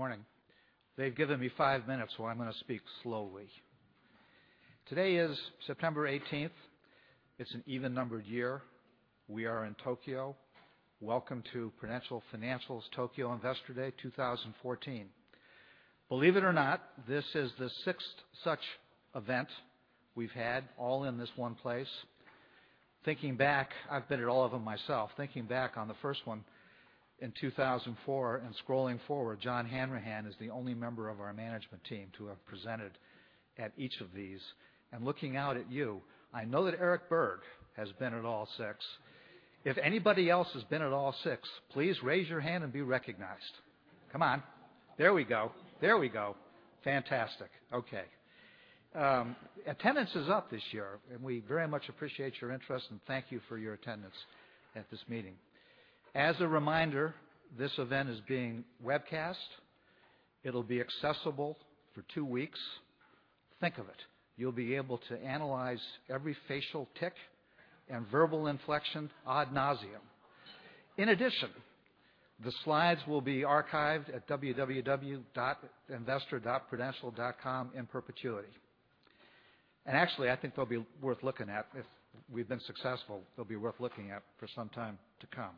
Good morning. They've given me 5 minutes, so I'm going to speak slowly. Today is September 18th. It's an even-numbered year. We are in Tokyo. Welcome to Prudential Financial's Tokyo Investor Day 2014. Believe it or not, this is the 6th such event we've had, all in this one place. I've been at all of them myself. Thinking back on the 1st one in 2004 and scrolling forward, John Hanrahan is the only member of our management team to have presented at each of these. Looking out at you, I know that Eric Berg has been at all 6. If anybody else has been at all 6, please raise your hand and be recognized. Come on. There we go. Fantastic. Okay. Attendance is up this year, and we very much appreciate your interest and thank you for your attendance at this meeting. As a reminder, this event is being webcast. It'll be accessible for 2 weeks. Think of it. You'll be able to analyze every facial tick and verbal inflection ad nauseam. In addition, the slides will be archived at www.investor.prudential.com in perpetuity. Actually, I think they'll be worth looking at. If we've been successful, they'll be worth looking at for some time to come.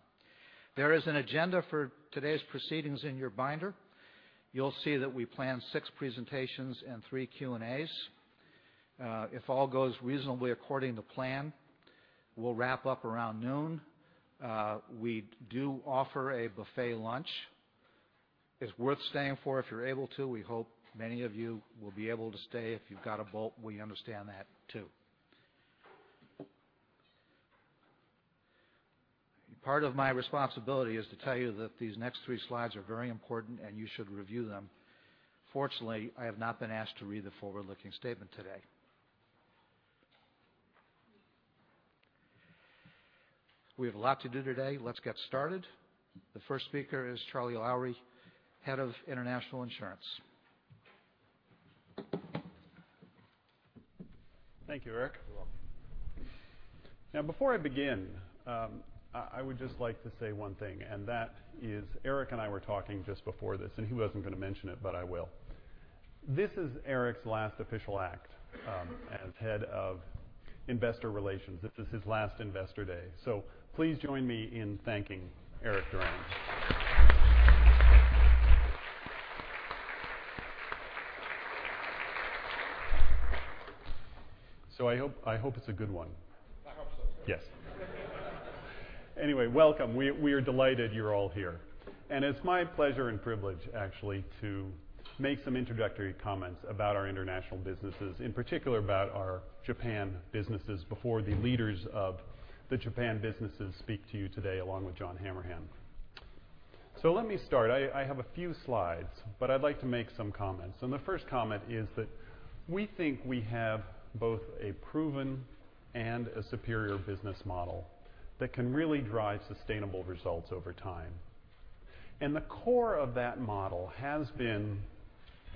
There is an agenda for today's proceedings in your binder. You'll see that we plan 6 presentations and 3 Q&As. If all goes reasonably according to plan, we'll wrap up around noon. We do offer a buffet lunch. It's worth staying for if you're able to. We hope many of you will be able to stay. If you've got to bolt, we understand that too. Part of my responsibility is to tell you that these next 3 slides are very important, and you should review them. Fortunately, I have not been asked to read the forward-looking statement today. We have a lot to do today. Let's get started. The 1st speaker is Charlie Lowrey, Head of International Insurance. Thank you, Eric. You're welcome. Before I begin, I would just like to say one thing, and that is Eric and I were talking just before this, and he wasn't going to mention it, but I will. This is Eric's last official act as head of investor relations. This is his last investor day. Please join me in thanking Eric Durand. I hope it's a good one. I hope so too. Yes. Anyway, welcome. We are delighted you're all here. It's my pleasure and privilege, actually, to make some introductory comments about our international businesses, in particular about our Japan businesses, before the leaders of the Japan businesses speak to you today, along with John Hanrahan. Let me start. I have a few slides, but I'd like to make some comments. The first comment is that we think we have both a proven and a superior business model that can really drive sustainable results over time. The core of that model has been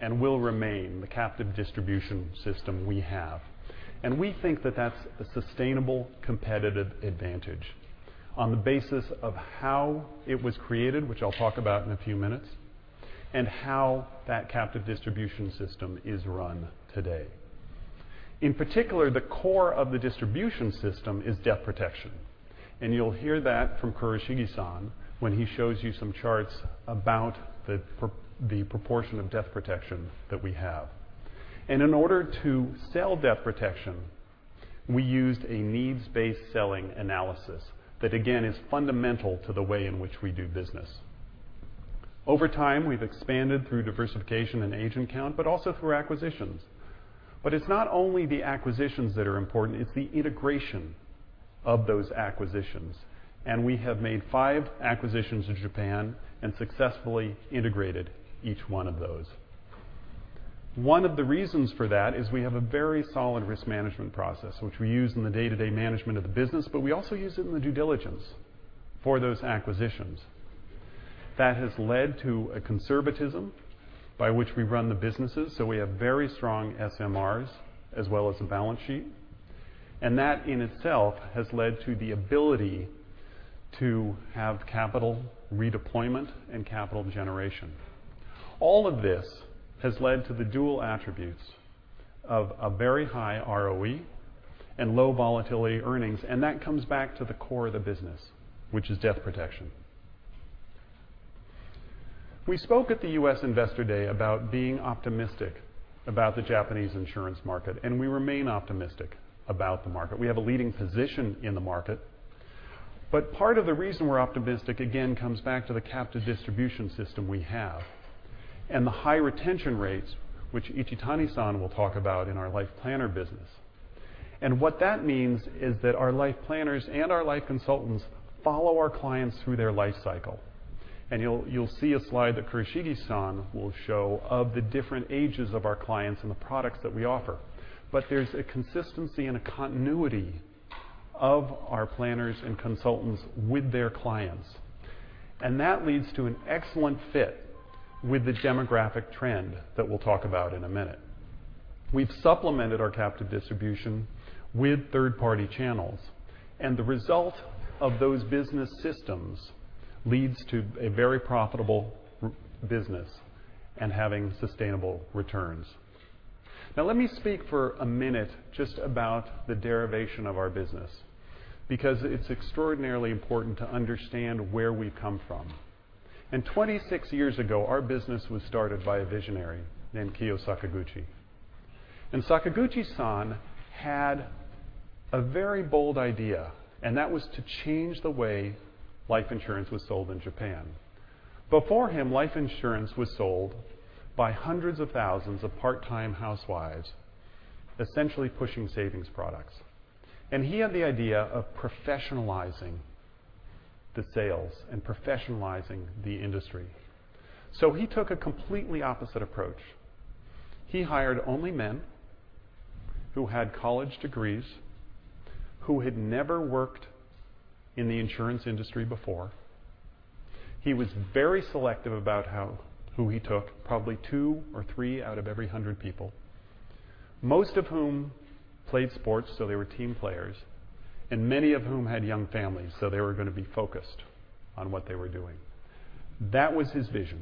and will remain the captive distribution system we have. We think that that's a sustainable competitive advantage on the basis of how it was created, which I'll talk about in a few minutes, and how that captive distribution system is run today. The core of the distribution system is death protection, and you'll hear that from Kurashige-san when he shows you some charts about the proportion of death protection that we have. In order to sell death protection, we used a needs-based selling analysis that again is fundamental to the way in which we do business. Over time, we've expanded through diversification and agent count, also through acquisitions. It's not only the acquisitions that are important, it's the integration of those acquisitions. We have made 5 acquisitions in Japan and successfully integrated each one of those. One of the reasons for that is we have a very solid risk management process, which we use in the day-to-day management of the business, but we also use it in the due diligence for those acquisitions. That has led to a conservatism by which we run the businesses. We have very strong SMRs as well as a balance sheet, that in itself has led to the ability to have capital redeployment and capital generation. All of this has led to the dual attributes of a very high ROE and low volatility earnings, that comes back to the core of the business, which is death protection. We spoke at the U.S. Investor Day about being optimistic about the Japanese insurance market, we remain optimistic about the market. We have a leading position in the market. Part of the reason we're optimistic again comes back to the captive distribution system we have and the high retention rates, which Ichitani-san will talk about in our life planner business. What that means is that our life planners and our life consultants follow our clients through their life cycle. You'll see a slide that Kurashige-san will show of the different ages of our clients and the products that we offer. There's a consistency and a continuity of our planners and consultants with their clients, that leads to an excellent fit with the demographic trend that we'll talk about in a minute. We've supplemented our captive distribution with third-party channels, the result of those business systems leads to a very profitable business and having sustainable returns. Now let me speak for a minute just about the derivation of our business, because it's extraordinarily important to understand where we come from. 26 years ago, our business was started by a visionary named Kiyo Sakaguchi. Sakaguchi-san had a very bold idea, that was to change the way life insurance was sold in Japan. Before him, life insurance was sold by hundreds of thousands of part-time housewives, essentially pushing savings products. He had the idea of professionalizing the sales and professionalizing the industry. He took a completely opposite approach. He hired only men who had college degrees, who had never worked in the insurance industry before. He was very selective about who he took, probably two or three out of every hundred people, most of whom played sports, so they were team players, and many of whom had young families, so they were going to be focused on what they were doing. That was his vision.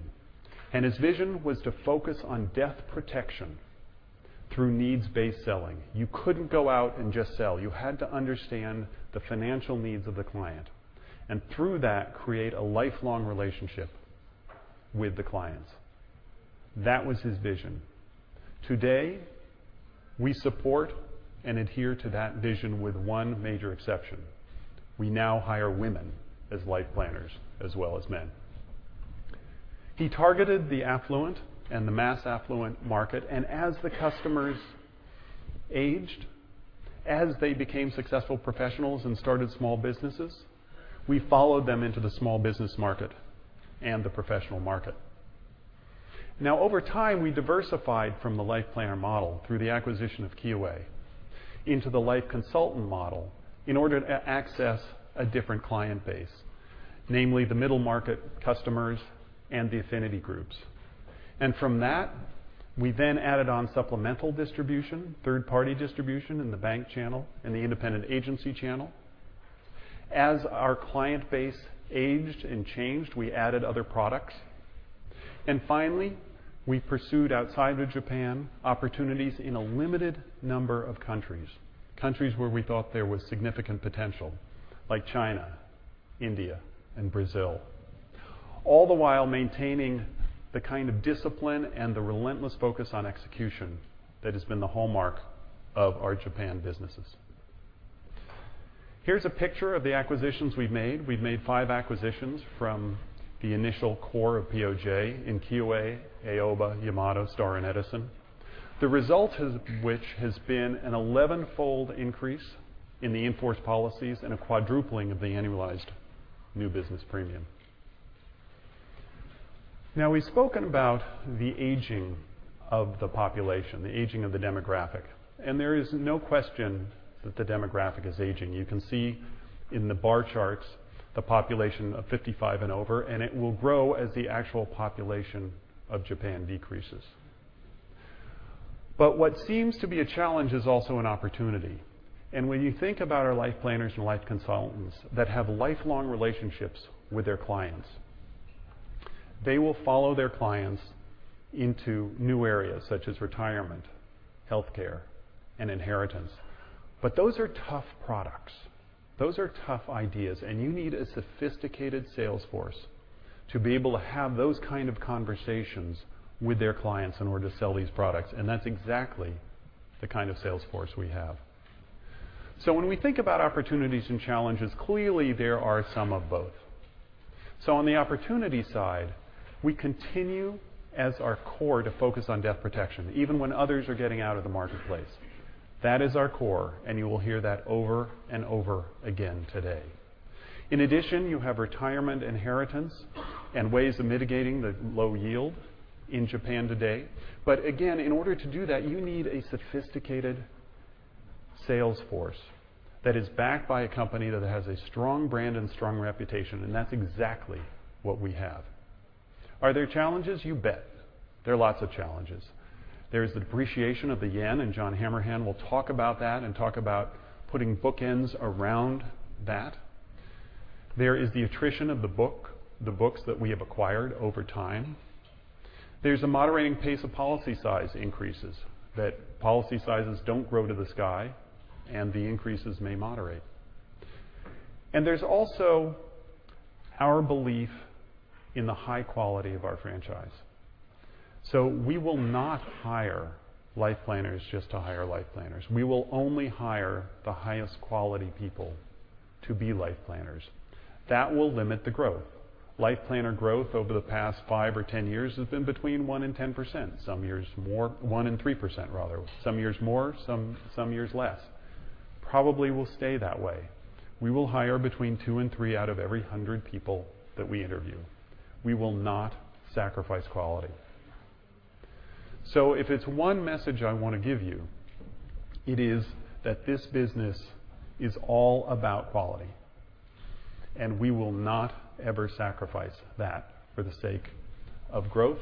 His vision was to focus on death protection through needs-based selling. You couldn't go out and just sell. You had to understand the financial needs of the client. Through that, create a lifelong relationship with the clients. That was his vision. Today, we support and adhere to that vision with one major exception. We now hire women as life planners as well as men. He targeted the affluent and the mass affluent market, as the customers aged, as they became successful professionals and started small businesses, we followed them into the small business market and the professional market. Over time, we diversified from the life planner model through the acquisition of Kyoei into the life consultant model in order to access a different client base, namely the middle market customers and the affinity groups. From that, we then added on supplemental distribution, third-party distribution in the bank channel and the independent agency channel. As our client base aged and changed, we added other products. Finally, we pursued outside of Japan opportunities in a limited number of countries. Countries where we thought there was significant potential, like China, India, and Brazil. All the while maintaining the kind of discipline and the relentless focus on execution that has been the hallmark of our Japan businesses. Here is a picture of the acquisitions we've made. We've made five acquisitions from the initial core of POJ and Kyoei, Aoba, Yamato, Star and Edison. The result of which has been an 11-fold increase in the in-force policies and a quadrupling of the annualized new business premium. We've spoken about the aging of the population, the aging of the demographic. There is no question that the demographic is aging. You can see in the bar charts the population of 55 and over, and it will grow as the actual population of Japan decreases. What seems to be a challenge is also an opportunity. When you think about our life planners and life consultants that have lifelong relationships with their clients, they will follow their clients into new areas such as retirement, healthcare, and inheritance. Those are tough products. Those are tough ideas, and you need a sophisticated sales force to be able to have those kind of conversations with their clients in order to sell these products, and that's exactly the kind of sales force we have. When we think about opportunities and challenges, clearly there are some of both. On the opportunity side, we continue as our core to focus on death protection, even when others are getting out of the marketplace. That is our core, and you will hear that over and over again today. In addition, you have retirement inheritance and ways of mitigating the low yield in Japan today. Again, in order to do that, you need a sophisticated sales force that is backed by a company that has a strong brand and strong reputation. That's exactly what we have. Are there challenges? You bet. There are lots of challenges. There is the depreciation of the yen, and John Hanrahan will talk about that and talk about putting bookends around that. There is the attrition of the book, the books that we have acquired over time. There's a moderating pace of policy size increases, that policy sizes don't grow to the sky, and the increases may moderate. There's also our belief in the high quality of our franchise. We will not hire life planners just to hire life planners. We will only hire the highest quality people to be life planners. That will limit the growth. Life planner growth over the past five or 10 years has been between 1% and 10%. Some years more 1% and 3%, rather. Some years more, some years less. Probably will stay that way. We will hire between 2 and 3 out of every 100 people that we interview. We will not sacrifice quality. If it's one message I want to give you, it is that this business is all about quality, and we will not ever sacrifice that for the sake of growth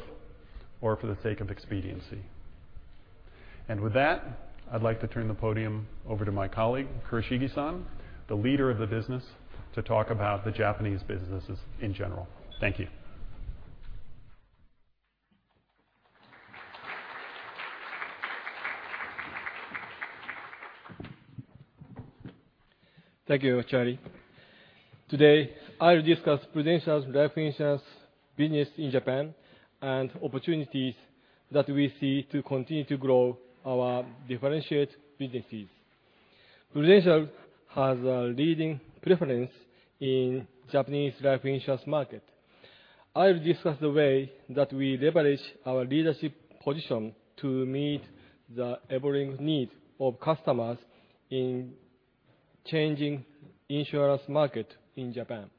or for the sake of expediency. With that, I'd like to turn the podium over to my colleague, Kurashige-san, the leader of the business, to talk about the Japanese businesses in general. Thank you. Thank you, Charlie. Today, I'll discuss Prudential's life insurance business in Japan and opportunities that we see to continue to grow our differentiated businesses. Prudential has a leading preference in Japanese life insurance market. I'll discuss the way that we leverage our leadership position to meet the ever-growing needs of customers in changing insurance market in Japan.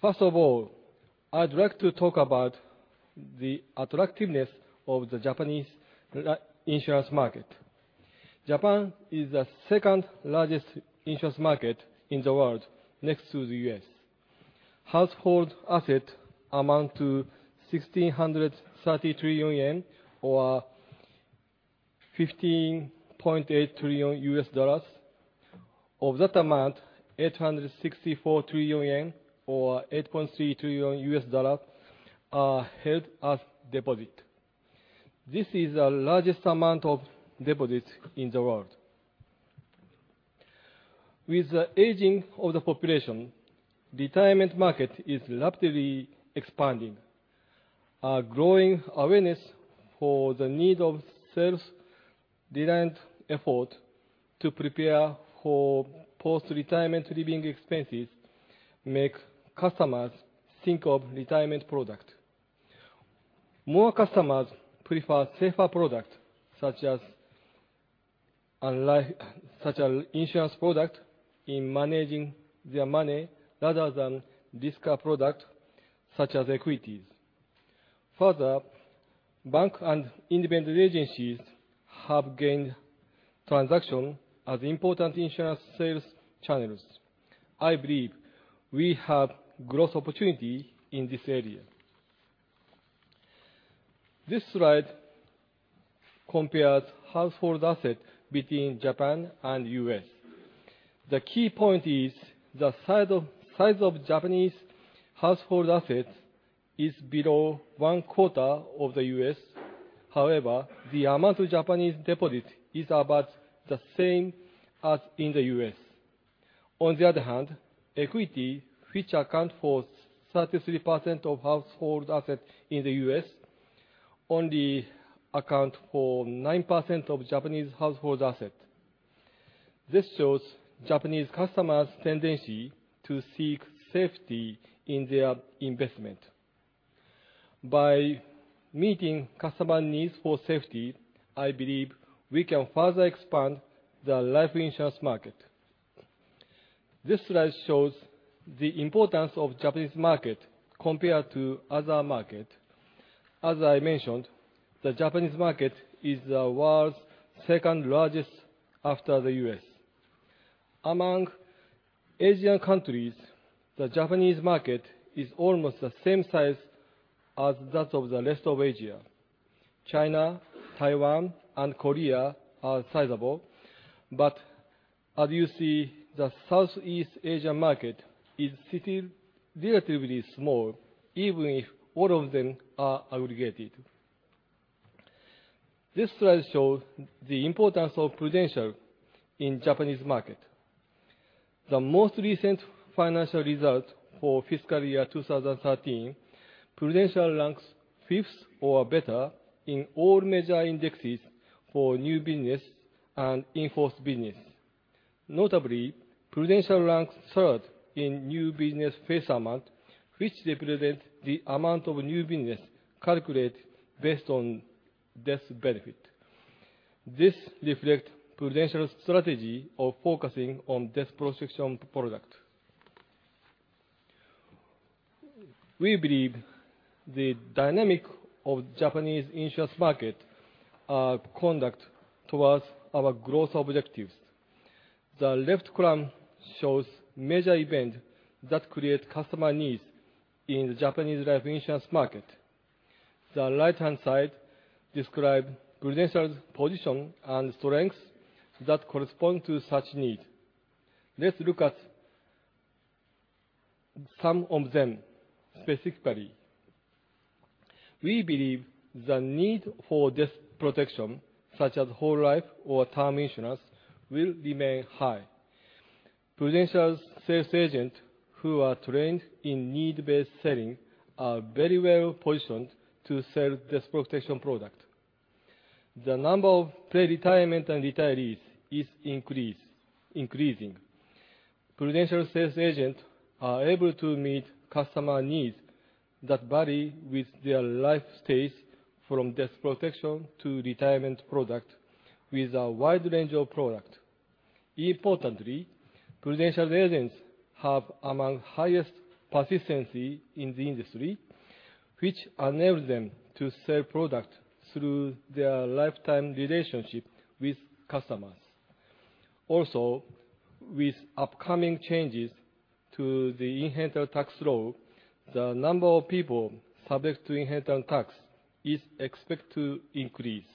First of all, I'd like to talk about the attractiveness of the Japanese insurance market. Japan is the second-largest insurance market in the world, next to the U.S. Household asset amount to 1,630 trillion yen, or $15.8 trillion. Of that amount, 864 trillion yen, or $8.3 trillion, are held as deposit. This is the largest amount of deposits in the world. With the aging of the population, retirement market is rapidly expanding. A growing awareness for the need of self-reliant effort to prepare for post-retirement living expenses make customers think of retirement product. More customers prefer safer product, such as insurance product in managing their money rather than riskier product such as equities. Further, bank and independent agencies have gained traction as important insurance sales channels. I believe we have growth opportunity in this area. This slide compares household asset between Japan and the U.S. The key point is the size of Japanese household assets is below one-quarter of the U.S. However, the amount of Japanese deposit is about the same as in the U.S. On the other hand, equity, which accounts for 33% of household asset in the U.S., only accounts for 9% of Japanese household asset. This shows Japanese customers' tendency to seek safety in their investment. By meeting customer needs for safety, I believe we can further expand the life insurance market. This slide shows the importance of Japanese market compared to other market. As I mentioned, the Japanese market is the world's second-largest after the U.S. Among Asian countries, the Japanese market is almost the same size as that of the rest of Asia. China, Taiwan, and Korea are sizable, as you see, the Southeast Asia market is still relatively small, even if all of them are aggregated. This slide shows the importance of Prudential in Japanese market. The most recent financial result for FY 2013, Prudential ranks fifth or better in all major indexes for new business and in-force business. Notably, Prudential ranks third in new business face amount, which represents the amount of new business calculated based on death benefit. This reflects Prudential's strategy of focusing on death protection product. We believe the dynamic of Japanese insurance market conduces towards our growth objectives. The left column shows major events that create customer needs in the Japanese life insurance market. The right-hand side describes Prudential's position and strengths that correspond to such need. Let's look at some of them specifically. We believe the need for death protection, such as whole life or term insurance, will remain high. Prudential's sales agents who are trained in needs-based selling are very well-positioned to sell death protection products. The number of pre-retirement and retirees is increasing. Prudential sales agents are able to meet customer needs that vary with their life stage from death protection to retirement products with a wide range of products. Importantly, Prudential agents have among the highest persistency in the industry, which enables them to sell products through their lifetime relationship with customers. Also, with upcoming changes to the inheritance tax law, the number of people subject to inheritance tax is expected to increase.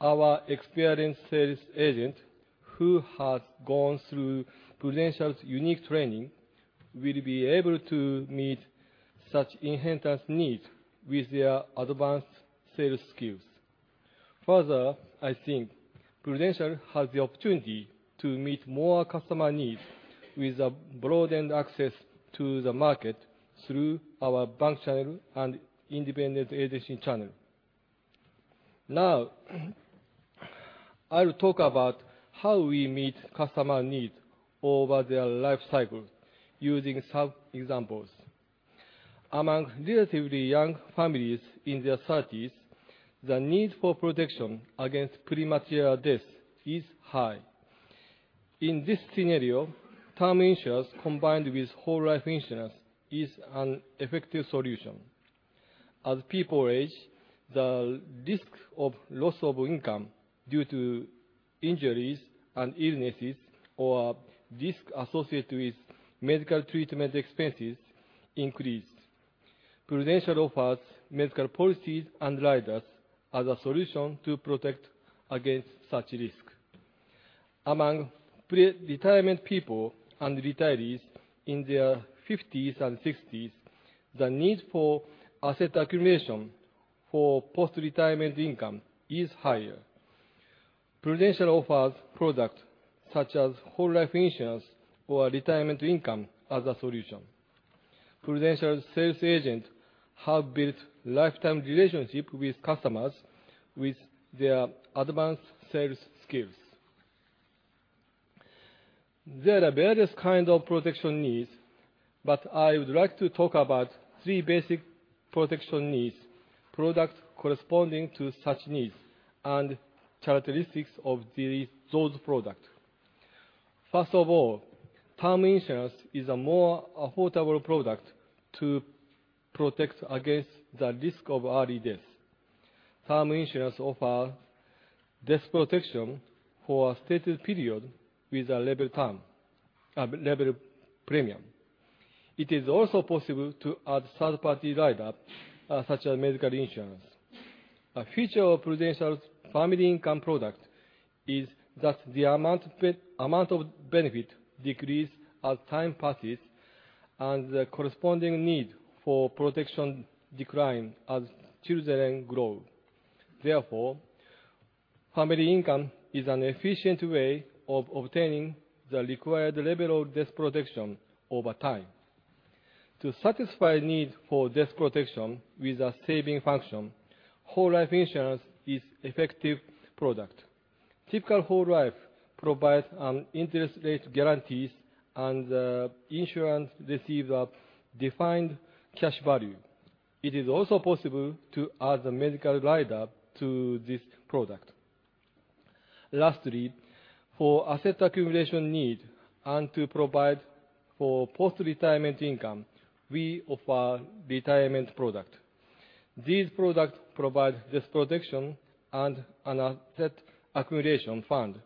Our experienced sales agents who have gone through Prudential's unique training will be able to meet such inheritance needs with their advanced sales skills. I think Prudential has the opportunity to meet more customer needs with a broadened access to the market through our bank channel and independent agency channel. Now, I will talk about how we meet customer needs over their life cycle using some examples. Among relatively young families in their 30s, the need for protection against premature death is high. In this scenario, term insurance combined with whole life insurance is an effective solution. As people age, the risk of loss of income due to injuries and illnesses or risk associated with medical treatment expenses increases. Prudential offers medical policies and riders as a solution to protect against such risk. Among pre-retirement people and retirees in their 50s and 60s, the need for asset accumulation for post-retirement income is higher. Prudential offers products such as whole life insurance or retirement income as a solution. Prudential sales agents have built lifetime relationships with customers with their advanced sales skills. There are various kinds of protection needs, but I would like to talk about three basic protection needs, products corresponding to such needs, and characteristics of those products. Term insurance is a more affordable product to protect against the risk of early death. Term insurance offers death protection for a stated period with a level premium. It is also possible to add third-party riders such as medical insurance. A feature of Prudential's Family Income product is that the amount of benefit decreases as time passes and the corresponding need for protection declines as children grow. Family Income is an efficient way of obtaining the required level of death protection over time. To satisfy need for death protection with a saving function, whole life insurance is an effective product. Typical whole life provides an interest rate guarantee and the insured receives a defined cash value. It is also possible to add a medical rider to this product. For asset accumulation need and to provide for post-retirement income, we offer retirement products. These products provide this protection and an asset accumulation fund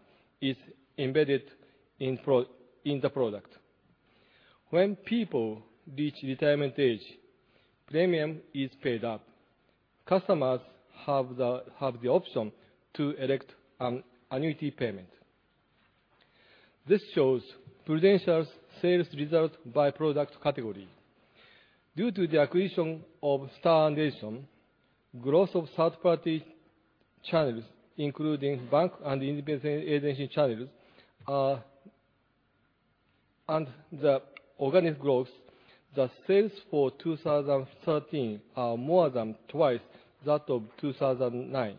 is embedded in the product. When people reach retirement age, premium is paid up. Customers have the option to elect an annuity payment. This shows Prudential's sales result by product category. Due to the acquisition of Star and Edison, growth of third-party channels, including bank and independent agency channels, and the organic growth, the sales for 2013 are more than twice that of 2009.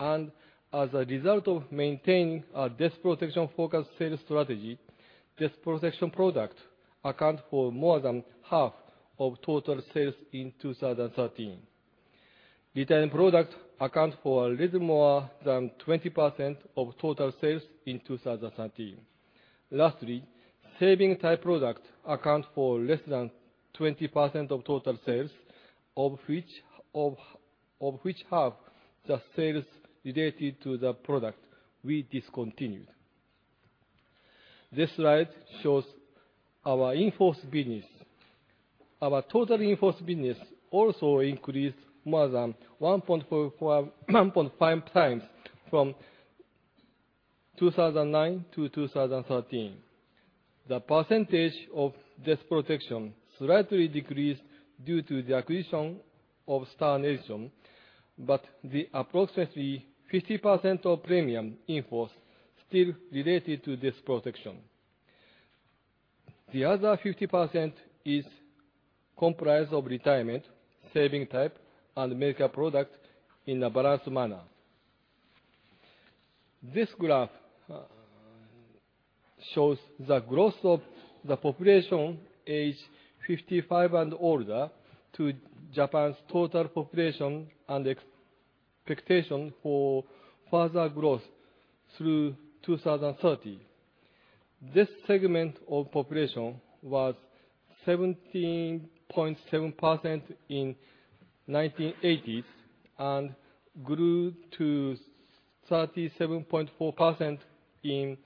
As a result of maintaining a death protection-focused sales strategy, death protection product account for more than half of total sales in 2013. Retirement product account for a little more than 20% of total sales in 2013. Lastly, saving-type product account for less than 20% of total sales, of which half the sales related to the product we discontinued. This slide shows our in-force business. Our total in-force business also increased more than 1.5 times from 2009 to 2013. The percentage of death protection slightly decreased due to the acquisition of Star and Edison, but approximately 50% of premium in-force still related to death protection. The other 50% is comprised of retirement, saving-type, and medical product in a balanced manner. This graph shows the growth of the population age 55 and older to Japan's total population and expectation for further growth through 2030. This segment of population was 17.7% in the 1980s and grew to 37.4% in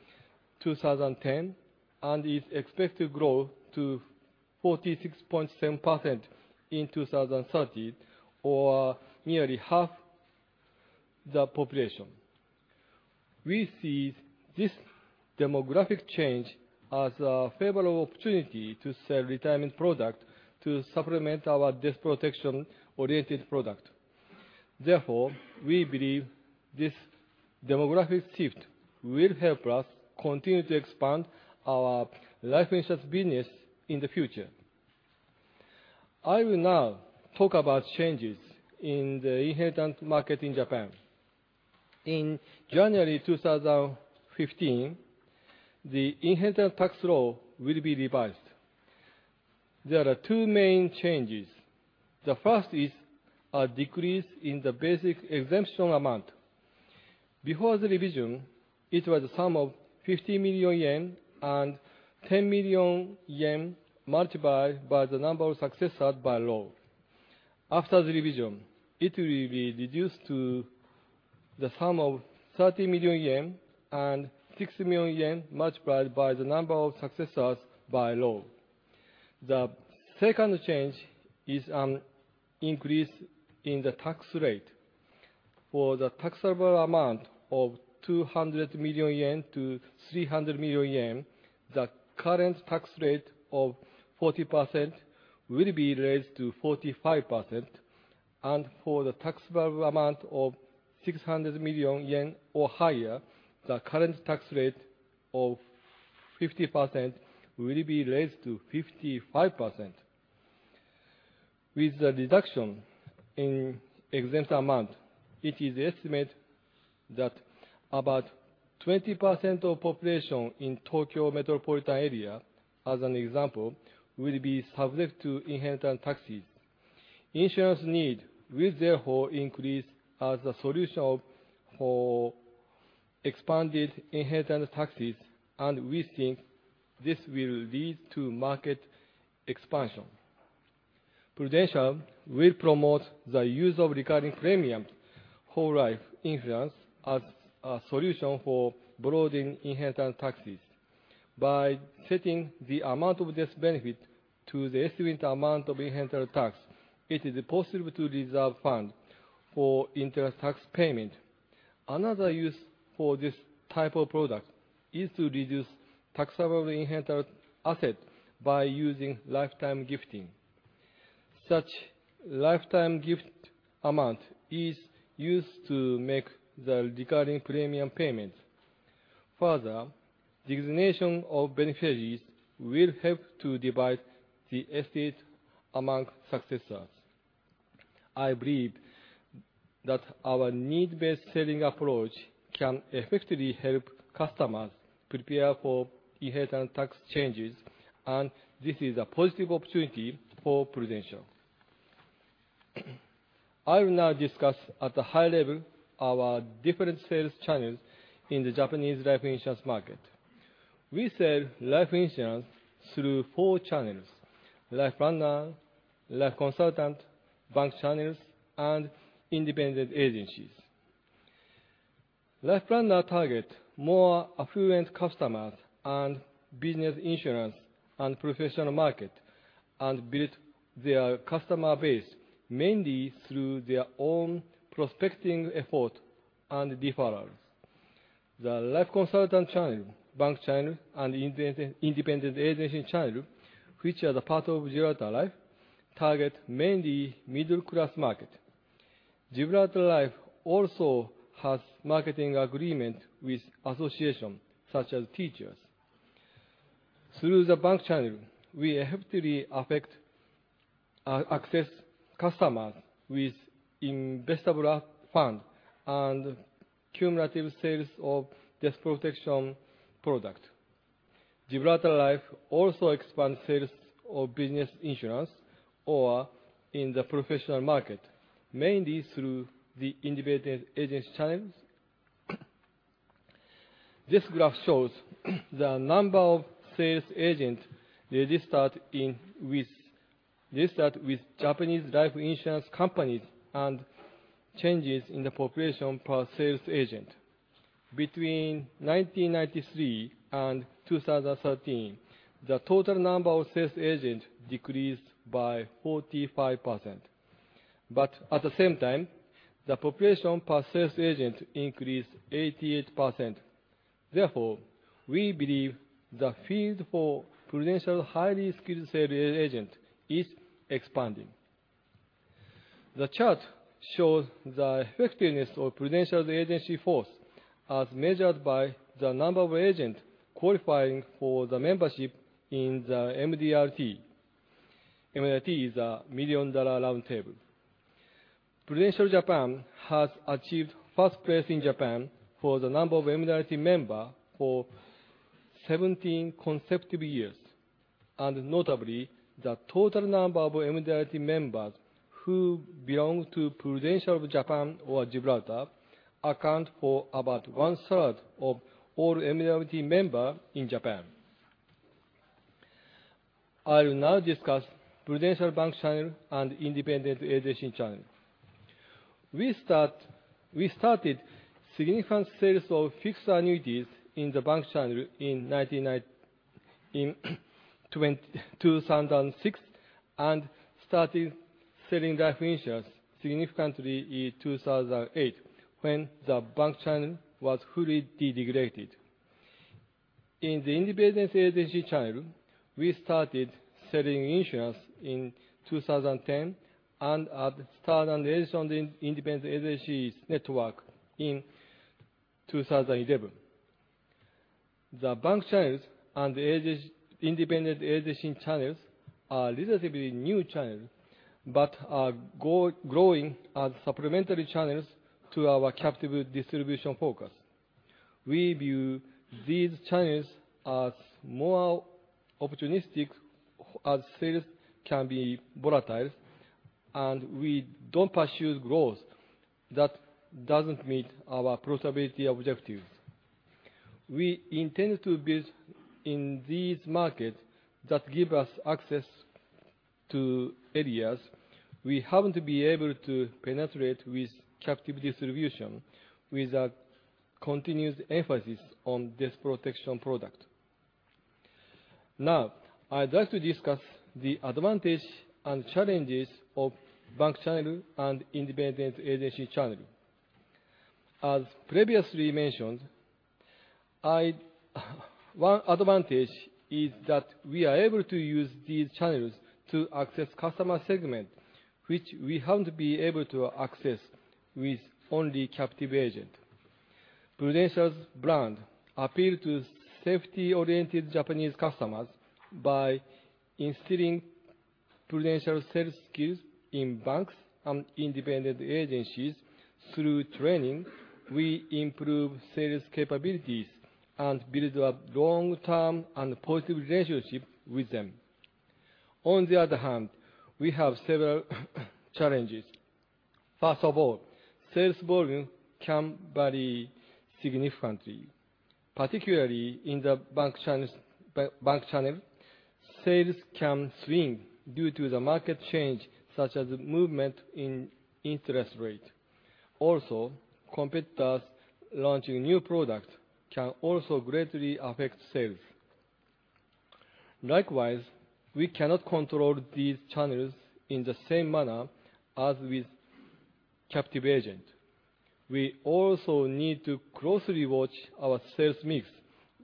2010 and is expected to grow to 46.7% in 2030, or nearly half the population. We see this demographic change as a favorable opportunity to sell retirement product to supplement our death protection-oriented product. We believe this demographic shift will help us continue to expand our life insurance business in the future. I will now talk about changes in the inheritance market in Japan. In January 2015, the inheritance tax law will be revised. There are two main changes. The first is a decrease in the basic exemption amount. Before the revision, it was a sum of 50 million yen and 10 million yen multiplied by the number of successors by law. After the revision, it will be reduced to the sum of 30 million yen and 6 million yen multiplied by the number of successors by law. The second change is an increase in the tax rate. For the taxable amount of 200 million yen to 300 million yen, the current tax rate of 40% will be raised to 45%, and for the taxable amount of 600 million yen or higher, the current tax rate of 50% will be raised to 55%. With the reduction in exempt amount, it is estimated that about 20% of the population in Tokyo metropolitan area, as an example, will be subject to inheritance taxes. Insurance need will therefore increase as the solution for expanded inheritance taxes, and we think this will lead to market expansion. Prudential will promote the use of recurring premium whole life insurance as a solution for broadening inheritance taxes. By setting the amount of this benefit to the estimated amount of inheritance tax, it is possible to reserve fund for inheritance tax payment. Another use for this type of product is to reduce taxable inheritance asset by using lifetime gifting. Such lifetime gift amount is used to make the recurring premium payments. Designation of beneficiaries will help to divide the estate among successors. I believe that our needs-based selling approach can effectively help customers prepare for inheritance tax changes, and this is a positive opportunity for Prudential. I will now discuss at a high level our different sales channels in the Japanese life insurance market. We sell life insurance through four channels: life planner, life consultant, bank channels, and independent agencies. Life planner target more affluent customers and business insurance and professional market and build their customer base mainly through their own prospecting effort and referrals. The life consultant channel, bank channel, and independent agency channel, which are part of Gibraltar Life, target mainly middle-class market. Gibraltar Life also has marketing agreements with associations such as teachers. Through the bank channel, we effectively access our customers with investable funds and cumulative sales of death protection products. Gibraltar Life also expands sales of business insurance in the professional market, mainly through the independent agent channels. This graph shows the number of sales agents registered with Japanese life insurance companies and changes in the population per sales agent. Between 1993 and 2013, the total number of sales agents decreased by 45%. At the same time, the population per sales agent increased 88%. Therefore, we believe the field for Prudential's highly skilled sales agents is expanding. The chart shows the effectiveness of Prudential's agency force as measured by the number of agents qualifying for the membership in the MDRT. MDRT is a Million Dollar Round Table. Prudential Japan has achieved first place in Japan for the number of MDRT members for 17 consecutive years, and notably, the total number of MDRT members who belong to Prudential Japan or Gibraltar account for about one-third of all MDRT members in Japan. I will now discuss Prudential's bank channel and independent agency channel. We started significant sales of fixed annuities in the bank channel in 2006 and started selling life insurance significantly in 2008 when the bank channel was fully deregulated. In the independent agency channel, we started selling insurance in 2010 and AIG Star Life Insurance Co., Ltd., the independent agencies network, in 2011. The bank channel and the independent agency channel are relatively new channels but are growing as supplementary channels to our captive distribution focus. We view these channels as more opportunistic as sales can be volatile, and we don't pursue growth that doesn't meet our profitability objectives. We intend to build in these markets that give us access to areas we haven't been able to penetrate with captive distribution with a continued emphasis on this protection product. Now, I'd like to discuss the advantages and challenges of the bank channel and independent agency channel. As previously mentioned, one advantage is that we are able to use these channels to access customer segments which we haven't been able to access with only captive agents. Prudential's brand appeals to safety-oriented Japanese customers by instilling Prudential sales skills in banks and independent agencies through training. We improve sales capabilities and build a long-term and positive relationship with them. On the other hand, we have several challenges. First of all, sales volume can vary significantly. Particularly in the bank channel, sales can swing due to market changes, such as movements in interest rates. Competitors launching new products can also greatly affect sales. We cannot control these channels in the same manner as with captive agents. We also need to closely watch our sales mix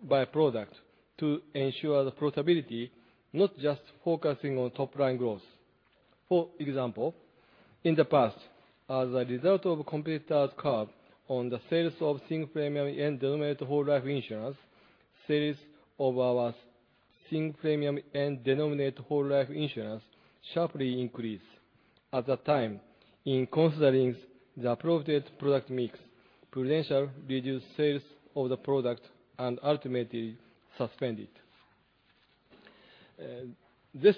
by product to ensure profitability, not just focusing on top-line growth. For example, in the past, as a result of competitors' cuts on the sales of single-premium yen-denominated whole life insurance, sales of our single-premium yen-denominated whole life insurance sharply increased. At that time, in considering the appropriate product mix, Prudential reduced sales of the product and ultimately suspended it. This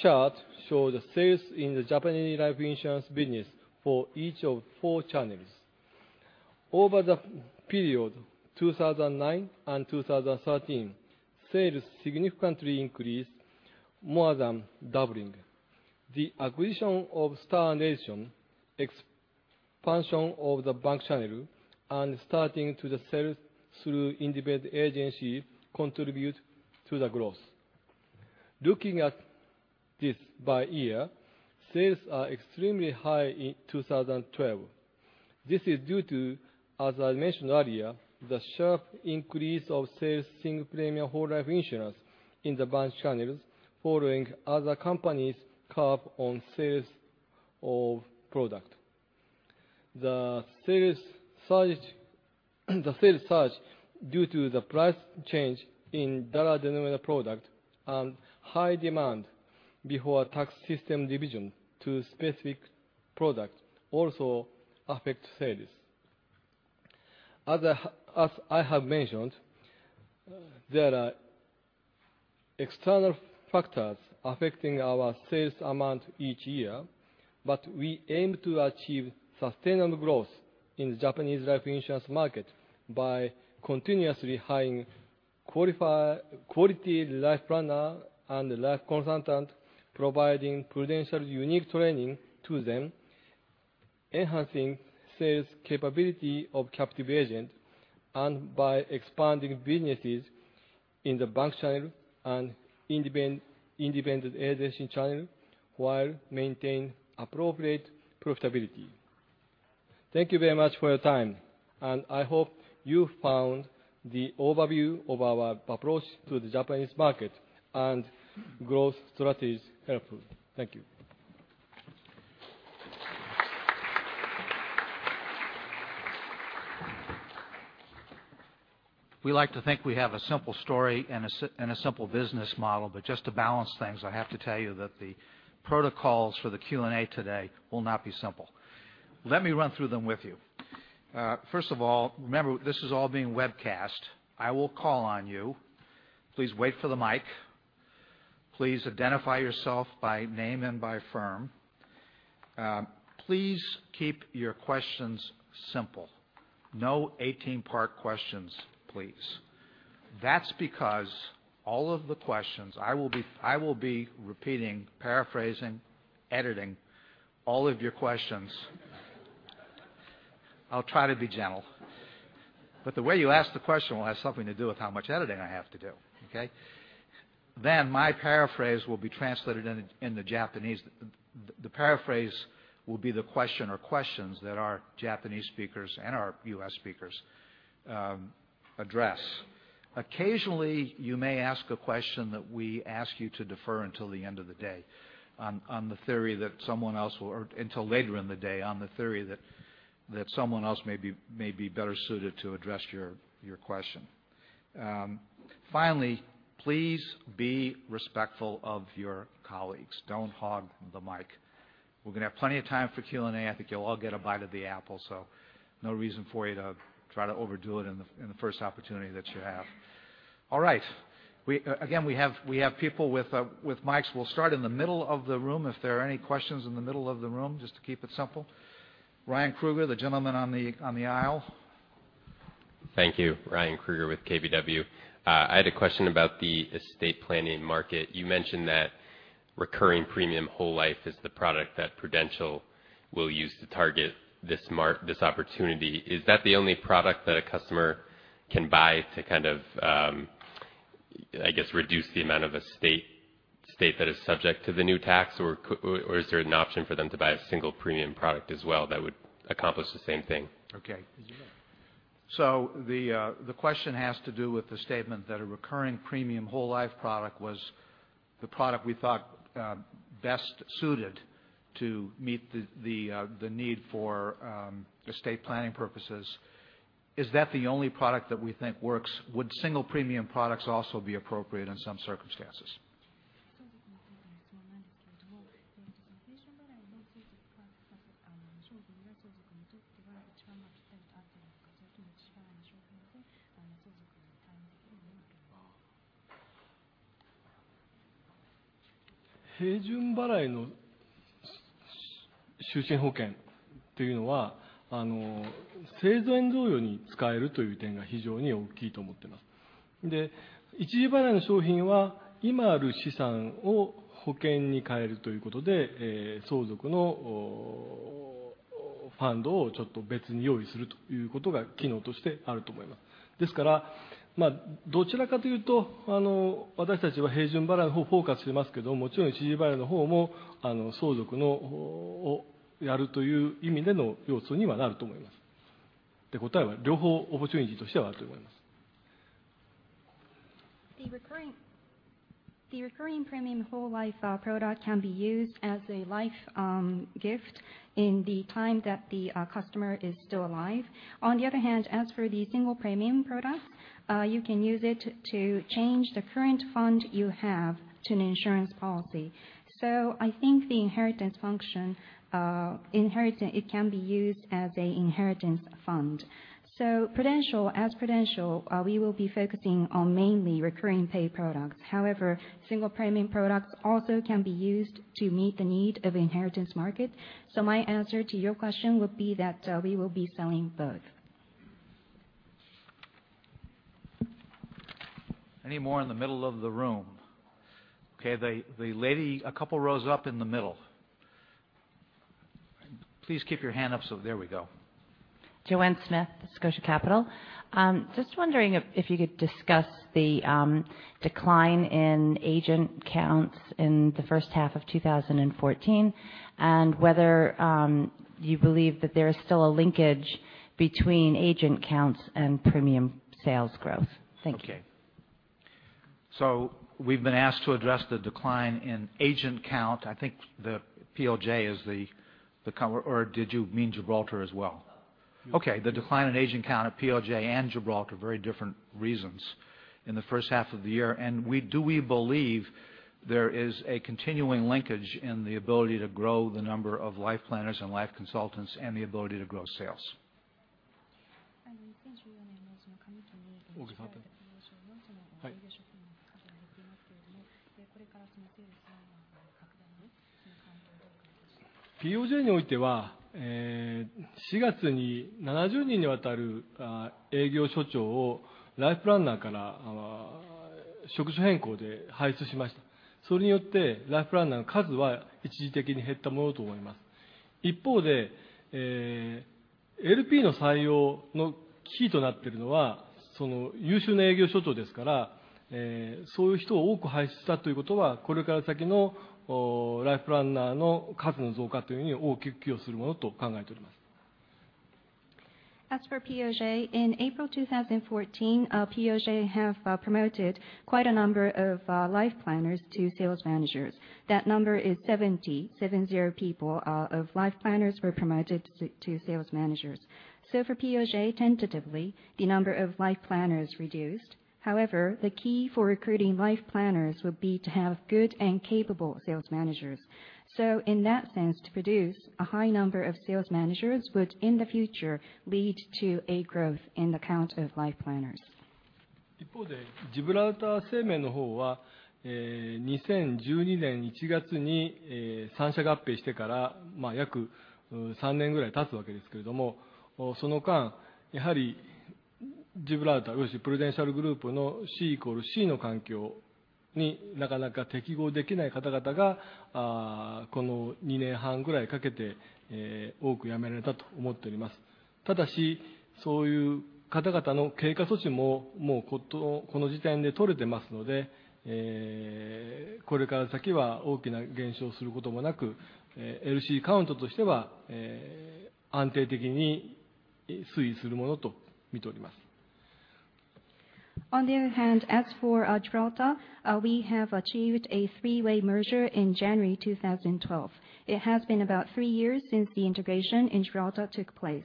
chart shows the sales in the Japanese life insurance business for each of four channels. Over the period 2009 and 2013, sales significantly increased, more than doubling. The acquisition of AIG Star Life Insurance Co., Ltd., expansion of the bank channel, and starting to sell through independent agencies contributed to the growth. Looking at this by year, sales are extremely high in 2012. This is due to, as I mentioned earlier, the sharp increase of sales of single-premium whole life insurance in the bank channels following other companies cutting on sales of product. The sales surge due to the price change in dollar-denominated product and high demand before tax system revision to specific product also affect sales. As I have mentioned, there are external factors affecting our sales amount each year, but we aim to achieve sustainable growth in the Japanese life insurance market by continuously hiring quality life planners and life consultants, providing Prudential's unique training to them, enhancing sales capability of captive agents, and by expanding businesses in the bank channel and independent agency channel while maintaining appropriate profitability. Thank you very much for your time, and I hope you found the overview of our approach to the Japanese market and growth strategies helpful. Thank you. We like to think we have a simple story and a simple business model. Just to balance things, I have to tell you that the protocols for the Q&A today will not be simple. Let me run through them with you. First of all, remember, this is all being webcast. I will call on you. Please wait for the mic. Please identify yourself by name and by firm. Please keep your questions simple. No 18-part questions, please. That's because all of the questions I will be repeating, paraphrasing, editing all of your questions. I'll try to be gentle, but the way you ask the question will have something to do with how much editing I have to do. Okay? My paraphrase will be translated into Japanese. The paraphrase will be the question or questions that our Japanese speakers and our U.S. speakers address. Occasionally, you may ask a question that we ask you to defer until the end of the day or until later in the day on the theory that someone else may be better suited to address your question. Finally, please be respectful of your colleagues. Don't hog the mic. We're going to have plenty of time for Q&A. I think you'll all get a bite of the apple, so no reason for you to try to overdo it in the first opportunity that you have. All right. Again, we have people with mics. We'll start in the middle of the room. If there are any questions in the middle of the room, just to keep it simple. Ryan Krueger, the gentleman on the aisle. Thank you. Ryan Krueger with KBW. I had a question about the estate planning market. You mentioned that recurring premium whole life is the product that Prudential will use to target this opportunity. Is that the only product that a customer can buy to, I guess, reduce the amount of estate that is subject to the new tax? Or is there an option for them to buy a single premium product as well that would accomplish the same thing? Okay. The question has to do with the statement that a recurring premium whole life product was the product we thought best suited to meet the need for estate planning purposes. Is that the only product that we think works? Would single premium products also be appropriate in some circumstances? The recurring premium whole life product can be used as a life gift in the time that the customer is still alive. On the other hand, as for the single premium product, you can use it to change the current fund you have to an insurance policy. I think the inheritance function, it can be used as an inheritance fund. As Prudential, we will be focusing on mainly recurring pay products. However, single premium products also can be used to meet the need of inheritance market. My answer to your question would be that we will be selling both. Any more in the middle of the room? Okay. The lady a couple rows up in the middle. Please keep your hand up. There we go. Joanne Smith, Scotia Capital. Just wondering if you could discuss the decline in agent counts in the first half of 2014 and whether you believe that there is still a linkage between agent counts and premium sales growth. Thank you. Okay. We've been asked to address the decline in agent count. I think the POJ is the cover, or did you mean Gibraltar as well? Both. Okay. The decline in agent count at POJ and Gibraltar, very different reasons in the first half of the year. Do we believe there is a continuing linkage in the ability to grow the number of life planners and life consultants and the ability to grow sales? As for POJ, in April 2014, POJ have promoted quite a number of life planners to sales managers. That number is 70. 70 people of life planners were promoted to sales managers. For POJ, tentatively, the number of life planners reduced. However, the key for recruiting life planners would be to have good and capable sales managers. In that sense, to produce a high number of sales managers would, in the future, lead to a growth in the count of life planners. On the other hand, as for Gibraltar, we have achieved a three-way merger in January 2012. It has been about three years since the integration in Gibraltar took place.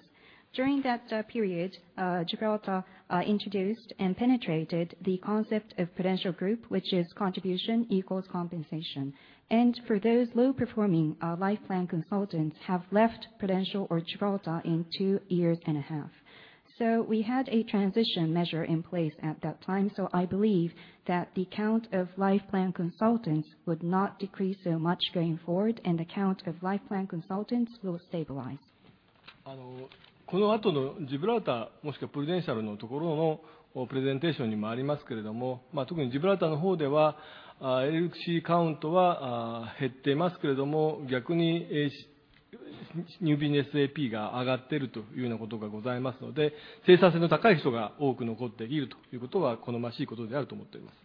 During that period, Gibraltar introduced and penetrated the concept of Prudential Group, which is contribution equals compensation. For those low-performing life plan consultants have left Prudential or Gibraltar in two years and a half. We had a transition measure in place at that time. I believe that the count of life plan consultants would not decrease so much going forward, and the count of life plan consultants will stabilize.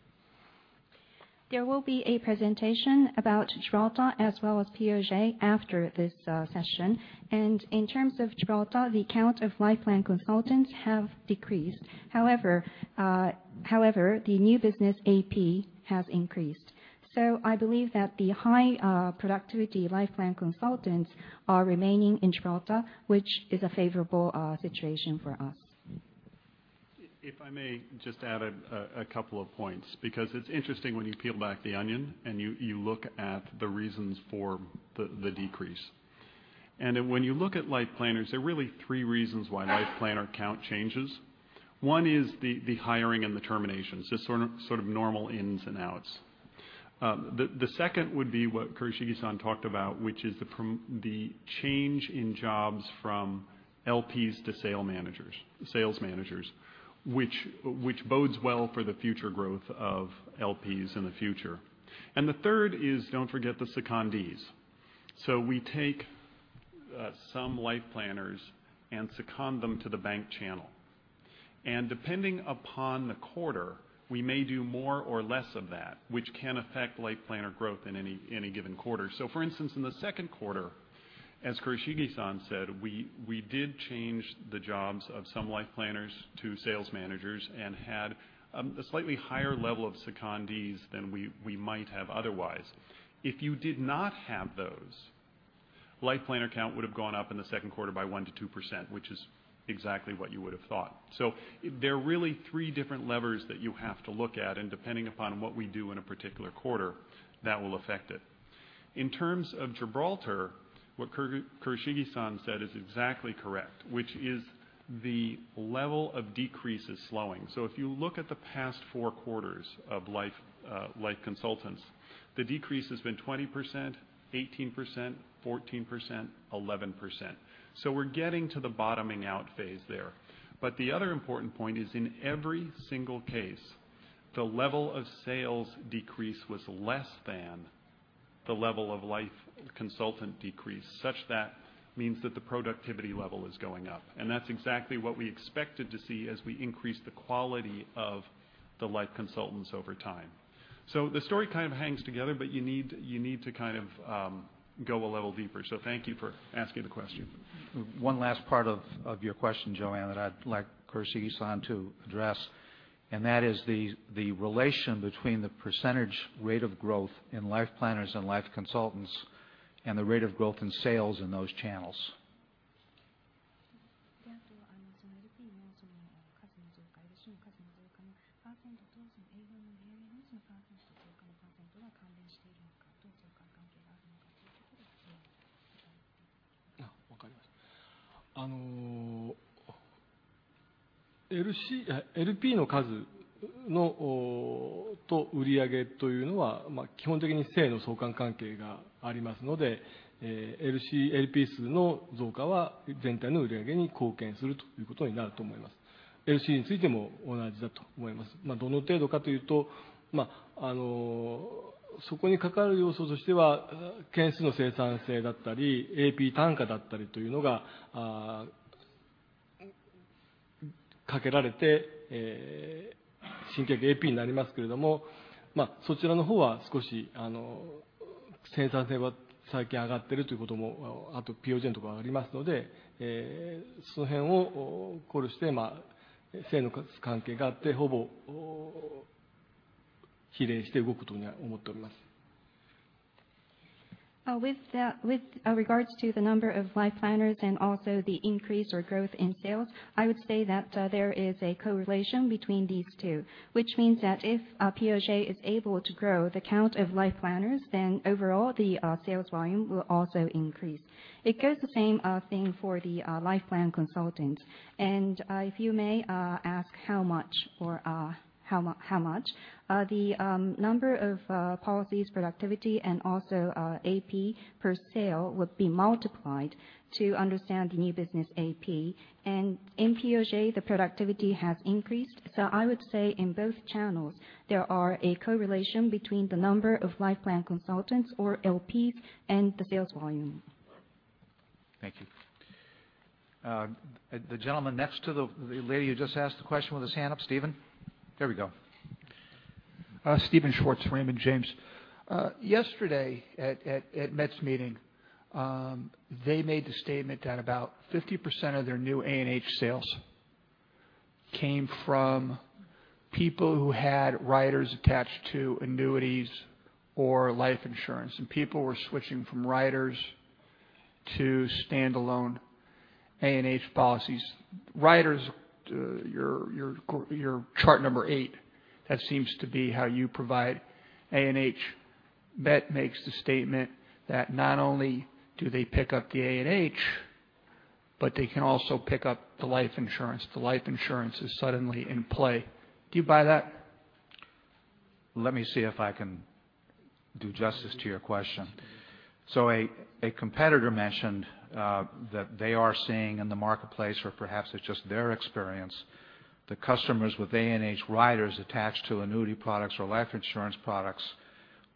There will be a presentation about Gibraltar as well as POJ after this session. In terms of Gibraltar, the count of life plan consultants have decreased. However, the new business AP has increased. I believe that the high productivity life plan consultants are remaining in Gibraltar, which is a favorable situation for us. If I may just add a couple of points, because it's interesting when you peel back the onion and you look at the reasons for the decrease. When you look at life planners, there are really three reasons why life planner count changes. One is the hiring and the terminations, just sort of normal ins and outs. The second would be what Kurashige-san talked about, which is the change in jobs from LPs to sales managers, which bodes well for the future growth of LPs in the future. The third is, don't forget the secondees. We take some life planners and second them to the bank channel. Depending upon the quarter, we may do more or less of that, which can affect life planner growth in any given quarter. For instance, in the second quarter, as Kurashige-san said, we did change the jobs of some life planners to sales managers and had a slightly higher level of secondees than we might have otherwise. If you did not have those, life planner count would have gone up in the second quarter by 1%-2%, which is exactly what you would have thought. There are really three different levers that you have to look at, and depending upon what we do in a particular quarter, that will affect it. In terms of Gibraltar, what Kurashige-san said is exactly correct, which is the level of decrease is slowing. If you look at the past four quarters of life consultants, the decrease has been 20%, 18%, 14%, 11%. We're getting to the bottoming out phase there. The other important point is in every single case, the level of sales decrease was less than the level of life consultant decrease, such that means that the productivity level is going up. That's exactly what we expected to see as we increase the quality of the life consultants over time. The story kind of hangs together, but you need to kind of go a level deeper. Thank you for asking the question. One last part of your question, Joanne, that I'd like Kurashige-san to address, that is the relation between the percentage rate of growth in life planners and life consultants and the rate of growth in sales in those channels. With regards to the number of life planners and also the increase or growth in sales, I would say that there is a correlation between these two, which means that if POJ is able to grow the count of life planners, then overall the sales volume will also increase. It goes the same thing for the life consultant. If you may ask how much, the number of policies, productivity and also AP per sale would be multiplied to understand the new business AP. In POJ, the productivity has increased. I would say in both channels, there are a correlation between the number of life consultants or LPs and the sales volume. Thank you. The gentleman next to the lady who just asked the question with his hand up. Steven? There we go. Steven Schwartz, Raymond James. Yesterday at MetLife's meeting, they made the statement that about 50% of their new A&H sales came from people who had riders attached to annuities or life insurance, people were switching from riders to standalone A&H policies. Riders, your chart number eight, that seems to be how you provide A&H. MetLife makes the statement that not only do they pick up the A&H, they can also pick up the life insurance. The life insurance is suddenly in play. Do you buy that? Let me see if I can do justice to your question. A competitor mentioned that they are seeing in the marketplace, or perhaps it's just their experience, the customers with A&H riders attached to annuity products or life insurance products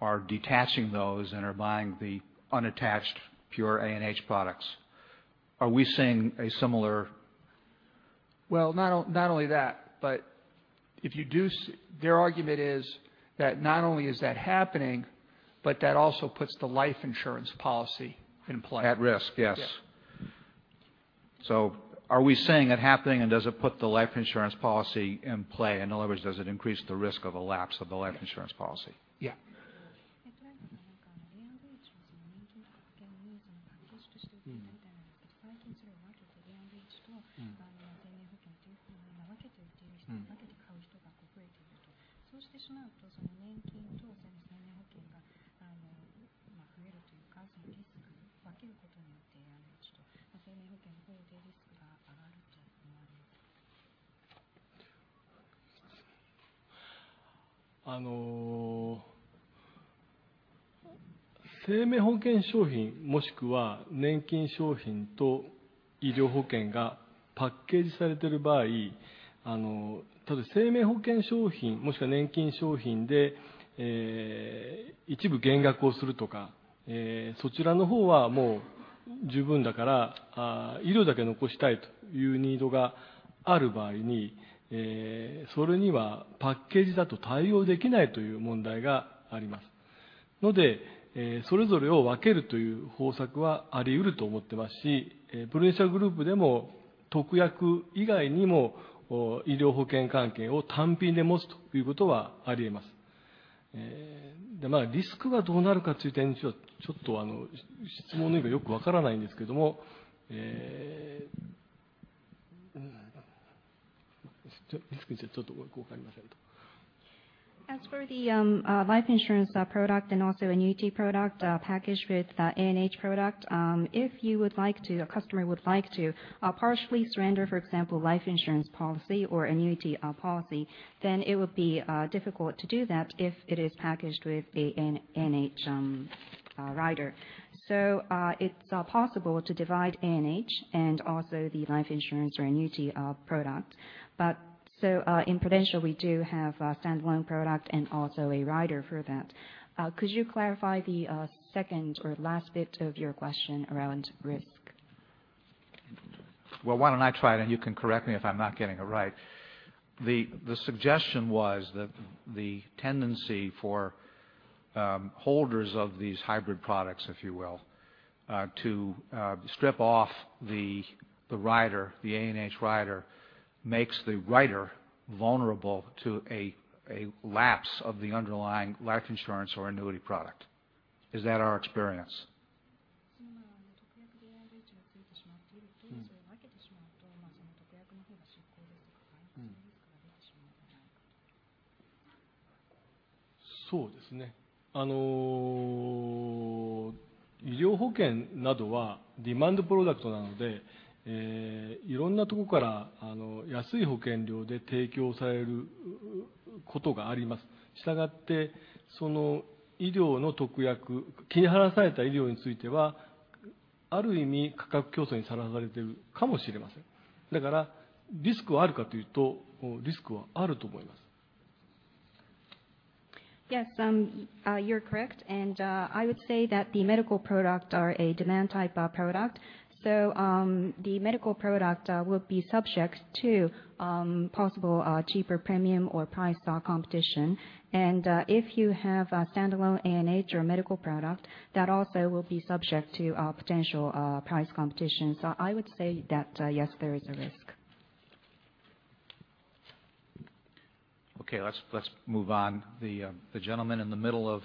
are detaching those and are buying the unattached pure A&H products. Are we seeing a similar Not only that, their argument is that not only is that happening, that also puts the life insurance policy in play. At risk, yes. Are we seeing it happening and does it put the life insurance policy in play? In other words, does it increase the risk of a lapse of the life insurance policy? Yeah. 生命保険商品もしくは年金商品と医療保険がパッケージされている場合、生命保険商品もしくは年金商品で一部減額をするとか、そちらの方はもう十分だから医療だけ残したいというニーズがある場合に、それにはパッケージだと対応できないという問題があります。なので、それぞれを分けるという方策はあり得ると思っていますし、Prudential As for the life insurance product and also annuity product packaged with A&H product, if a customer would like to partially surrender, for example, life insurance policy or annuity policy, it would be difficult to do that if it is packaged with an A&H rider. It's possible to divide A&H and also the life insurance or annuity product. In Prudential, we do have a standalone product and also a rider for that. Could you clarify the second or last bit of your question around risk? Well, why don't I try it and you can correct me if I'm not getting it right. The suggestion was that the tendency for holders of these hybrid products, if you will, to strip off the A&H rider makes the rider vulnerable to a lapse of the underlying life insurance or annuity product. Is that our experience? 特約でA&Hがついてしまっていると、それを分けてしまうと、その特約の方が失効ですとか、そういうリスクが出てしまうんじゃないかと。そうですね。医療保険などはdemand productなので、いろいろなところから安い保険料で提供されることがあります。したがって、医療の切り離された医療については、ある意味価格競争にさらされているかもしれません。だからリスクはあるかというと、リスクはあると思います。Yes, you're correct. I would say that the medical product are a demand type of product. The medical product will be subject to possible cheaper premium or price competition. If you have a standalone A&H or medical product, that also will be subject to potential price competition. I would say that yes, there is a risk. Okay. Let's move on. The gentleman in the middle of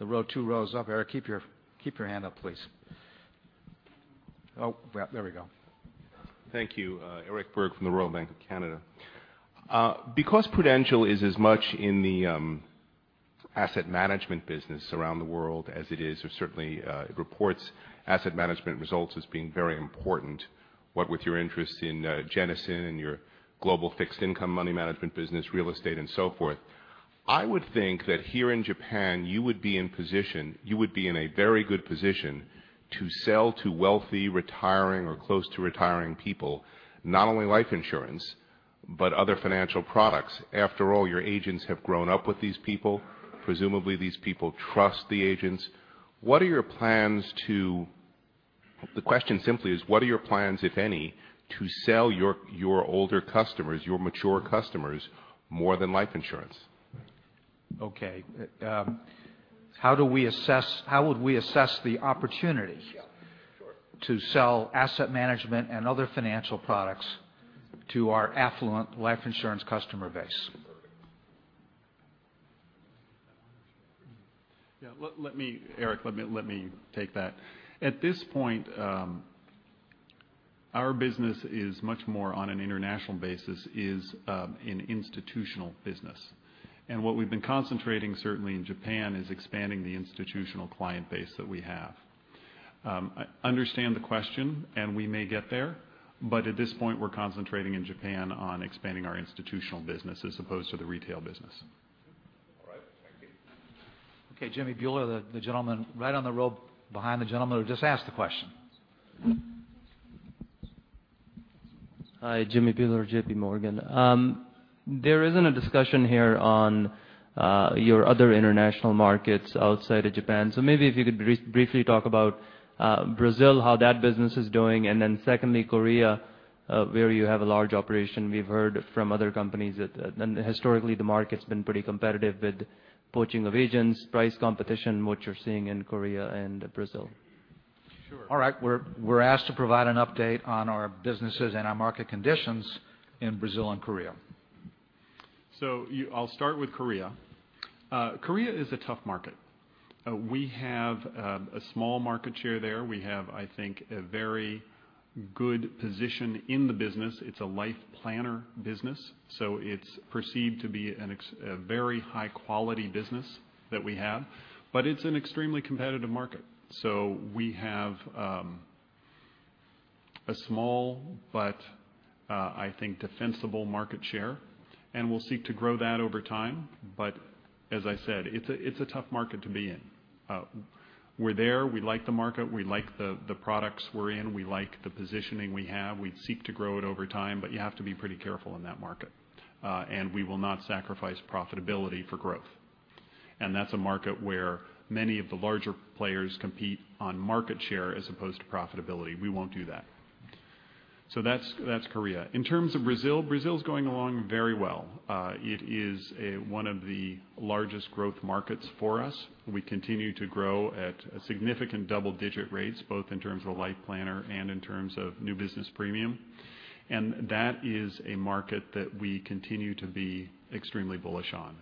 the row, two rows up. Eric, keep your hand up, please. Oh, there we go. Thank you. Eric Berg from the Royal Bank of Canada. Prudential is as much in the asset management business around the world as it is, or certainly it reports asset management results as being very important, what with your interest in Jennison and your global fixed income money management business, real estate, and so forth. I would think that here in Japan, you would be in a very good position to sell to wealthy retiring or close to retiring people, not only life insurance, but other financial products. After all, your agents have grown up with these people. Presumably, these people trust the agents. The question simply is, what are your plans, if any, to sell your older customers, your mature customers, more than life insurance? Okay. How would we assess the opportunity- Yeah, sure to sell asset management and other financial products to our affluent life insurance customer base? Perfect. Yeah, Eric, let me take that. At this point, our business is much more on an international basis, is an institutional business. What we've been concentrating certainly in Japan, is expanding the institutional client base that we have. I understand the question, and we may get there, but at this point, we're concentrating in Japan on expanding our institutional business as opposed to the retail business. All right. Thank you. Okay, Jimmy Bhullar, the gentleman right on the row behind the gentleman who just asked the question. Hi. Jimmy Bhullar, JP Morgan. There isn't a discussion here on your other international markets outside of Japan. Maybe if you could briefly talk about Brazil, how that business is doing, and then secondly, Korea, where you have a large operation. We've heard from other companies that historically the market's been pretty competitive with poaching of agents, price competition, what you're seeing in Korea and Brazil. Sure. All right. We're asked to provide an update on our businesses and our market conditions in Brazil and Korea. I'll start with Korea. Korea is a tough market. We have a small market share there. We have, I think, a very good position in the business. It's a Life Planner business, so it's perceived to be a very high quality business that we have, but it's an extremely competitive market. We have a small, but, I think defensible market share, and we'll seek to grow that over time. As I said, it's a tough market to be in. We're there. We like the market. We like the products we're in. We like the positioning we have. We seek to grow it over time, but you have to be pretty careful in that market. We will not sacrifice profitability for growth. That's a market where many of the larger players compete on market share as opposed to profitability. We won't do that. That's Korea. In terms of Brazil is going along very well. It is one of the largest growth markets for us. We continue to grow at significant double-digit rates, both in terms of Life Planner and in terms of new business premium. That is a market that we continue to be extremely bullish on.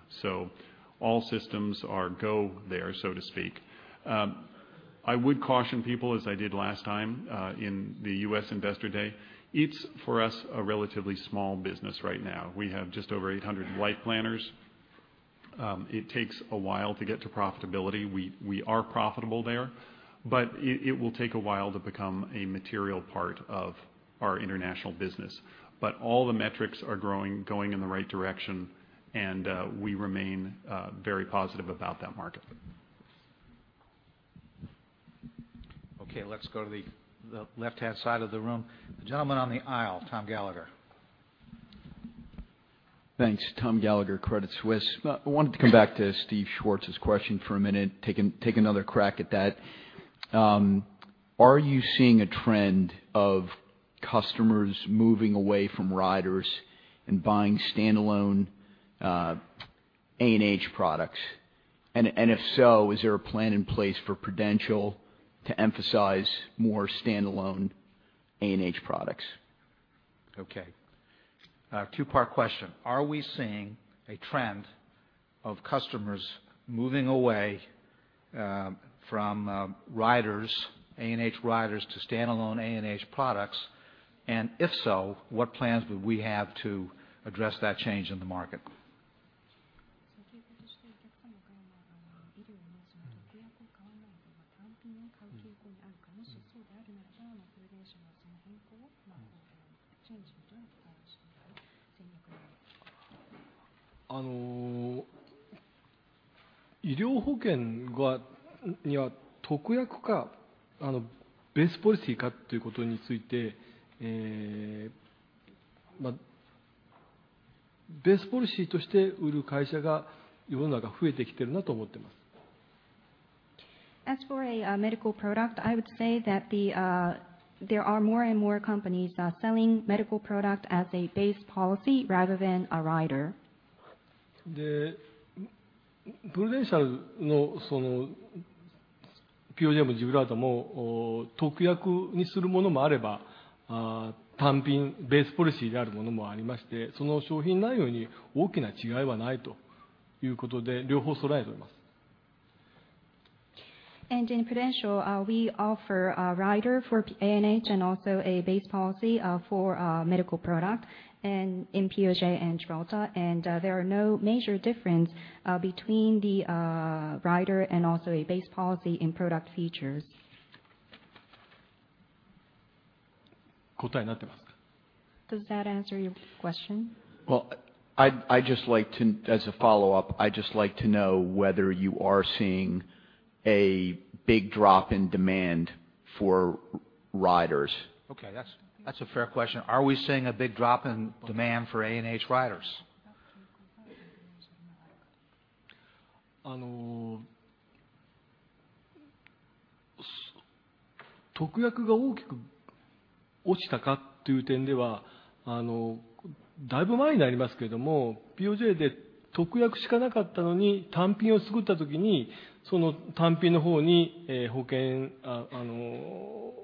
All systems are go there, so to speak. I would caution people, as I did last time, in the U.S. Investor Day, it's for us, a relatively small business right now. We have just over 800 Life Planners. It takes a while to get to profitability. We are profitable there, but it will take a while to become a material part of our international business. All the metrics are going in the right direction, and we remain very positive about that market. Okay. Let's go to the left-hand side of the room. The gentleman on the aisle, Thomas Gallagher. Thanks. Thomas Gallagher, Credit Suisse. I wanted to come back to Steven Schwartz's question for a minute, take another crack at that. Are you seeing a trend of customers moving away from riders and buying standalone A&H products? If so, is there a plan in place for Prudential to emphasize more standalone A&H products? Okay. A two-part question. Are we seeing a trend of customers moving away from A&H riders to standalone A&H products? If so, what plans would we have to address that change in the market? Base policyとして売る会社が世の中増えてきているなと思っています。As for a medical product, I would say that there are more and more companies selling medical product as a base policy rather than a rider. PrudentialのPOJもGibraltarも特約にするものもあれば、単品、base policyであるものもありまして、その商品内容に大きな違いはないということで、両方そろえております。In Prudential, we offer a rider for A&H and also a base policy for medical product in POJ and Gibraltar. There are no major difference between the rider and also a base policy in product features. 答えになっていますか？ Does that answer your question? Well, as a follow-up, I just like to know whether you are seeing a big drop in demand for riders. Okay. That's a fair question. Are we seeing a big drop in demand for A&H riders? 特約が大きく落ちたかという点では、だいぶ前になりますけれども、POJで特約しかなかったのに、単品を作った時に、その単品の方に保険の販売が動いたことによって特約が減ったということは過去にあります。けれども、現在それで大きな動きをしているとは思っておりません。要するに、特約とbase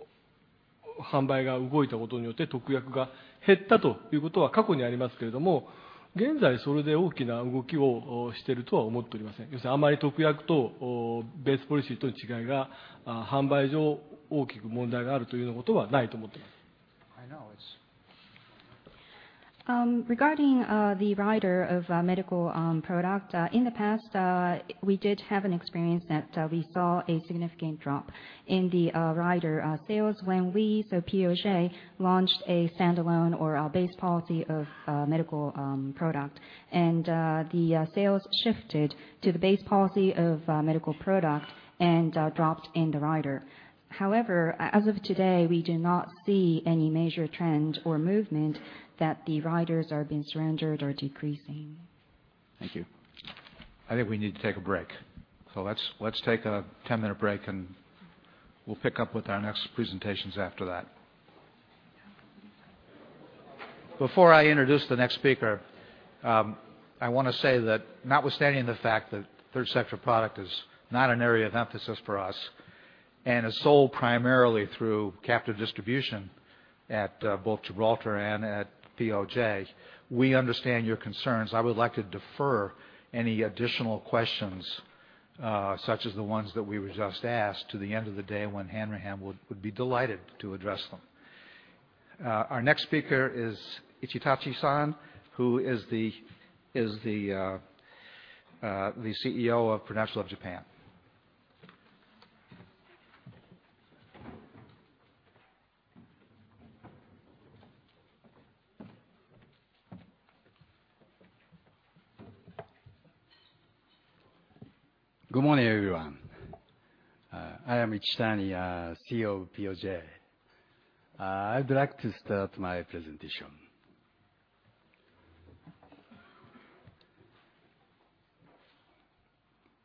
policyとの違いが販売上大きく問題があるということはないと思っています。Regarding the rider of medical product, in the past, we did have an experience that we saw a significant drop in the rider sales when we, POJ, launched a standalone or a base policy of medical product, and the sales shifted to the base policy of medical product and dropped in the rider. However, as of today, we do not see any major trend or movement that the riders are being surrendered or decreasing. Thank you. I think we need to take a break. Let's take a 10-minute break, and we'll pick up with our next presentations after that. Before I introduce the next speaker, I want to say that notwithstanding the fact that third sector product is not an area of emphasis for us, and is sold primarily through captive distribution at both Gibraltar and at POJ, we understand your concerns. I would like to defer any additional questions, such as the ones that we were just asked, to the end of the day when John Hanrahan would be delighted to address them. Our next speaker is Katsunori Ichitani-san, who is the CEO of Prudential of Japan. Good morning, everyone. I am Katsunori Ichitani, CEO of POJ. I would like to start my presentation.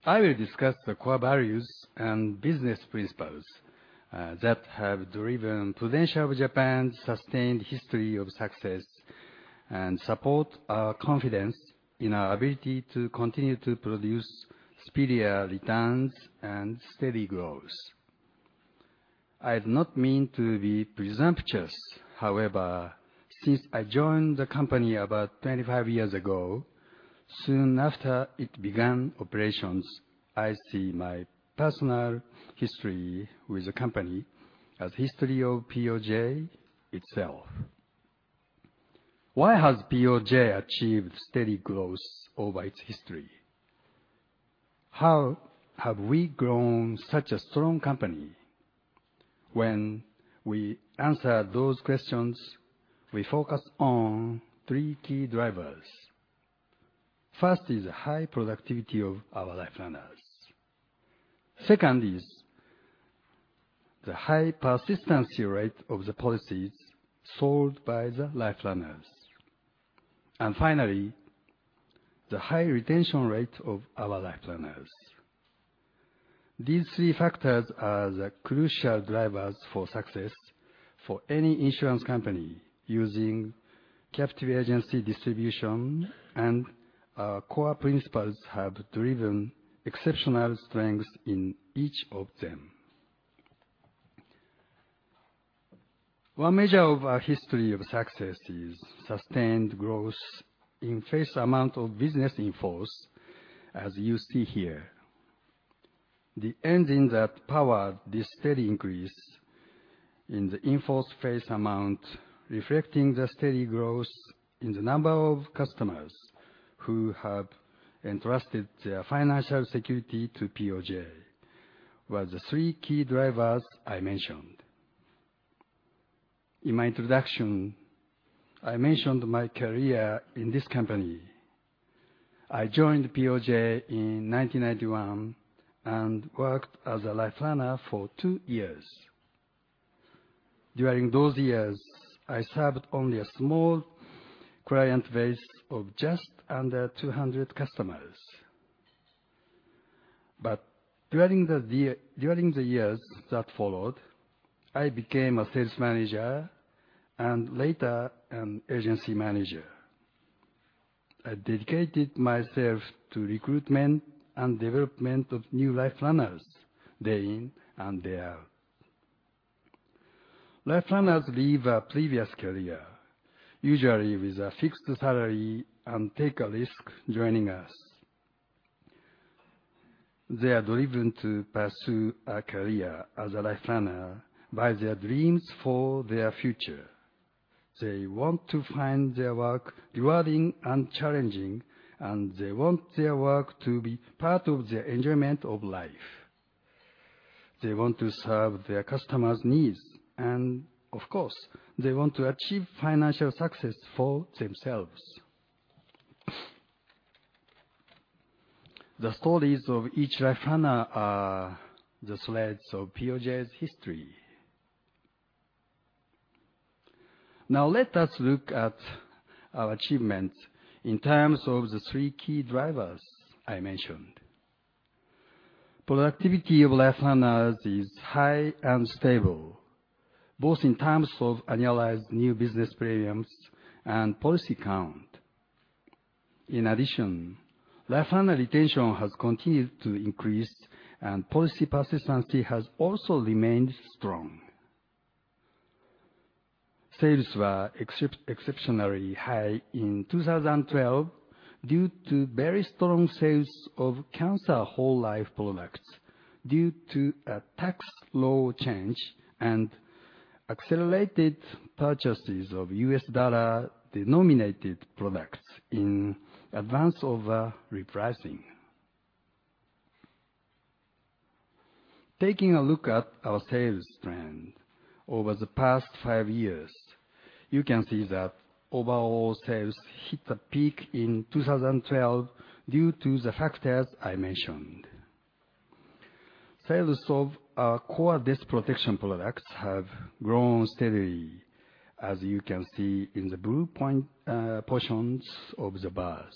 I will discuss the core values and business principles that have driven Prudential of Japan's sustained history of success and support our confidence in our ability to continue to produce superior returns and steady growth. I do not mean to be presumptuous, however, since I joined the company about 25 years ago, soon after it began operations, I see my personal history with the company as history of POJ itself. Why has POJ achieved steady growth over its history? How have we grown such a strong company? When we answer those questions, we focus on three key drivers. First is high productivity of our life planners. Second is the high persistency rate of the policies sold by the life planners. Finally, the high retention rate of our life planners. These three factors are the crucial drivers for success for any insurance company using captive agency distribution, and our core principles have driven exceptional strength in each of them. One measure of our history of success is sustained growth in face amount of business in force, as you see here. The engine that powered this steady increase in the in-force face amount, reflecting the steady growth in the number of customers who have entrusted their financial security to POJ, were the three key drivers I mentioned. In my introduction, I mentioned my career in this company. I joined POJ in 1991 and worked as a life planner for two years. During those years, I served only a small client base of just under 200 customers. During the years that followed, I became a sales manager and later an agency manager. I dedicated myself to recruitment and development of new life planners therein and there. Life planners leave a previous career, usually with a fixed salary, and take a risk joining us. They are driven to pursue a career as a life planner by their dreams for their future. They want to find their work rewarding and challenging, and they want their work to be part of their enjoyment of life. They want to serve their customers' needs, and of course, they want to achieve financial success for themselves. The stories of each life planner are the threads of POJ's history. Now let us look at our achievements in terms of the three key drivers I mentioned. Productivity of life planners is high and stable, both in terms of annualized new business premiums and policy count. In addition, life planner retention has continued to increase, and policy persistency has also remained strong. Sales were exceptionally high in 2012 due to very strong sales of cancer whole life products, due to a tax law change and accelerated purchases of U.S. dollar-denominated products in advance of a repricing. Taking a look at our sales trend over the past five years, you can see that overall sales hit a peak in 2012 due to the factors I mentioned. Sales of our core death protection products have grown steadily, as you can see in the blue portions of the bars.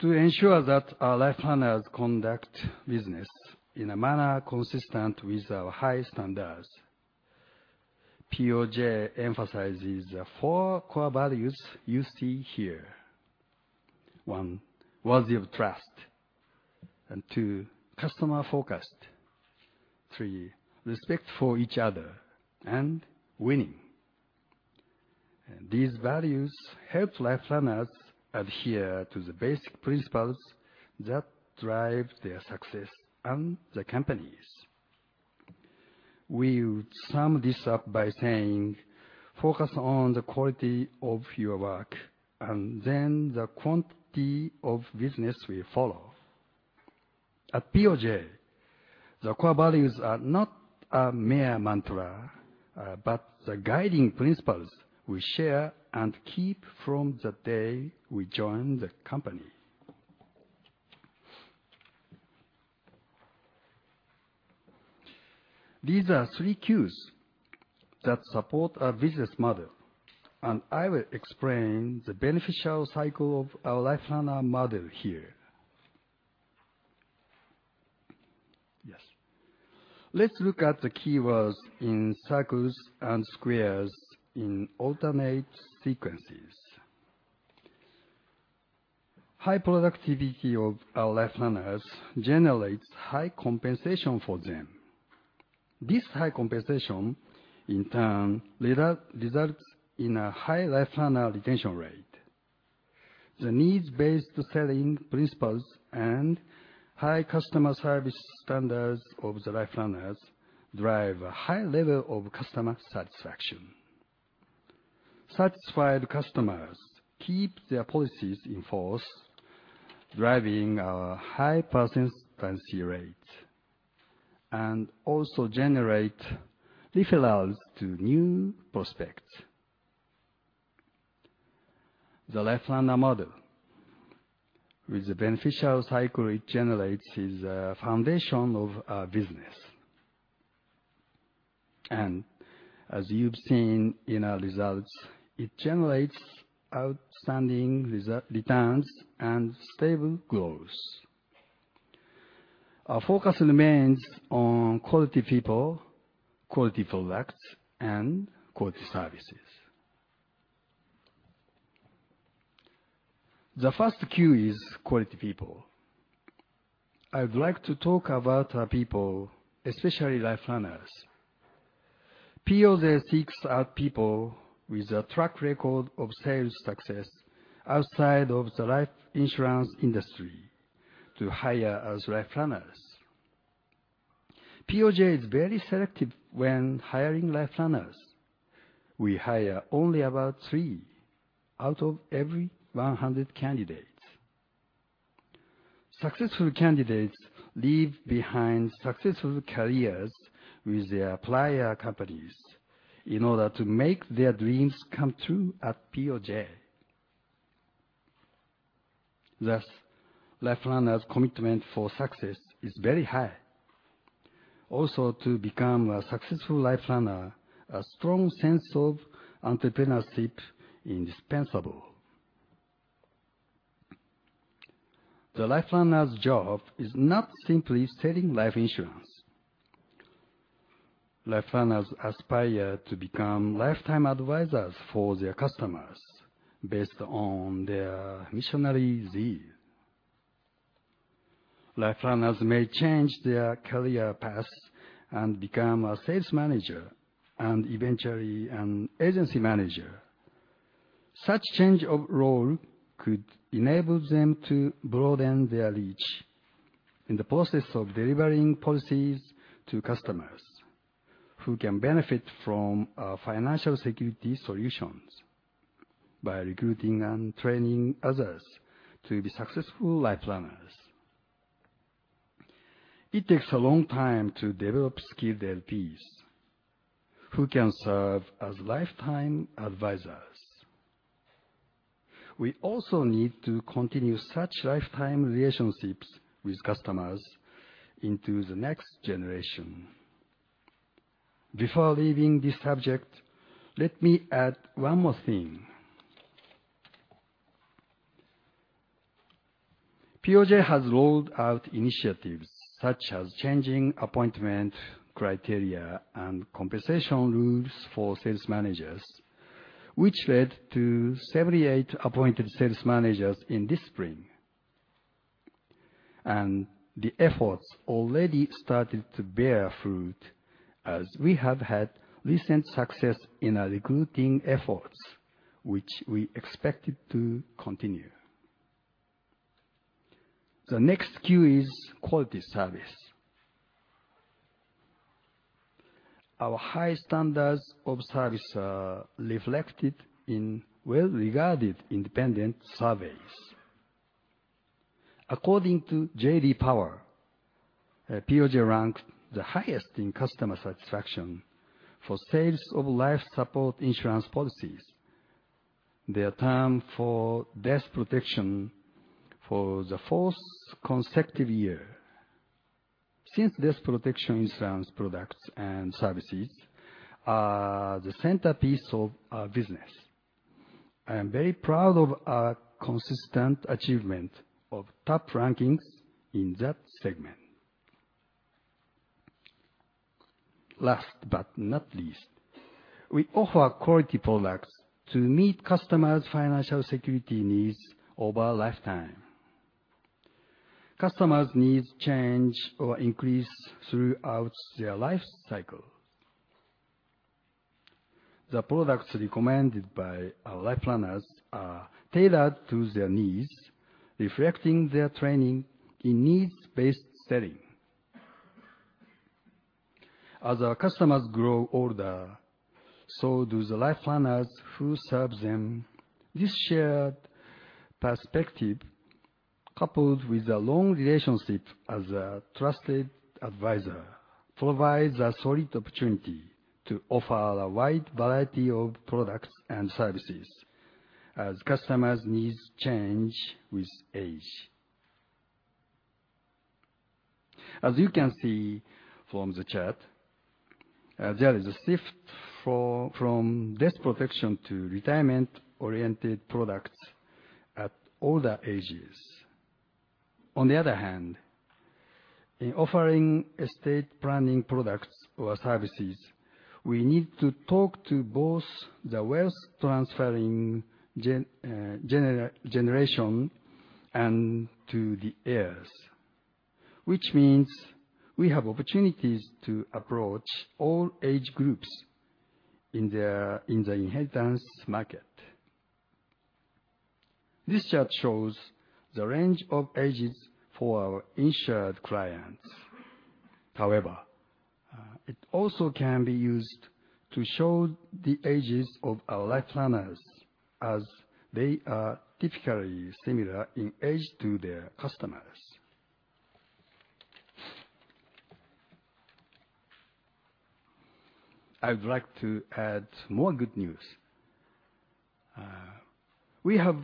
To ensure that our life planners conduct business in a manner consistent with our high standards, POJ emphasizes the four core values you see here. One, worthy of trust. Two, customer-focused. Three, respect for each other. Winning. These values help life planners adhere to the basic principles that drive their success and the company's. We would sum this up by saying, focus on the quality of your work, the quantity of business will follow. At POJ, the core values are not a mere mantra, but the guiding principles we share and keep from the day we join the company. These are three Qs that support our business model. I will explain the beneficial cycle of our life planner model here. Yes. Let's look at the keywords in circles and squares in alternate sequences. High productivity of our life planners generates high compensation for them. This high compensation, in turn, results in a high life planner retention rate. The needs-based selling principles and high customer service standards of the life planners drive a high level of customer satisfaction. Satisfied customers keep their policies in force, driving a high persistency rate, also generate referrals to new prospects. The life planner model, with the beneficial cycle it generates, is a foundation of our business. As you've seen in our results, it generates outstanding returns and stable growth. Our focus remains on quality people, quality products, and quality services. The first Q is quality people. I would like to talk about our people, especially life planners. POJ seeks out people with a track record of sales success outside of the life insurance industry to hire as life planners. POJ is very selective when hiring life planners. We hire only about three out of every 100 candidates. Successful candidates leave behind successful careers with their prior companies in order to make their dreams come true at POJ. Thus, life planners' commitment for success is very high. To become a successful life planner, a strong sense of entrepreneurship is indispensable. The life planner's job is not simply selling life insurance. Life planners aspire to become lifetime advisors for their customers based on their missionary zeal. Life planners may change their career paths and become a sales manager and eventually an agency manager. Such change of role could enable them to broaden their reach in the process of delivering policies to customers who can benefit from our financial security solutions by recruiting and training others to be successful life planners. It takes a long time to develop skilled LPs who can serve as lifetime advisors. We also need to continue such lifetime relationships with customers into the next generation. Before leaving this subject, let me add one more thing. POJ has rolled out initiatives such as changing appointment criteria and compensation rules for sales managers, which led to 78 appointed sales managers in this spring. The efforts already started to bear fruit as we have had recent success in our recruiting efforts, which we expected to continue. The next Q is quality service. Our high standards of service are reflected in well-regarded independent surveys. According to J.D. Power, POJ ranked the highest in customer satisfaction for sales of life support insurance policies, the term for death protection for the fourth consecutive year. Since death protection insurance products and services are the centerpiece of our business, I am very proud of our consistent achievement of top rankings in that segment. Last but not least, we offer quality products to meet customers' financial security needs over a lifetime. Customers' needs change or increase throughout their life cycle. The products recommended by our life planners are tailored to their needs, reflecting their training in needs-based selling. As our customers grow older, so do the life planners who serve them. This shared perspective, coupled with a long relationship as a trusted advisor, provides a solid opportunity to offer a wide variety of products and services as customers' needs change with age. As you can see from the chart, there is a shift from death protection to retirement-oriented products at older ages. In offering estate planning products or services, we need to talk to both the wealth-transferring generation and to the heirs, which means we have opportunities to approach all age groups in the inheritance market. This chart shows the range of ages for our insured clients. It also can be used to show the ages of our life planners as they are typically similar in age to their customers. I would like to add more good news. We have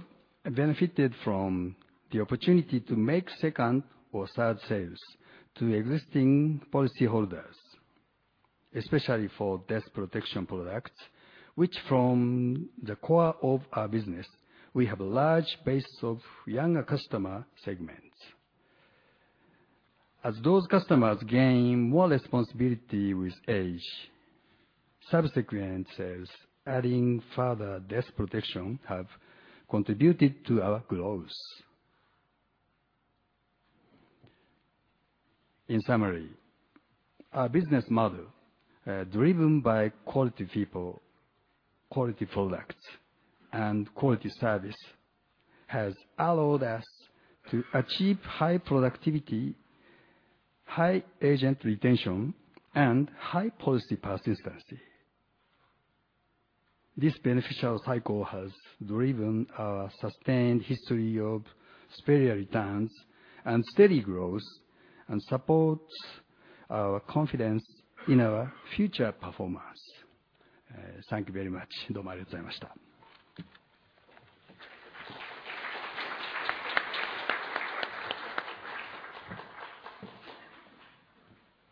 benefited from the opportunity to make second or third sales to existing policyholders, especially for death protection products, which form the core of our business. We have a large base of younger customer segments. As those customers gain more responsibility with age, subsequent sales adding further death protection have contributed to our growth. Our business model, driven by quality people, quality products, and quality service, has allowed us to achieve high productivity, high agent retention, and high policy persistence. This beneficial cycle has driven our sustained history of superior returns and steady growth and supports our confidence in our future performance. Thank you very much.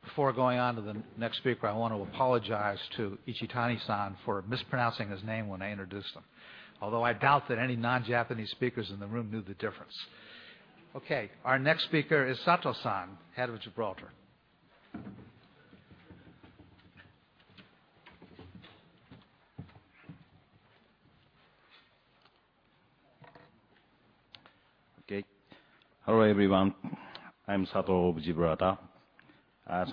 Before going on to the next speaker, I want to apologize to Ichitani-san for mispronouncing his name when I introduced him. I doubt that any non-Japanese speakers in the room knew the difference. Our next speaker is Sato-san, head of Gibraltar. Okay. Hello, everyone. I'm Sato of Gibraltar.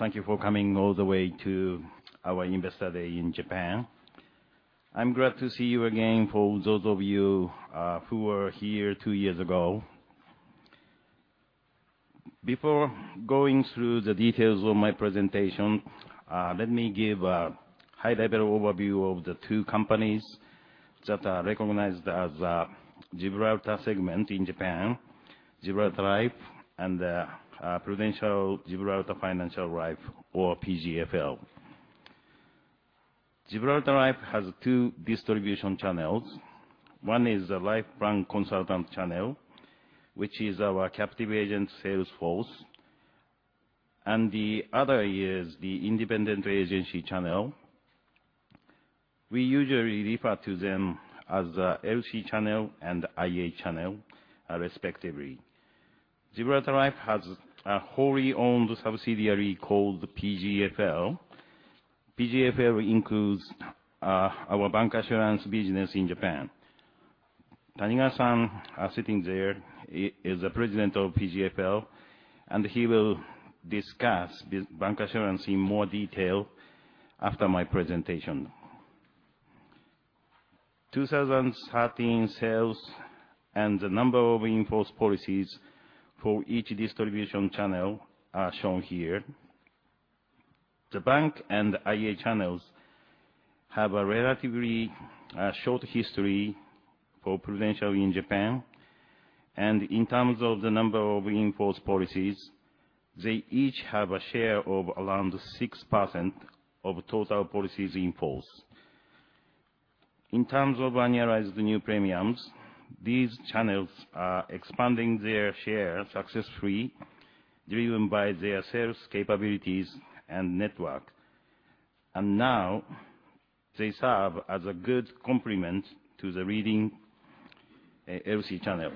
Thank you for coming all the way to our Investor Day in Japan. I'm glad to see you again for those of you who were here two years ago. Before going through the details of my presentation, let me give a high-level overview of the two companies that are recognized as Gibraltar segment in Japan, Gibraltar Life and Prudential Gibraltar Financial Life, or PGFL. Gibraltar Life has two distribution channels. One is a life consultant channel, which is our captive agent sales force, and the other is the independent agency channel. We usually refer to them as the LC channel and IA channel, respectively. Gibraltar Life has a wholly owned subsidiary called PGFL. PGFL includes our bancassurance business in Japan. Tanigawa-san, sitting there, is the president of PGFL, and he will discuss bancassurance in more detail after my presentation. 2013 sales and the number of in-force policies for each distribution channel are shown here. The bank and IA channels have a relatively short history for Prudential in Japan, and in terms of the number of in-force policies, they each have a share of around 6% of total policies in force. In terms of annualized new business premium, these channels are expanding their share successfully, driven by their sales capabilities and network. Now they serve as a good complement to the leading LC channel.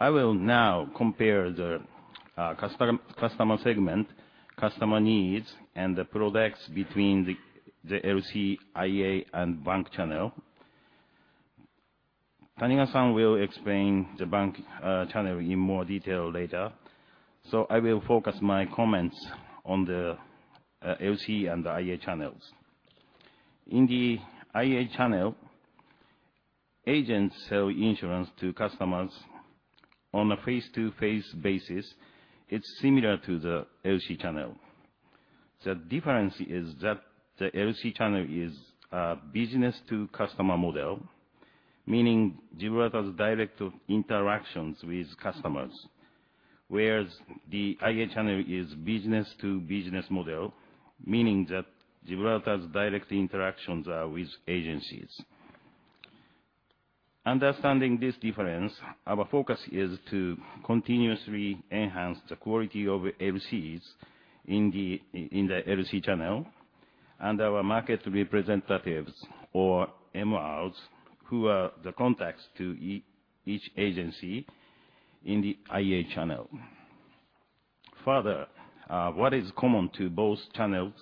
I will now compare the customer segment, customer needs, and the products between the LC, IA, and bank channel. Tanigawa-san will explain the bank channel in more detail later, so I will focus my comments on the LC and the IA channels. In the IA channel, agents sell insurance to customers on a face-to-face basis. It's similar to the LC channel. The difference is that the LC channel is a business-to-customer model, meaning Gibraltar has direct interactions with customers, whereas the IA channel is business-to-business model, meaning that Gibraltar's direct interactions are with agencies. Understanding this difference, our focus is to continuously enhance the quality of LCs in the LC channel and our market representatives or MRs, who are the contacts to each agency in the IA channel. Further, what is common to both channels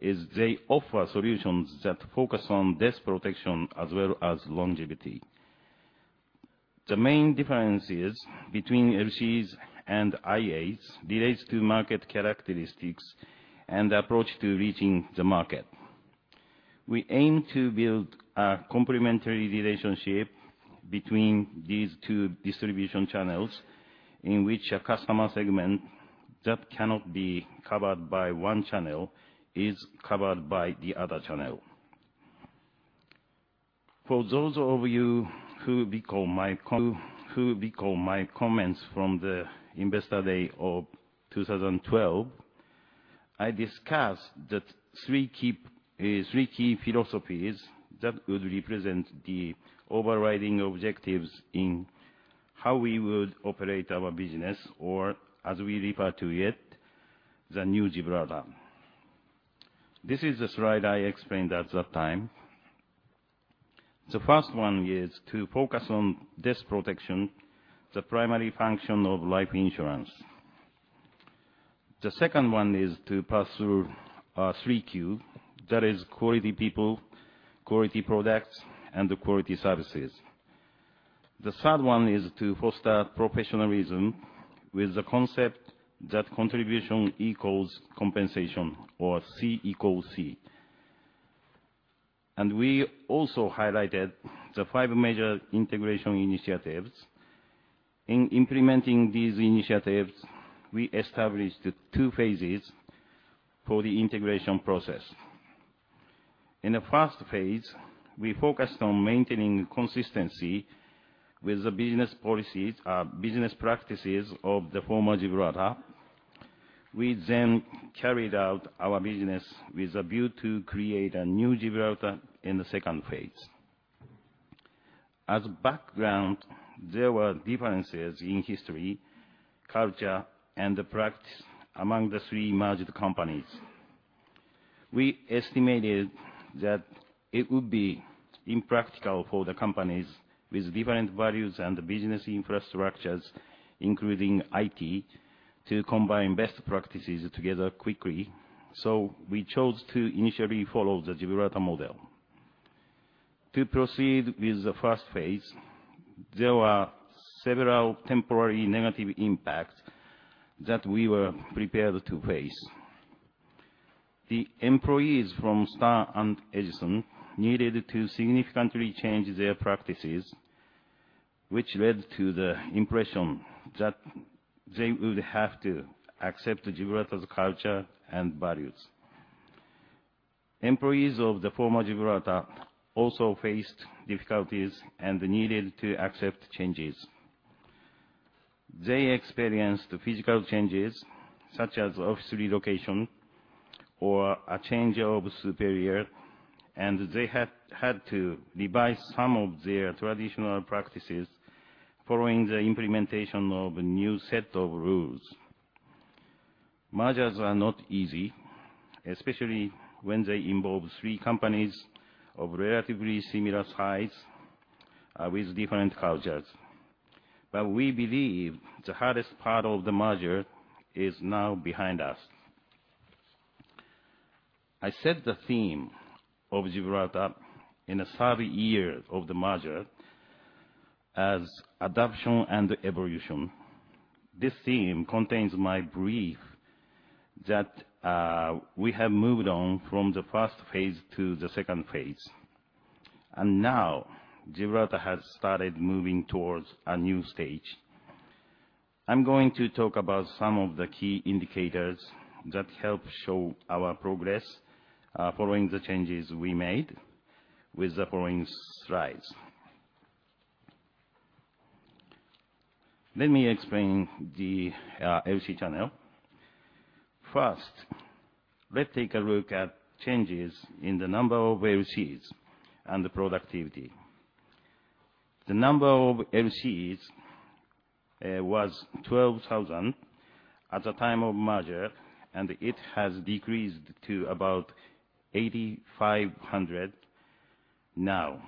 is they offer solutions that focus on death protection as well as longevity. The main differences between LCs and IAs relates to market characteristics and approach to reaching the market. We aim to build a complementary relationship between these two distribution channels, in which a customer segment that cannot be covered by one channel is covered by the other channel. For those of you who recall my comments from the Investor Day of 2012, I discussed the three key philosophies that would represent the overriding objectives in how we would operate our business or as we refer to it, the new Gibraltar. This is the slide I explained at that time. The first one is to focus on death protection, the primary function of life insurance. The second one is to pursue our three Qs. That is quality people, quality products, and quality services. The third one is to foster professionalism with the concept that contribution equals compensation or C equals C. We also highlighted the five major integration initiatives. In implementing these initiatives, we established two phases for the integration process. In the first phase, we focused on maintaining consistency with the business practices of the former Gibraltar. We carried out our business with a view to create a new Gibraltar in the second phase. As background, there were differences in history, culture, and practice among the three merged companies. We estimated that it would be impractical for the companies with different values and business infrastructures, including IT, to combine best practices together quickly. We chose to initially follow the Gibraltar model. To proceed with the first phase, there were several temporary negative impacts that we were prepared to face. The employees from Star and Edison needed to significantly change their practices, which led to the impression that they would have to accept Gibraltar's culture and values. Employees of the former Gibraltar also faced difficulties and needed to accept changes. They experienced physical changes such as office relocation or a change of superior. They had to revise some of their traditional practices following the implementation of a new set of rules. Mergers are not easy, especially when they involve three companies of relatively similar size with different cultures. We believe the hardest part of the merger is now behind us. I set the theme of Gibraltar in the third year of the merger as adaption and evolution. This theme contains my belief that we have moved on from the first phase to the second phase. Now Gibraltar has started moving towards a new stage. I'm going to talk about some of the key indicators that help show our progress following the changes we made with the following slides. Let me explain the LC channel. First, let's take a look at changes in the number of LCs and the productivity. The number of LCs was 12,000 at the time of merger. It has decreased to about 8,500 now.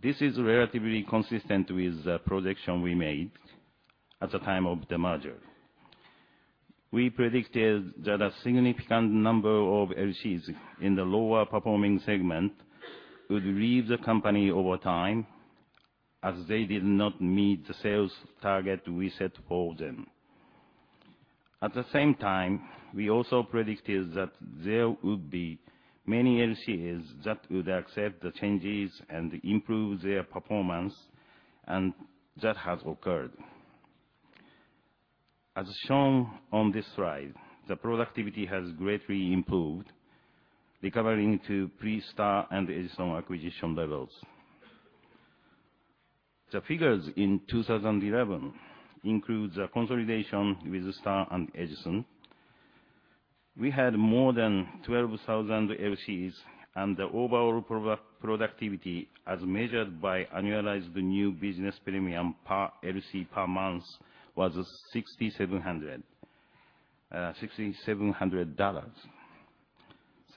This is relatively consistent with the projection we made at the time of the merger. We predicted that a significant number of LCs in the lower-performing segment would leave the company over time, as they did not meet the sales target we set for them. At the same time, we also predicted that there would be many LCs that would accept the changes and improve their performance. That has occurred. As shown on this slide, the productivity has greatly improved, recovering to pre-Star and Edison acquisition levels. The figures in 2011 include the consolidation with Star and Edison. We had more than 12,000 LCs. The overall productivity, as measured by annualized new business premium per LC per month, was $6,700.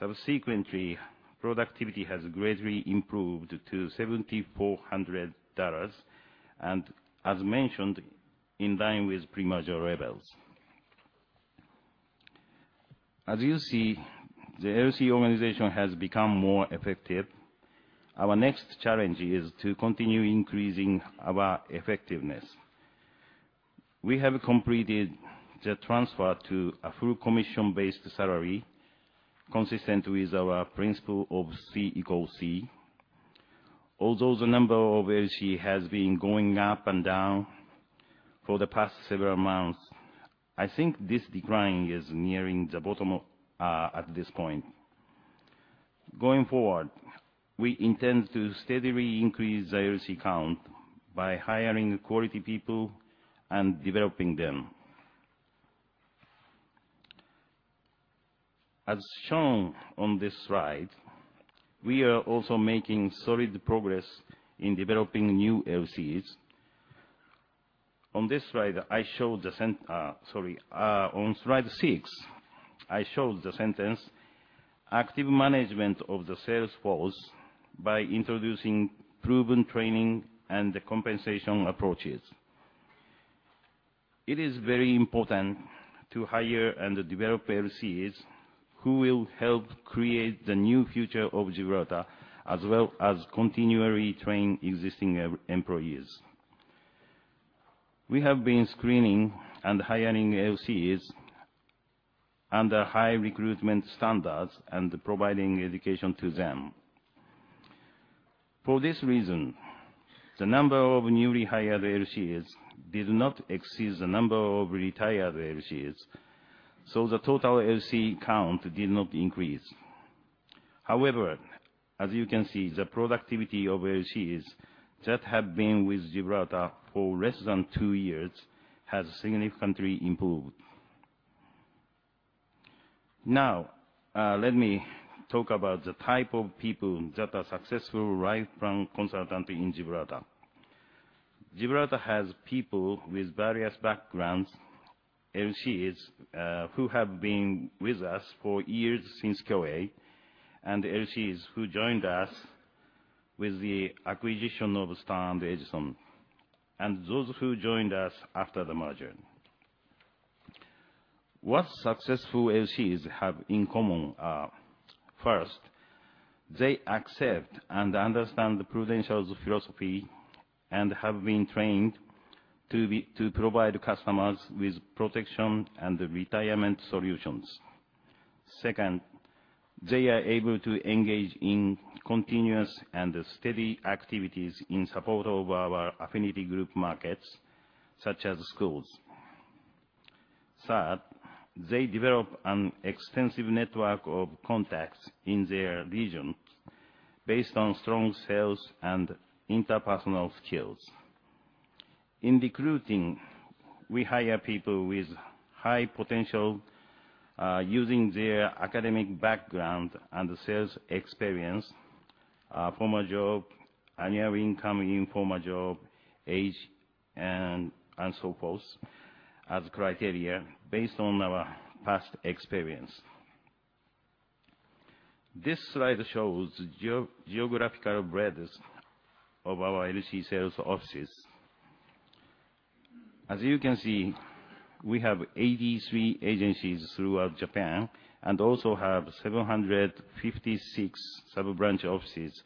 Subsequently, productivity has greatly improved to $7,400. As mentioned, in line with pre-merger levels. As you see, the LC organization has become more effective. Our next challenge is to continue increasing our effectiveness. We have completed the transfer to a full commission-based salary consistent with our principle of C equals C. Although the number of LCs has been going up and down for the past several months, I think this decline is nearing the bottom at this point. Going forward, we intend to steadily increase the LC count by hiring quality people and developing them. As shown on this slide, we are also making solid progress in developing new LCs. On slide six, I showed the sentence, "Active management of the sales force by introducing proven training and compensation approaches." It is very important to hire and develop LCs who will help create the new future of Gibraltar, as well as continually train existing employees. We have been screening and hiring LCs under high recruitment standards and providing education to them. For this reason, the number of newly hired LCs did not exceed the number of retired LCs, so the total LC count did not increase. However, as you can see, the productivity of LCs that have been with Gibraltar for less than two years has significantly improved. Now, let me talk about the type of people that are successful right from consultant in Gibraltar. Gibraltar has people with various backgrounds, LCs who have been with us for years since Kyoei, and LCs who joined us with the acquisition of Star and Edison, and those who joined us after the merger. What successful LCs have in common are, first, they accept and understand the Prudential's philosophy and have been trained to provide customers with protection and retirement solutions. Second, they are able to engage in continuous and steady activities in support of our affinity group markets, such as schools. Third, they develop an extensive network of contacts in their region based on strong sales and interpersonal skills. In recruiting, we hire people with high potential, using their academic background and sales experience, former job, annual income in former job, age, and so forth, as criteria based on our past experience. This slide shows the geographical breadth of our LC sales offices. As you can see, we have 83 agencies throughout Japan and also have 756 sub-branch offices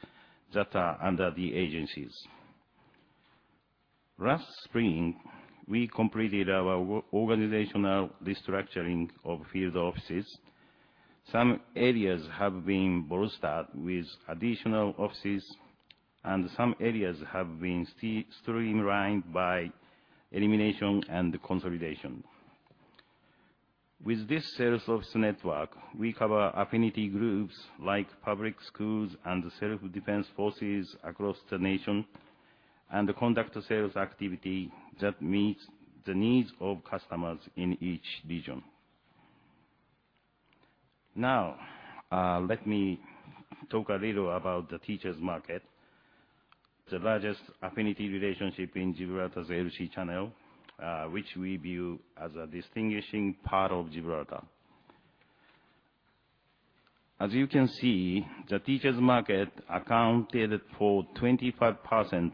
that are under the agencies. Last spring, we completed our organizational restructuring of field offices. Some areas have been bolstered with additional offices, and some areas have been streamlined by elimination and consolidation. With this sales office network, we cover affinity groups like public schools and Self-Defense Forces across the nation and conduct sales activity that meets the needs of customers in each region. Now, let me talk a little about the teachers market, the largest affinity relationship in Gibraltar's LC channel, which we view as a distinguishing part of Gibraltar. As you can see, the teachers market accounted for 25%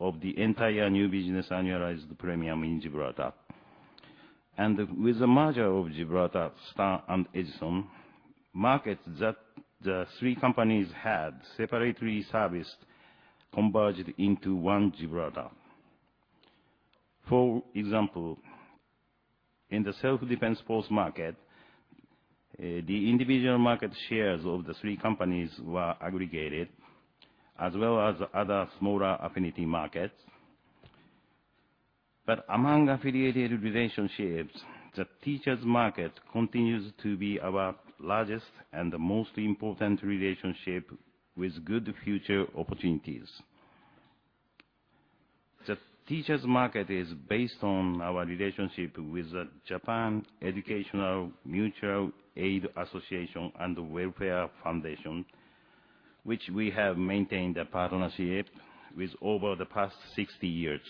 of the entire new business annualized premium in Gibraltar. With the merger of Gibraltar, Star, and Edison, markets that the three companies had separately serviced, converged into one Gibraltar. For example, in the Self-Defense Force market, the individual market shares of the three companies were aggregated, as well as other smaller affinity markets. Among affiliated relationships, the teachers market continues to be our largest and the most important relationship with good future opportunities. The teachers market is based on our relationship with the Japan Educational Mutual Aid Association of Welfare Foundation, which we have maintained a partnership with over the past 60 years.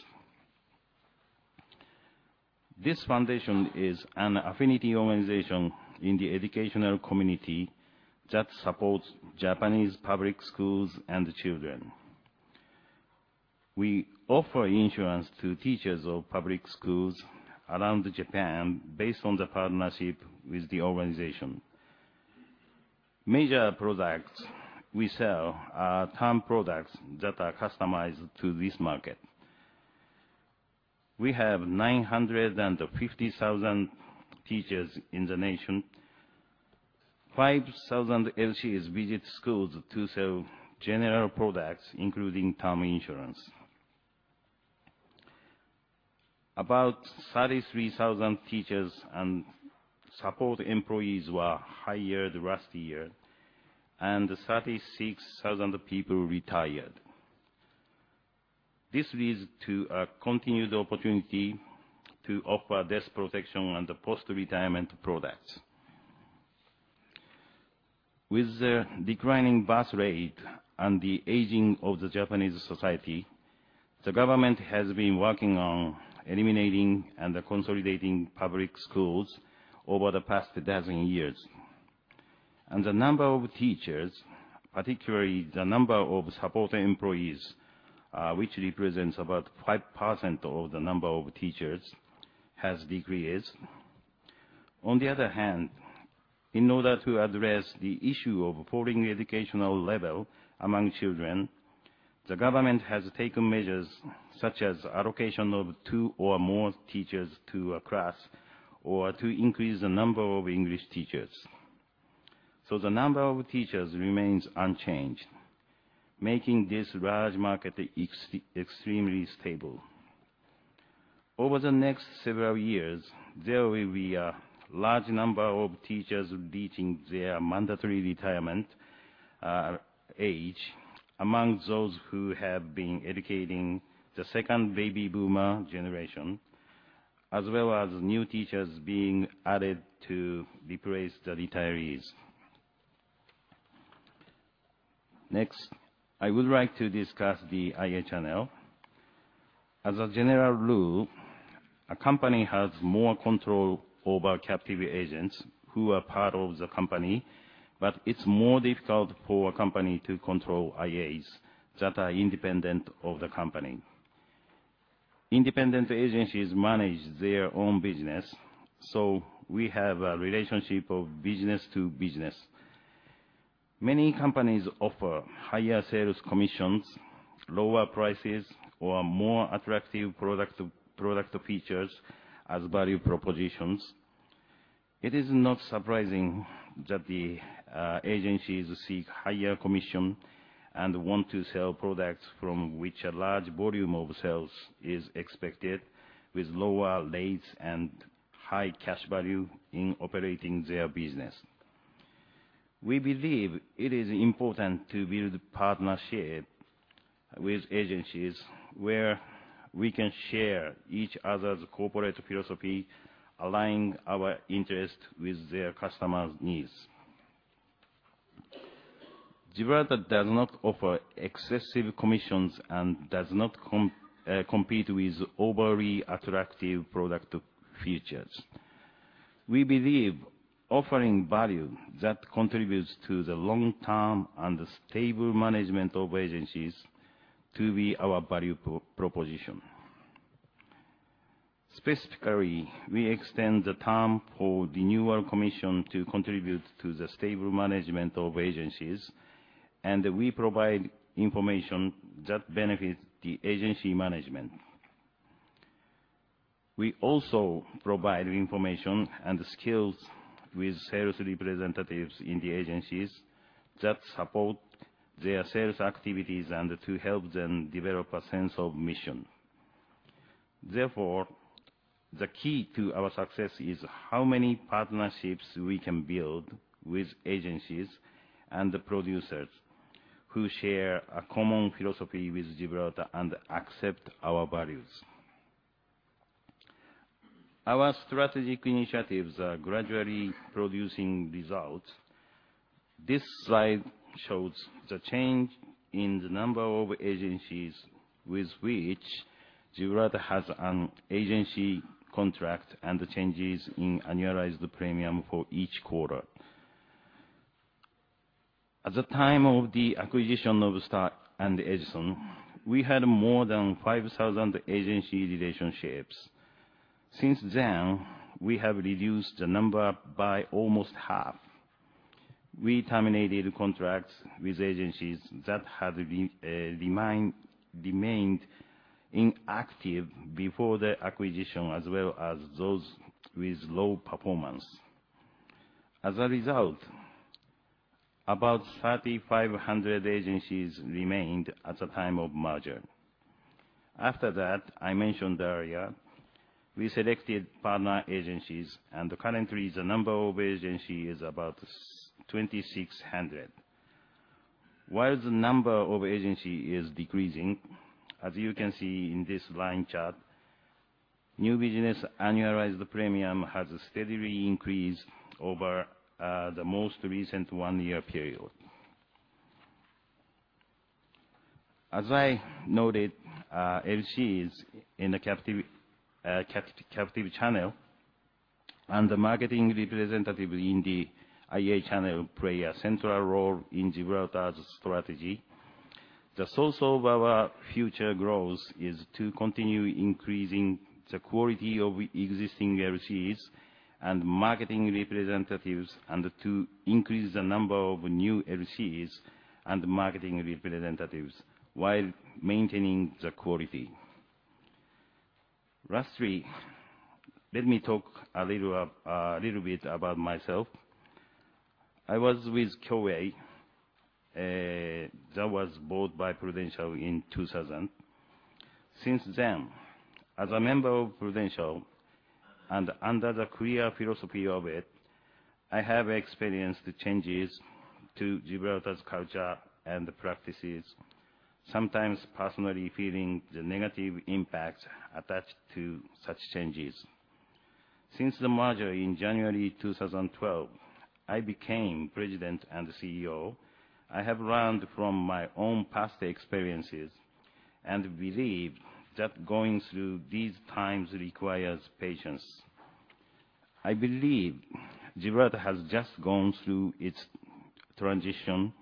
This foundation is an affinity organization in the educational community that supports Japanese public schools and children. We offer insurance to teachers of public schools around Japan based on the partnership with the organization. Major products we sell are term products that are customized to this market. We have 950,000 teachers in the nation. 5,000 LCs visit schools to sell general products, including term insurance. About 33,000 teachers and support employees were hired last year, and 36,000 people retired. This leads to a continued opportunity to offer death protection and post-retirement products. With the declining birth rate and the aging of the Japanese society, the government has been working on eliminating and consolidating public schools over the past dozen years. The number of teachers, particularly the number of support employees, which represents about 5% of the number of teachers, has decreased. On the other hand, in order to address the issue of falling educational level among children, the government has taken measures such as allocation of two or more teachers to a class or to increase the number of English teachers. The number of teachers remains unchanged, making this large market extremely stable. Over the next several years, there will be a large number of teachers reaching their mandatory retirement age among those who have been educating the second baby boomer generation, as well as new teachers being added to replace the retirees. Next, I would like to discuss the IA. As a general rule, a company has more control over captive agents who are part of the company, but it is more difficult for a company to control IAs that are independent of the company. Independent agencies manage their own business, we have a relationship of business to business. Many companies offer higher sales commissions, lower prices, or more attractive product features as value propositions. It is not surprising that the agencies seek higher commission and want to sell products from which a large volume of sales is expected with lower rates and high cash value in operating their business. We believe it is important to build partnership with agencies where we can share each other's corporate philosophy, aligning our interest with their customers' needs. Gibraltar does not offer excessive commissions and does not compete with overly attractive product features. We believe offering value that contributes to the long-term and stable management of agencies to be our value proposition. Specifically, we extend the term for renewal commission to contribute to the stable management of agencies, and we provide information that benefits the agency management. We also provide information and skills with sales representatives in the agencies that support their sales activities and to help them develop a sense of mission. The key to our success is how many partnerships we can build with agencies and the producers who share a common philosophy with Gibraltar and accept our values. Our strategic initiatives are gradually producing results. This slide shows the change in the number of agencies with which Gibraltar has an agency contract and the changes in annualized premium for each quarter. At the time of the acquisition of Star and Edison, we had more than 5,000 agency relationships. Since then, we have reduced the number by almost half. We terminated contracts with agencies that had remained inactive before the acquisition, as well as those with low performance. As a result, about 3,500 agencies remained at the time of merger. After that, I mentioned earlier, we selected partner agencies, and currently, the number of agencies is about 2,600. While the number of agencies is decreasing, as you can see in this line chart, new business annualized premium has steadily increased over the most recent one-year period. As I noted, LCs in the captive channel and the marketing representative in the IA channel play a central role in Gibraltar's strategy. The source of our future growth is to continue increasing the quality of existing LCs and marketing representatives, and to increase the number of new LCs and marketing representatives while maintaining the quality. Let me talk a little bit about myself. I was with Kyoei, that was bought by Prudential in 2000. Since then, as a member of Prudential and under the clear philosophy of it, I have experienced the changes to Gibraltar's culture and practices, sometimes personally feeling the negative impact attached to such changes. Since the merger in January 2012, I became President and CEO. I have learned from my own past experiences and believe that going through these times requires patience. I believe Gibraltar has just gone through its transition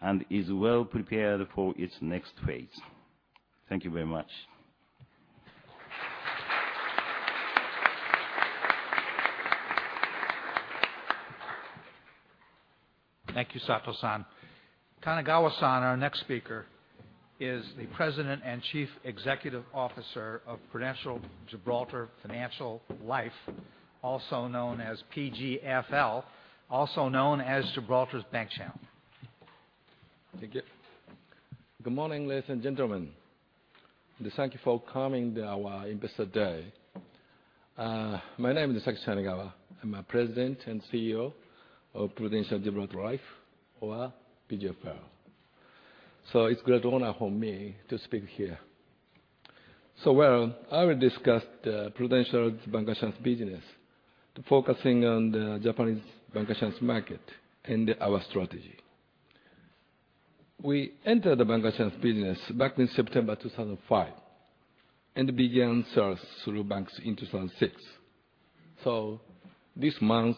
and is well prepared for its next phase. Thank you very much. Thank you, Sato-san. Kanagawa-san, our next speaker, is the President and Chief Executive Officer of Prudential Gibraltar Financial Life, also known as PGFL, also known as Gibraltar's bancassurance. Thank you. Good morning, ladies and gentlemen. Thank you for coming to our Investor Day. My name is Sakichi Kanagawa. I'm President and CEO of Prudential Gibraltar Life, or PGFL. It's a great honor for me to speak here. I will discuss Prudential's bancassurance business, focusing on the Japanese bancassurance market and our strategy. We entered the bancassurance business back in September 2005 and began sales through banks in 2006. This month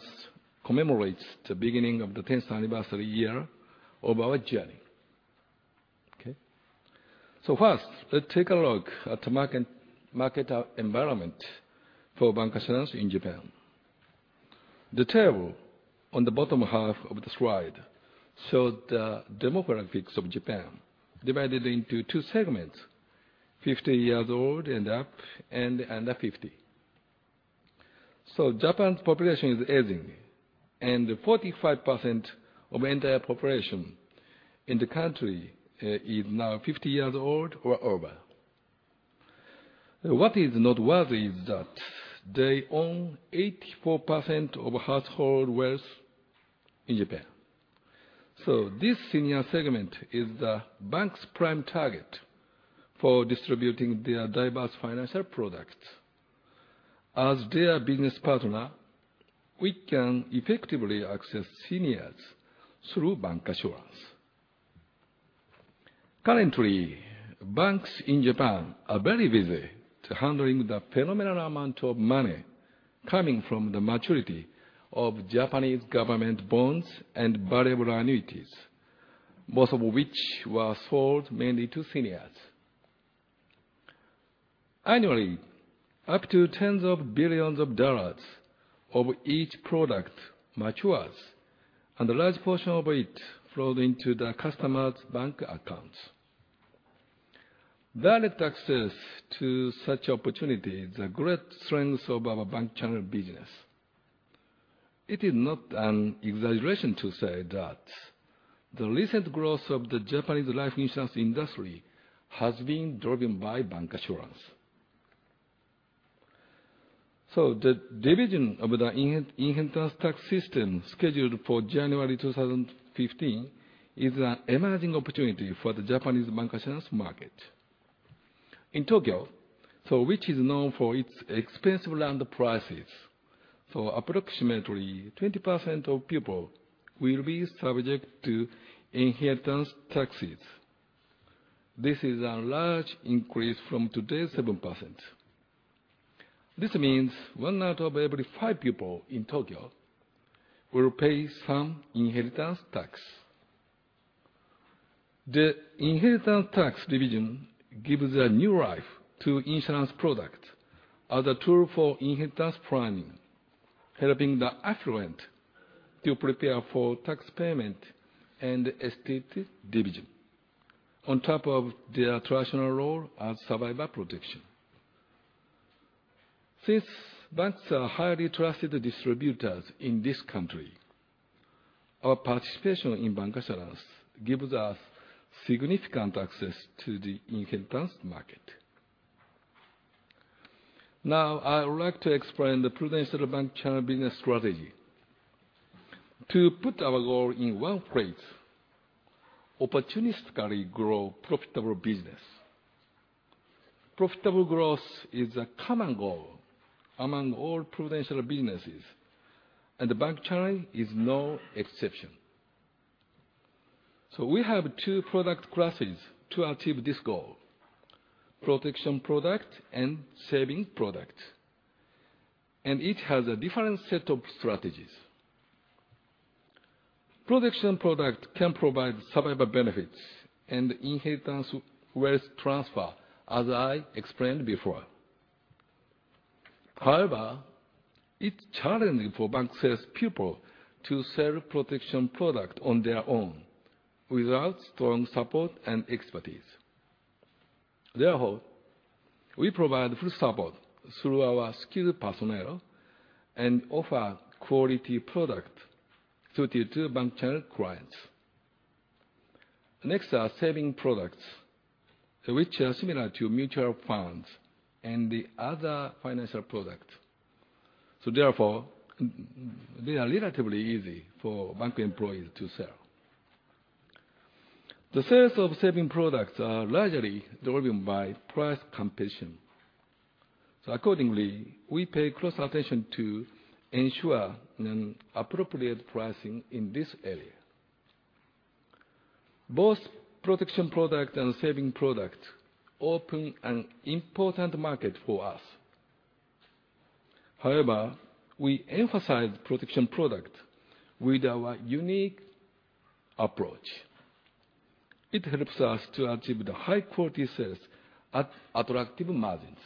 commemorates the beginning of the 10th anniversary year of our journey. First, let's take a look at the market environment for bancassurance in Japan. The table on the bottom half of the slide shows the demographics of Japan divided into 2 segments, 50 years old and up, and under 50. Japan's population is aging, and 45% of the entire population in the country is now 50 years old or over. What is noteworthy is that they own 84% of household wealth in Japan. This senior segment is the bank's prime target for distributing their diverse financial products. As their business partner, we can effectively access seniors through bancassurance. Currently, banks in Japan are very busy handling the phenomenal amount of money coming from the maturity of Japanese government bonds and variable annuities, most of which were sold mainly to seniors. Annually, up to $tens of billions of each product matures, and a large portion of it flows into the customer's bank accounts. Direct access to such opportunities is a great strength of our bank channel business. It is not an exaggeration to say that the recent growth of the Japanese life insurance industry has been driven by bancassurance. The division of the inheritance tax system scheduled for January 2015 is an emerging opportunity for the Japanese bancassurance market. In Tokyo, which is known for its expensive land prices, approximately 20% of people will be subject to inheritance taxes. This is a large increase from today's 7%. This means one out of every five people in Tokyo will pay some inheritance tax. The inheritance tax division gives a new life to insurance products as a tool for inheritance planning, helping the affluent to prepare for tax payment and estate division, on top of their traditional role as survivor protection. Since banks are highly trusted distributors in this country, our participation in bancassurance gives us significant access to the inheritance market. Now I would like to explain the Prudential bank channel business strategy. To put our goal in one phrase, opportunistically grow profitable business. Profitable growth is a common goal among all Prudential businesses, and the bank channel is no exception. We have 2 product classes to achieve this goal, protection product and savings product. Each has a different set of strategies. Protection product can provide survivor benefits and inheritance wealth transfer, as I explained before. However, it's challenging for bank salespeople to sell protection product on their own without strong support and expertise. Therefore, we provide full support through our skilled personnel and offer quality product suited to bank channel clients. Next are savings products, which are similar to mutual funds and other financial products. Therefore, they are relatively easy for bank employees to sell. The sales of savings products are largely driven by price competition. Accordingly, we pay close attention to ensure an appropriate pricing in this area. Both protection product and savings product open an important market for us. We emphasize protection product with our unique approach. It helps us to achieve the high-quality sales at attractive margins.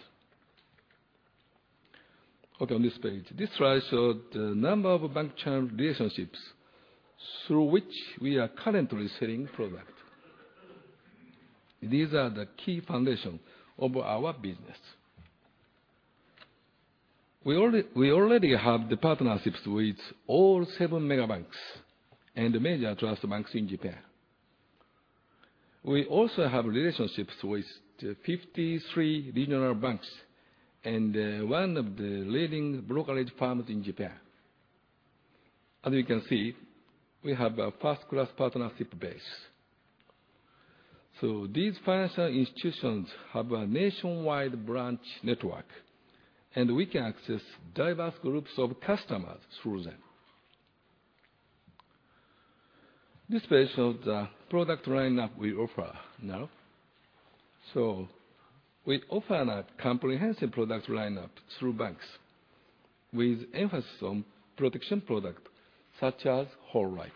On this page, this slide shows the number of bank channel relationships through which we are currently selling product. These are the key foundation of our business. We already have the partnerships with all seven mega banks and major trust banks in Japan. We also have relationships with 53 regional banks and one of the leading brokerage firms in Japan. As you can see, we have a first-class partnership base. These financial institutions have a nationwide branch network, and we can access diverse groups of customers through them. This page shows the product lineup we offer now. We offer a comprehensive product lineup through banks with emphasis on protection product such as whole life.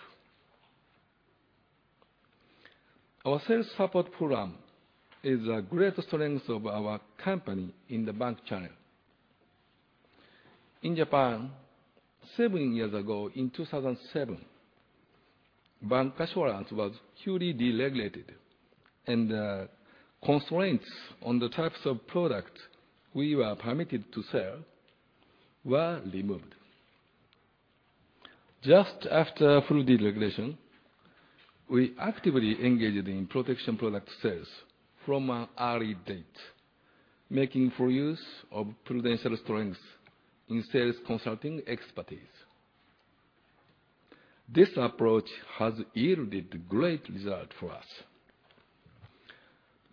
Our sales support program is a great strength of our company in the bank channel. In Japan, seven years ago in 2007, bancassurance was hugely deregulated, and constraints on the types of product we were permitted to sell were removed. Just after full deregulation, we actively engaged in protection product sales from an early date, making full use of Prudential strength in sales consulting expertise. This approach has yielded great result for us.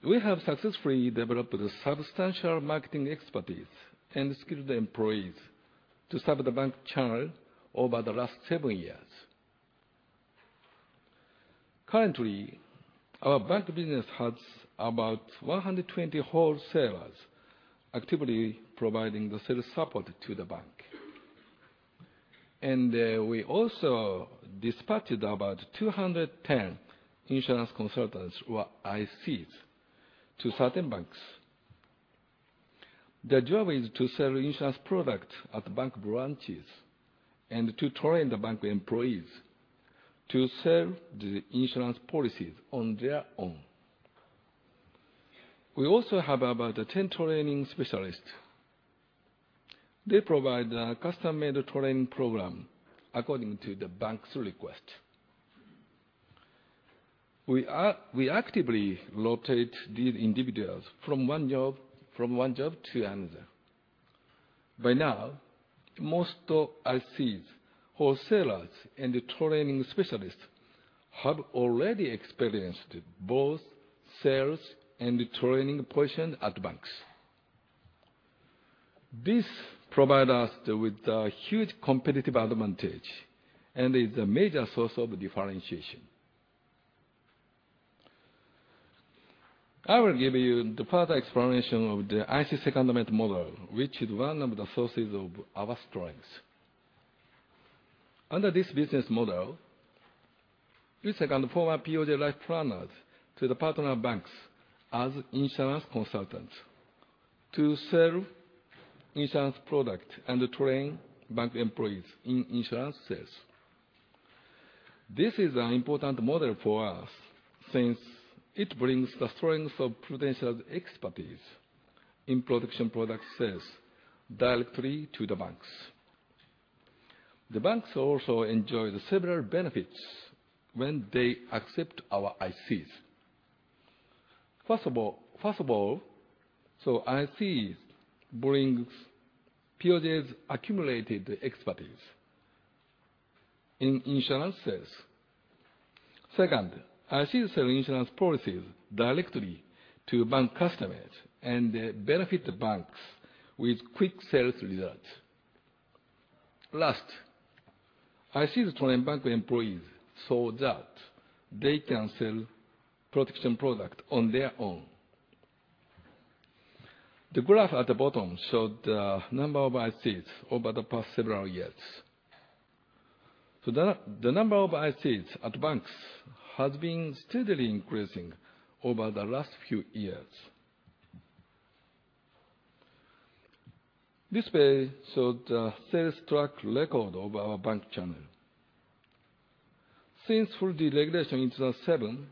We have successfully developed the substantial marketing expertise and skilled employees to serve the bank channel over the last seven years. Currently, our bank business has about 120 wholesalers actively providing the sales support to the bank. We also dispatched about 210 insurance consultants or ICs to certain banks. Their job is to sell insurance product at bank branches and to train the bank employees to sell the insurance policies on their own. We also have about 10 training specialists. They provide a custom-made training program according to the bank's request. We actively rotate these individuals from one job to another. By now, most ICs, wholesalers, and training specialists have already experienced both sales and training position at banks. This provide us with a huge competitive advantage and is a major source of differentiation. I will give you the further explanation of the IC secondment model, which is one of the sources of our strength. Under this business model, we second former POJ life planners to the partner banks as insurance consultants to sell insurance product and train bank employees in insurance sales. This is an important model for us since it brings the strengths of Prudential's expertise in protection product sales directly to the banks. The banks also enjoy several benefits when they accept our ICs. First of all, ICs brings POJs accumulated expertise in insurance sales. Second, ICs sell insurance policies directly to bank customers and benefit the banks with quick sales results. Last, ICs train bank employees so that they can sell protection product on their own. The graph at the bottom show the number of ICs over the past several years. The number of ICs at banks has been steadily increasing over the last few years. This page shows the sales track record of our bank channel. Since full deregulation in 2007,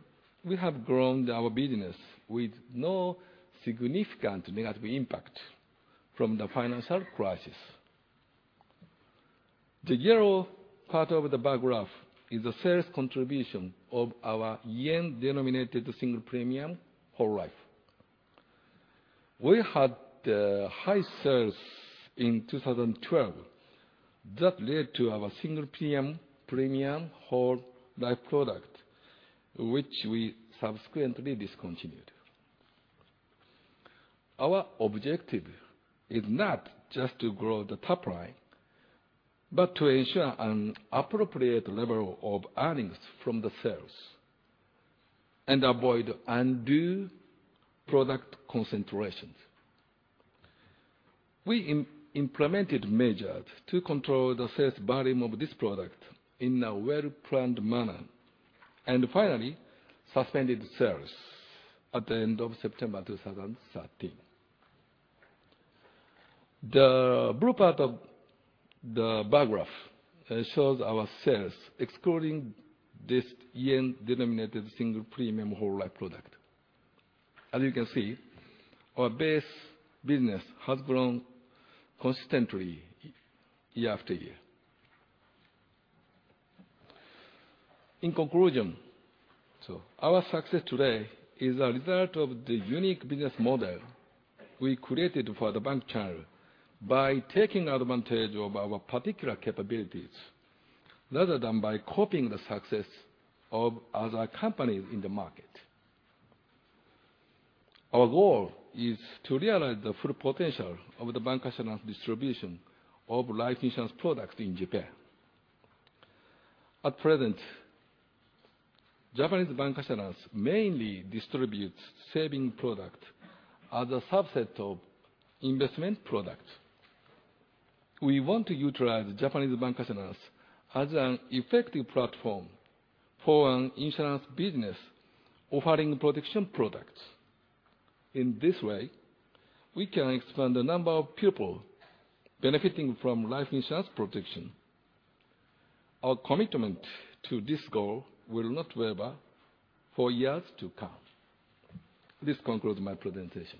we have grown our business with no significant negative impact from the financial crisis. The yellow part of the bar graph is the sales contribution of our yen-denominated single premium whole life. We had high sales in 2012 that led to our single premium whole life product, which we subsequently discontinued. Our objective is not just to grow the top line, but to ensure an appropriate level of earnings from the sales and avoid undue product concentrations. We implemented measures to control the sales volume of this product in a well-planned manner, and finally suspended sales at the end of September 2013. The blue part of the bar graph shows our sales excluding this yen-denominated single premium whole life product. As you can see, our base business has grown consistently year after year. In conclusion, our success today is a result of the unique business model we created for the bank channel by taking advantage of our particular capabilities rather than by copying the success of other companies in the market. Our goal is to realize the full potential of the bancassurance distribution of life insurance products in Japan. At present, Japanese bancassurance mainly distributes savings product as a subset of investment products. We want to utilize Japanese bancassurance as an effective platform for an insurance business offering protection products. In this way, we can expand the number of people benefiting from life insurance protection. Our commitment to this goal will not waver for years to come. This concludes my presentation.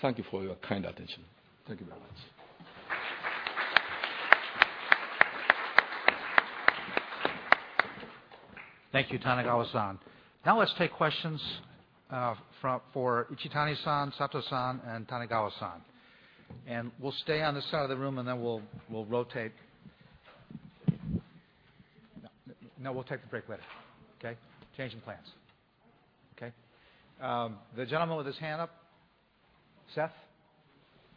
Thank you for your kind attention. Thank you very much. Thank you, Kanagawa-san. Let's take questions for Ichitani-san, Sato-san, and Kanagawa-san. We'll stay on this side of the room, then we'll rotate. We'll take the break later. Okay? Change in plans. Okay. The gentleman with his hand up. Seth.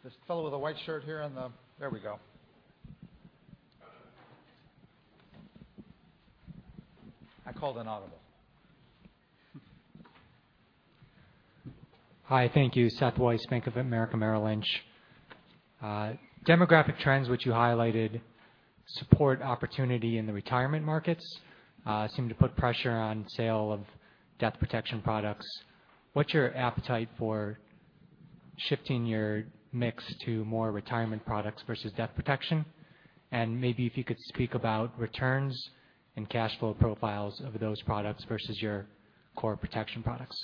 This fellow with a white shirt here. There we go. I called an audible. Hi. Thank you. Seth Weiss, Bank of America Merrill Lynch. Demographic trends, which you highlighted, support opportunity in the retirement markets seem to put pressure on sale of death protection products. What's your appetite for shifting your mix to more retirement products versus death protection? Maybe if you could speak about returns and cash flow profiles of those products versus your core protection products.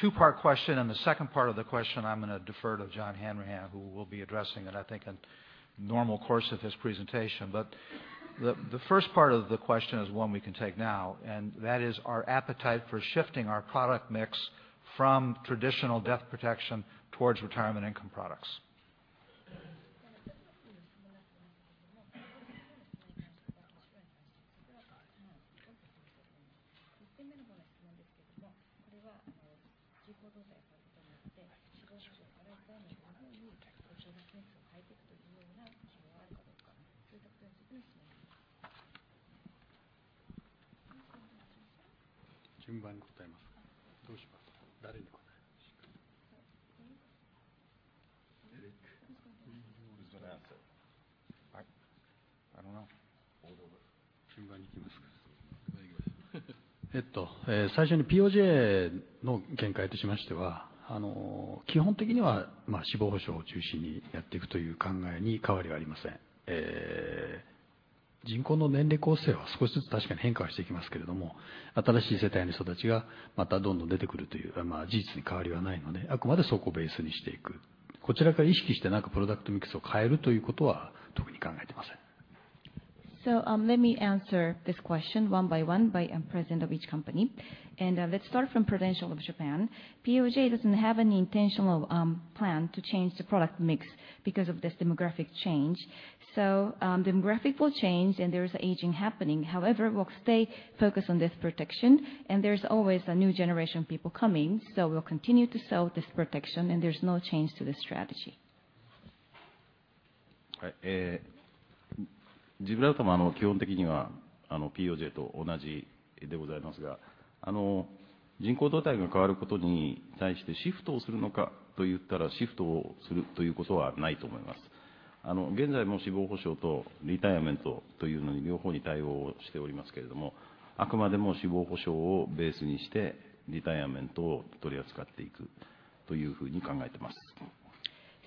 Two-part question. The second part of the question I'm going to defer to John Hanrahan, who will be addressing it, I think, in normal course of his presentation. The first part of the question is one we can take now, and that is our appetite for shifting our product mix from traditional death protection towards retirement income products. Let me answer this question one by one by president of each company. Let's start from Prudential of Japan. POJ doesn't have any intentional plan to change the product mix because of this demographic change. Demographic will change. There is aging happening. However, we will stay focused on death protection. There's always a new generation of people coming. We'll continue to sell death protection. There's no change to the strategy.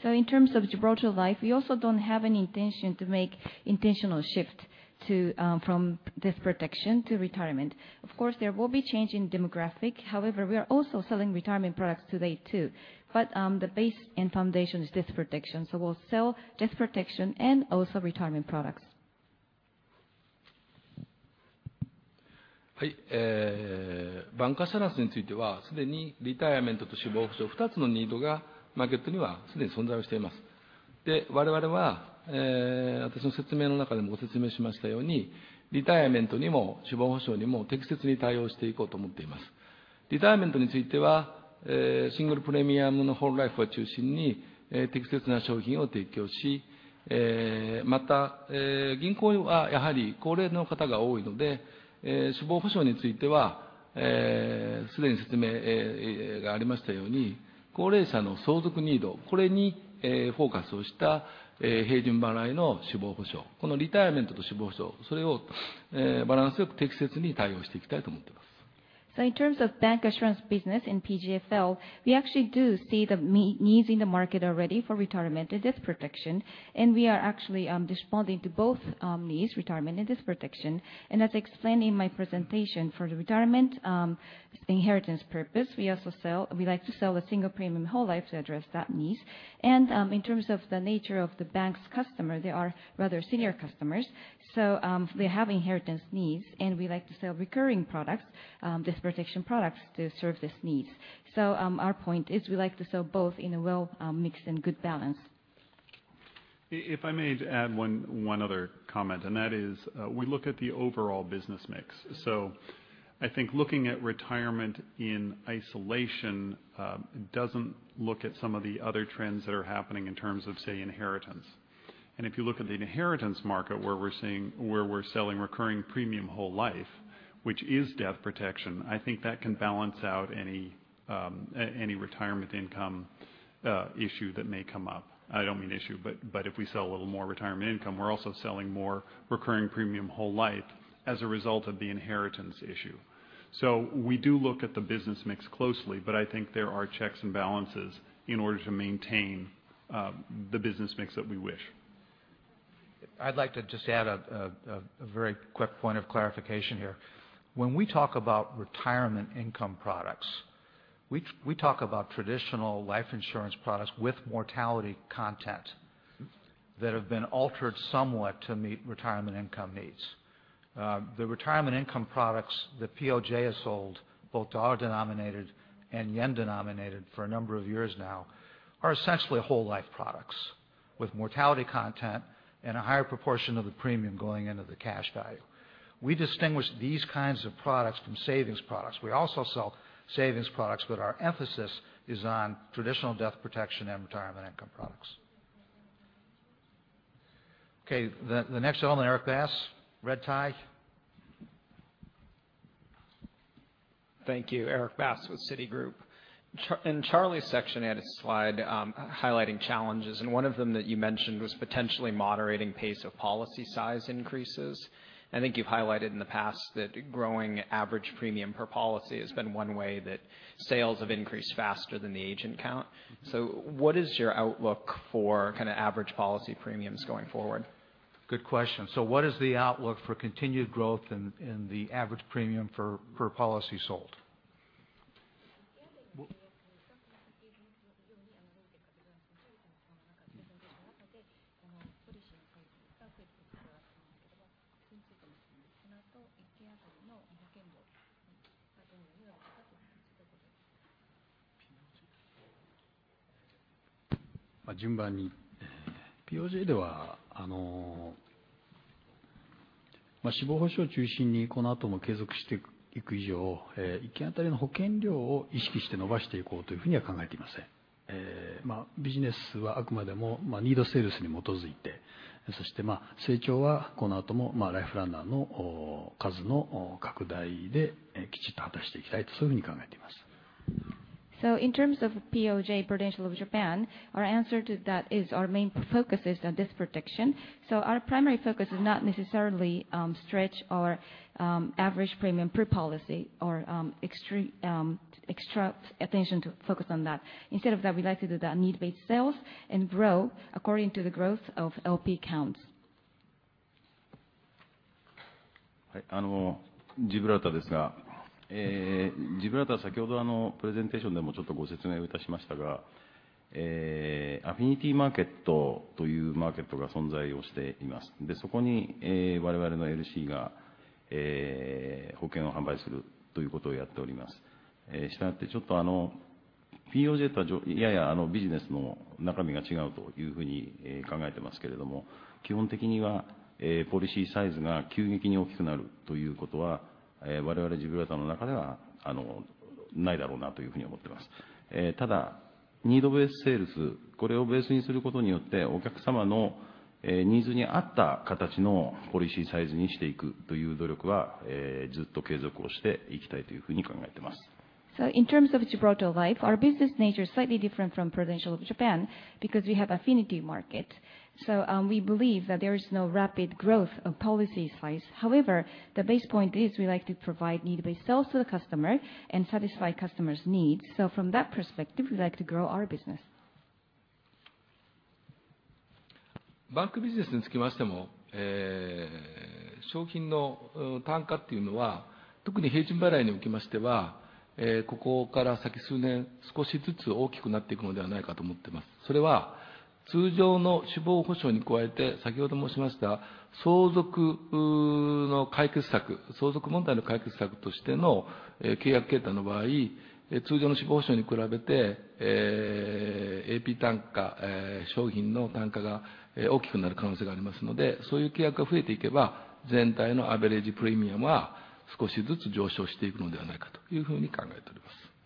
In terms of Gibraltar Life, we also don't have any intention to make intentional shift from death protection to retirement. Of course, there will be change in demographic. However, we are also selling retirement products today, too. The base and foundation is death protection. We'll sell death protection and also retirement products. シングルプレミアムのwhole In terms of bancassurance business in PGFL, we actually do see the needs in the market already for retirement and death protection. We are actually responding to both needs, retirement and death protection. As explained in my presentation, for the retirement inheritance purpose, we like to sell a single premium whole life to address that need. In terms of the nature of the bank's customers, they are rather senior customers. They have inheritance needs. We like to sell recurring products, death protection products to serve this need. Our point is, we like to sell both in a well-mixed and good balance. If I may add one other comment, and that is, we look at the overall business mix. I think looking at retirement in isolation doesn't look at some of the other trends that are happening in terms of, say, inheritance. If you look at the inheritance market, where we're selling recurring premium whole life, which is death protection, I think that can balance out any retirement income issue that may come up. I don't mean issue, if we sell a little more retirement income, we're also selling more recurring premium whole life as a result of the inheritance issue. We do look at the business mix closely, I think there are checks and balances in order to maintain the business mix that we wish. I'd like to just add a very quick point of clarification here. When we talk about retirement income products, we talk about traditional life insurance products with mortality content that have been altered somewhat to meet retirement income needs. The retirement income products that POJ has sold, both dollar-denominated and yen-denominated for a number of years now, are essentially whole life products with mortality content and a higher proportion of the premium going into the cash value. We distinguish these kinds of products from savings products. We also sell savings products, our emphasis is on traditional death protection and retirement income products. Okay, the next gentleman, Erik Bass, red tie. Thank you. Erik Bass with Citigroup. In Charlie's section, he had a slide highlighting challenges, one of them that you mentioned was potentially moderating pace of policy size increases. I think you've highlighted in the past that growing average premium per policy has been one way that sales have increased faster than the agent count. What is your outlook for average policy premiums going forward? Good question. What is the outlook for continued growth in the average premium per policy sold? In terms of POJ, Prudential of Japan, our answer to that is our main focus is on death protection. Our primary focus is not necessarily stretch our average premium per policy or extract attention to focus on that. Instead of that, we like to do that need-based sales and grow according to the growth of LP counts. In terms of Gibraltar Life, our business nature is slightly different from Prudential of Japan because we have affinity market. We believe that there is no rapid growth of policy size. However, the base point is we like to provide need-based sales to the customer and satisfy customers' needs. From that perspective, we like to grow our business.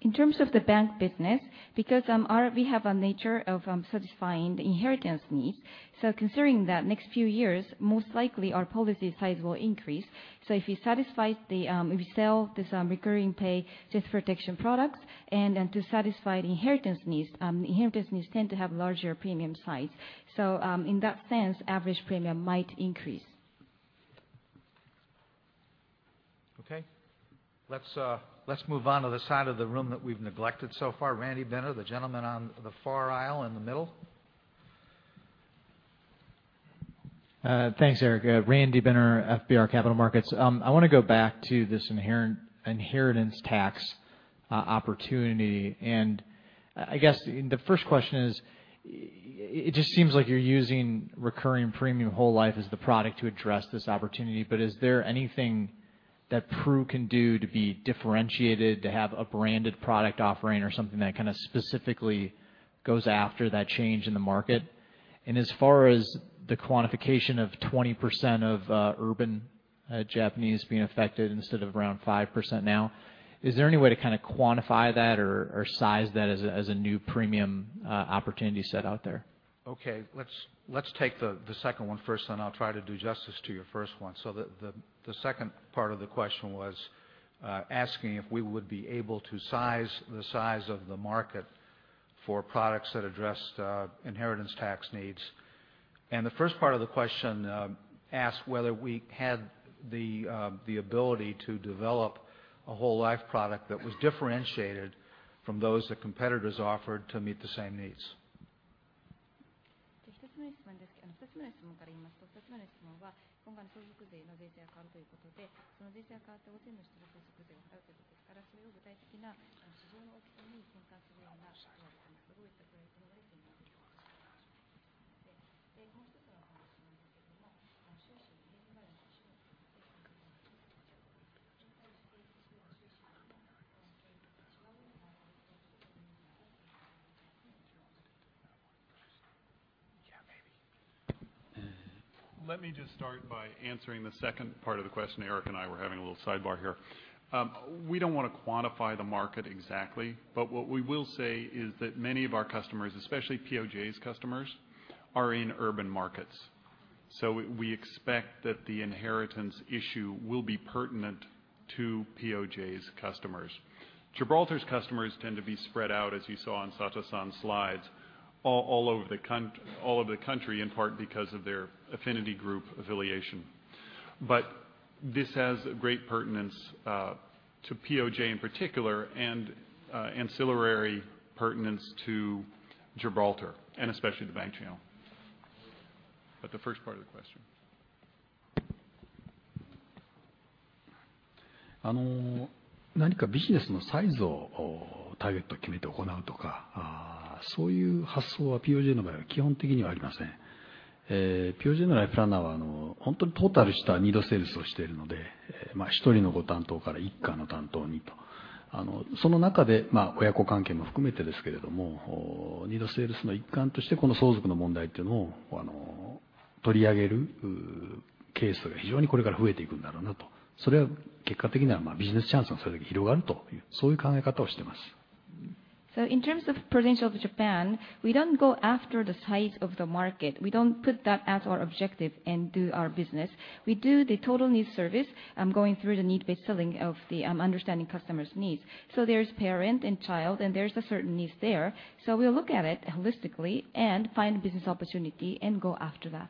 In terms of the bank business, because we have a nature of satisfying the inheritance needs. Considering that next few years, most likely our policy size will increase. If we sell this recurring pay death protection products, and to satisfy the inheritance needs, inheritance needs tend to have larger premium size. In that sense, average premium might increase. Okay, let's move on to the side of the room that we've neglected so far. Randy Binner, the gentleman on the far aisle in the middle. Thanks, Eric. Randy Binner, FBR Capital Markets. I guess the first question is, it just seems like you're using recurring premium whole life as the product to address this opportunity, but is there anything that Pru can do to be differentiated to have a branded product offering or something that kind of specifically goes after that change in the market? As far as the quantification of 20% of urban Japanese being affected instead of around 5% now, is there any way to kind of quantify that or size that as a new premium opportunity set out there? Okay. Let's take the second one first, I'll try to do justice to your first one. The second part of the question was asking if we would be able to size the size of the market for products that addressed inheritance tax needs. The first part of the question asked whether we had the ability to develop a whole life product that was differentiated from those that competitors offered to meet the same needs. Let me just start by answering the second part of the question. Eric and I were having a little sidebar here. We don't want to quantify the market exactly, but what we will say is that many of our customers, especially POJ's customers, are in urban markets. We expect that the inheritance issue will be pertinent to POJ's customers. Gibraltar's customers tend to be spread out, as you saw on Sato-san's slides, all over the country, in part because of their affinity group affiliation. This has great pertinence to POJ in particular and ancillary pertinence to Gibraltar and especially the bank channel. The first part of the question. In terms of Prudential of Japan, we don't go after the size of the market. We don't put that as our objective and do our business. We do the total need service, going through the need-based selling of understanding customers' needs. There's parent and child, there's a certain need there. We look at it holistically and find business opportunity and go after that.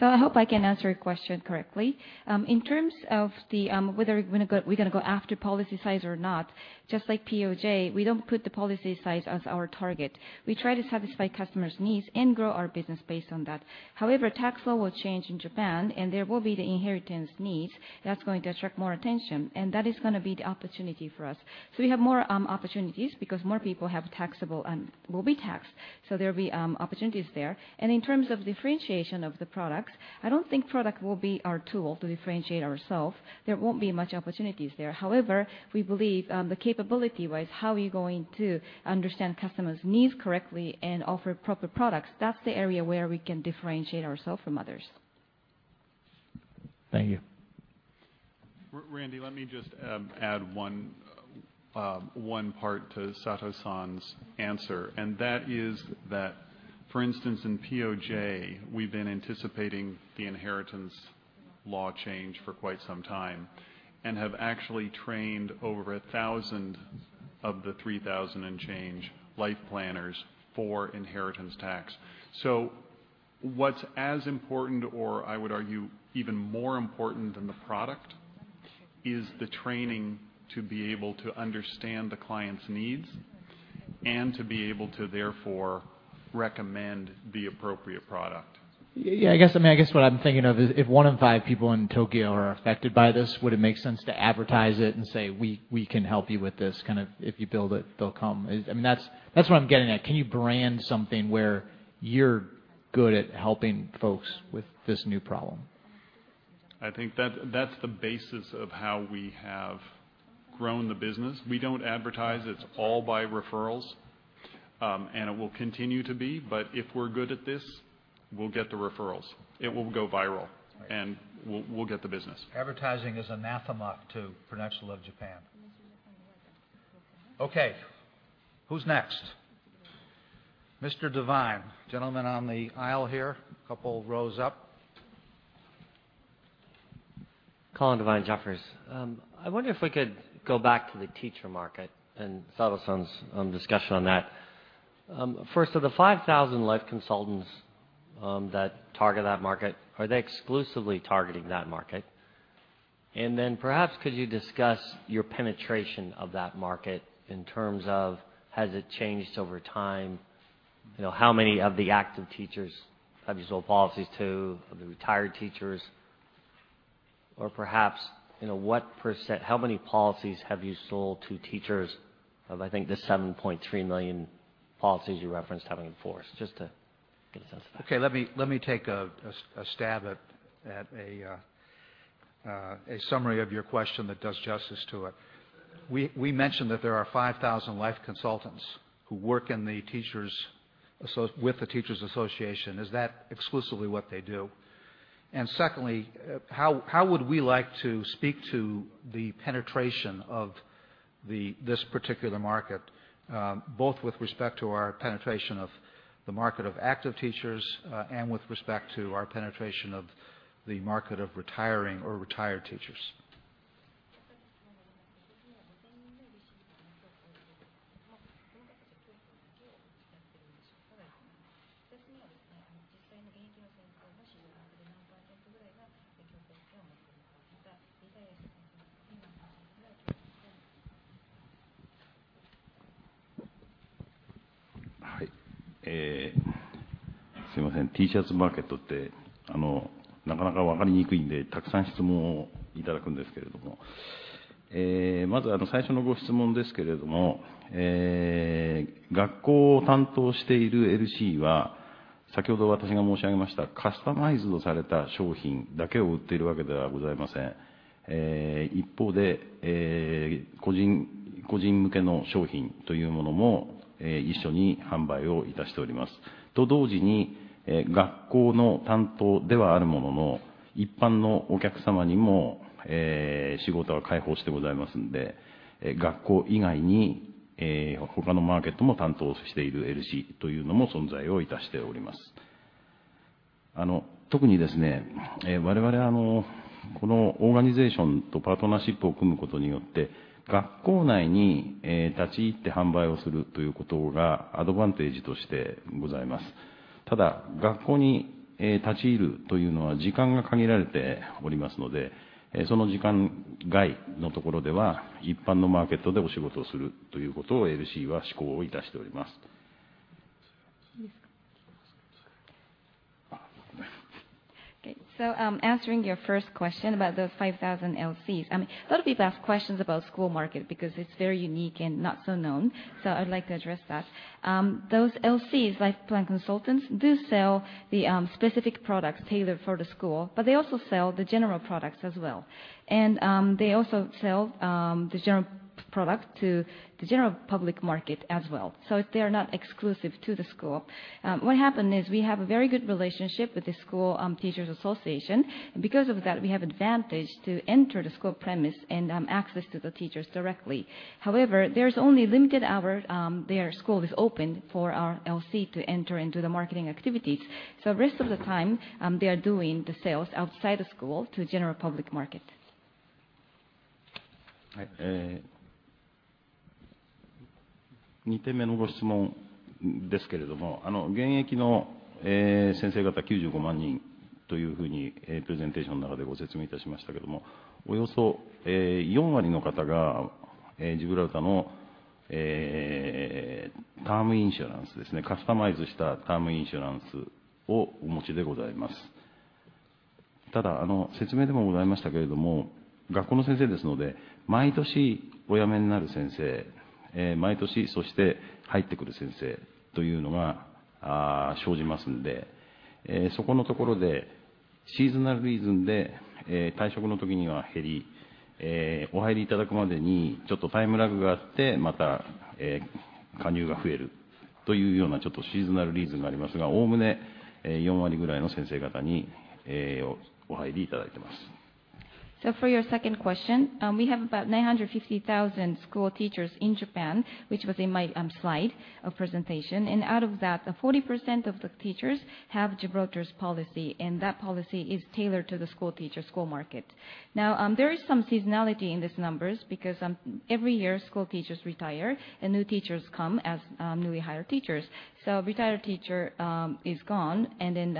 I hope I can answer your question correctly. In terms of whether we're going to go after policy size or not, just like POJ, we don't put the policy size as our target. We try to satisfy customers' needs and grow our business based on that. However, tax law will change in Japan, and there will be the inheritance needs that's going to attract more attention, and that is going to be the opportunity for us. We have more opportunities because more people will be taxed. There will be opportunities there. In terms of differentiation of the products, I don't think product will be our tool to differentiate ourself. There won't be much opportunities there. However, we believe the capability-wise, how are you going to understand customers' needs correctly and offer proper products? That's the area where we can differentiate ourself from others. Thank you. Randy, let me just add one part to Sato-san's answer, and that is that for instance, in POJ, we've been anticipating the inheritance law change for quite some time and have actually trained over 1,000 of the 3,000 and change life planners for inheritance tax. What's as important, or I would argue even more important than the product, is the training to be able to understand the client's needs and to be able to therefore recommend the appropriate product. Yeah, I guess what I'm thinking of is if one in five people in Tokyo are affected by this, would it make sense to advertise it and say, "We can help you with this." Kind of if you build it, they'll come. That's what I'm getting at. Can you brand something where you're good at helping folks with this new problem? I think that's the basis of how we have grown the business. We don't advertise. It's all by referrals. It will continue to be, but if we're good at this, we'll get the referrals. It will go viral, and we'll get the business. Advertising is anathema to Prudential of Japan. Okay, who's next? Mr. Devine, gentleman on the aisle here, a couple rows up. Colin Devine, Jefferies. I wonder if we could go back to the teacher market and Sato-san's discussion on that. First of the 5,000 life consultants that target that market, are they exclusively targeting that market? Then perhaps could you discuss your penetration of that market in terms of has it changed over time? How many of the active teachers have you sold policies to, of the retired teachers? Perhaps how many policies have you sold to teachers of, I think, the 7.3 million policies you referenced having in force? Just to get a sense of that. Okay. Let me take a stab at a summary of your question that does justice to it. We mentioned that there are 5,000 life consultants who work with the Teachers Association. Is that exclusively what they do? Secondly, how would we like to speak to the penetration of this particular market, both with respect to our penetration of the market of active teachers and with respect to our penetration of the market of retiring or retired teachers? というようなシーズナルリーズンがありますが、概ね4割ぐらいの先生方にお入りいただいてます。For your second question, we have about 950,000 school teachers in Japan, which was in my slide of presentation. Out of that, 40% of the teachers have Gibraltar's policy, and that policy is tailored to the school teacher school market. There is some seasonality in these numbers because every year school teachers retire and new teachers come as newly hired teachers. A retired teacher is gone, and then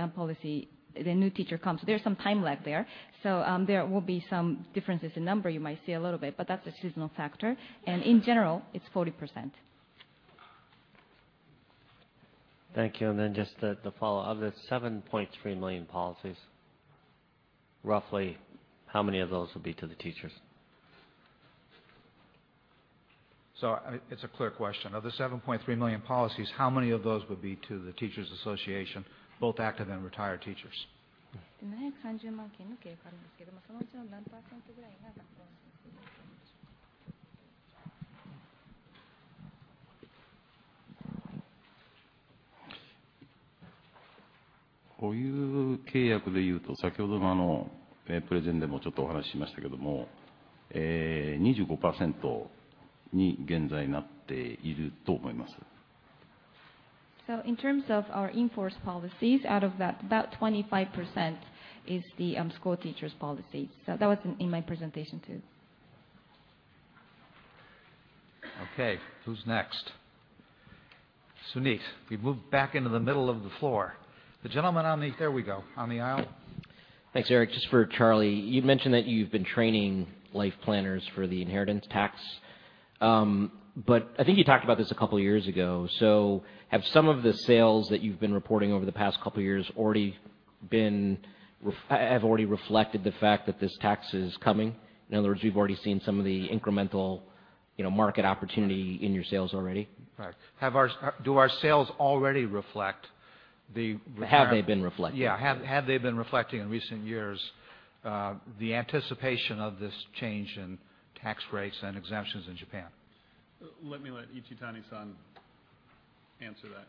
the new teacher comes. There's some time lag there. There will be some differences in number you might see a little bit, but that's the seasonal factor. In general, it's 40%. Thank you. Just the follow-up. Of the 7.3 million policies, roughly how many of those will be to the teachers? It's a clear question. Of the 7.3 million policies, how many of those would be to the teachers association, both active and retired teachers? 930万件の契約があるんですけども、そのうちの何%ぐらいが学校の先生方なんでしょうか。こういう契約でいうと、先ほどのプレゼンでもちょっとお話ししましたけども、25%に現在なっていると思います。In terms of our in-force policies, out of that, about 25% is the school teachers policy. That was in my presentation, too. Okay, who's next? Suneet. We move back into the middle of the floor. The gentleman on the aisle. Thanks, Eric. Just for Charlie, you mentioned that you've been training life planners for the inheritance tax. I think you talked about this a couple of years ago. Have some of the sales that you've been reporting over the past a couple of years have already reflected the fact that this tax is coming? In other words, you've already seen some of the incremental market opportunity in your sales already? Right. Do our sales already reflect? Have they been reflecting? Yeah. Have they been reflecting in recent years the anticipation of this change in tax rates and exemptions in Japan? Let me let Ichitani-san answer that.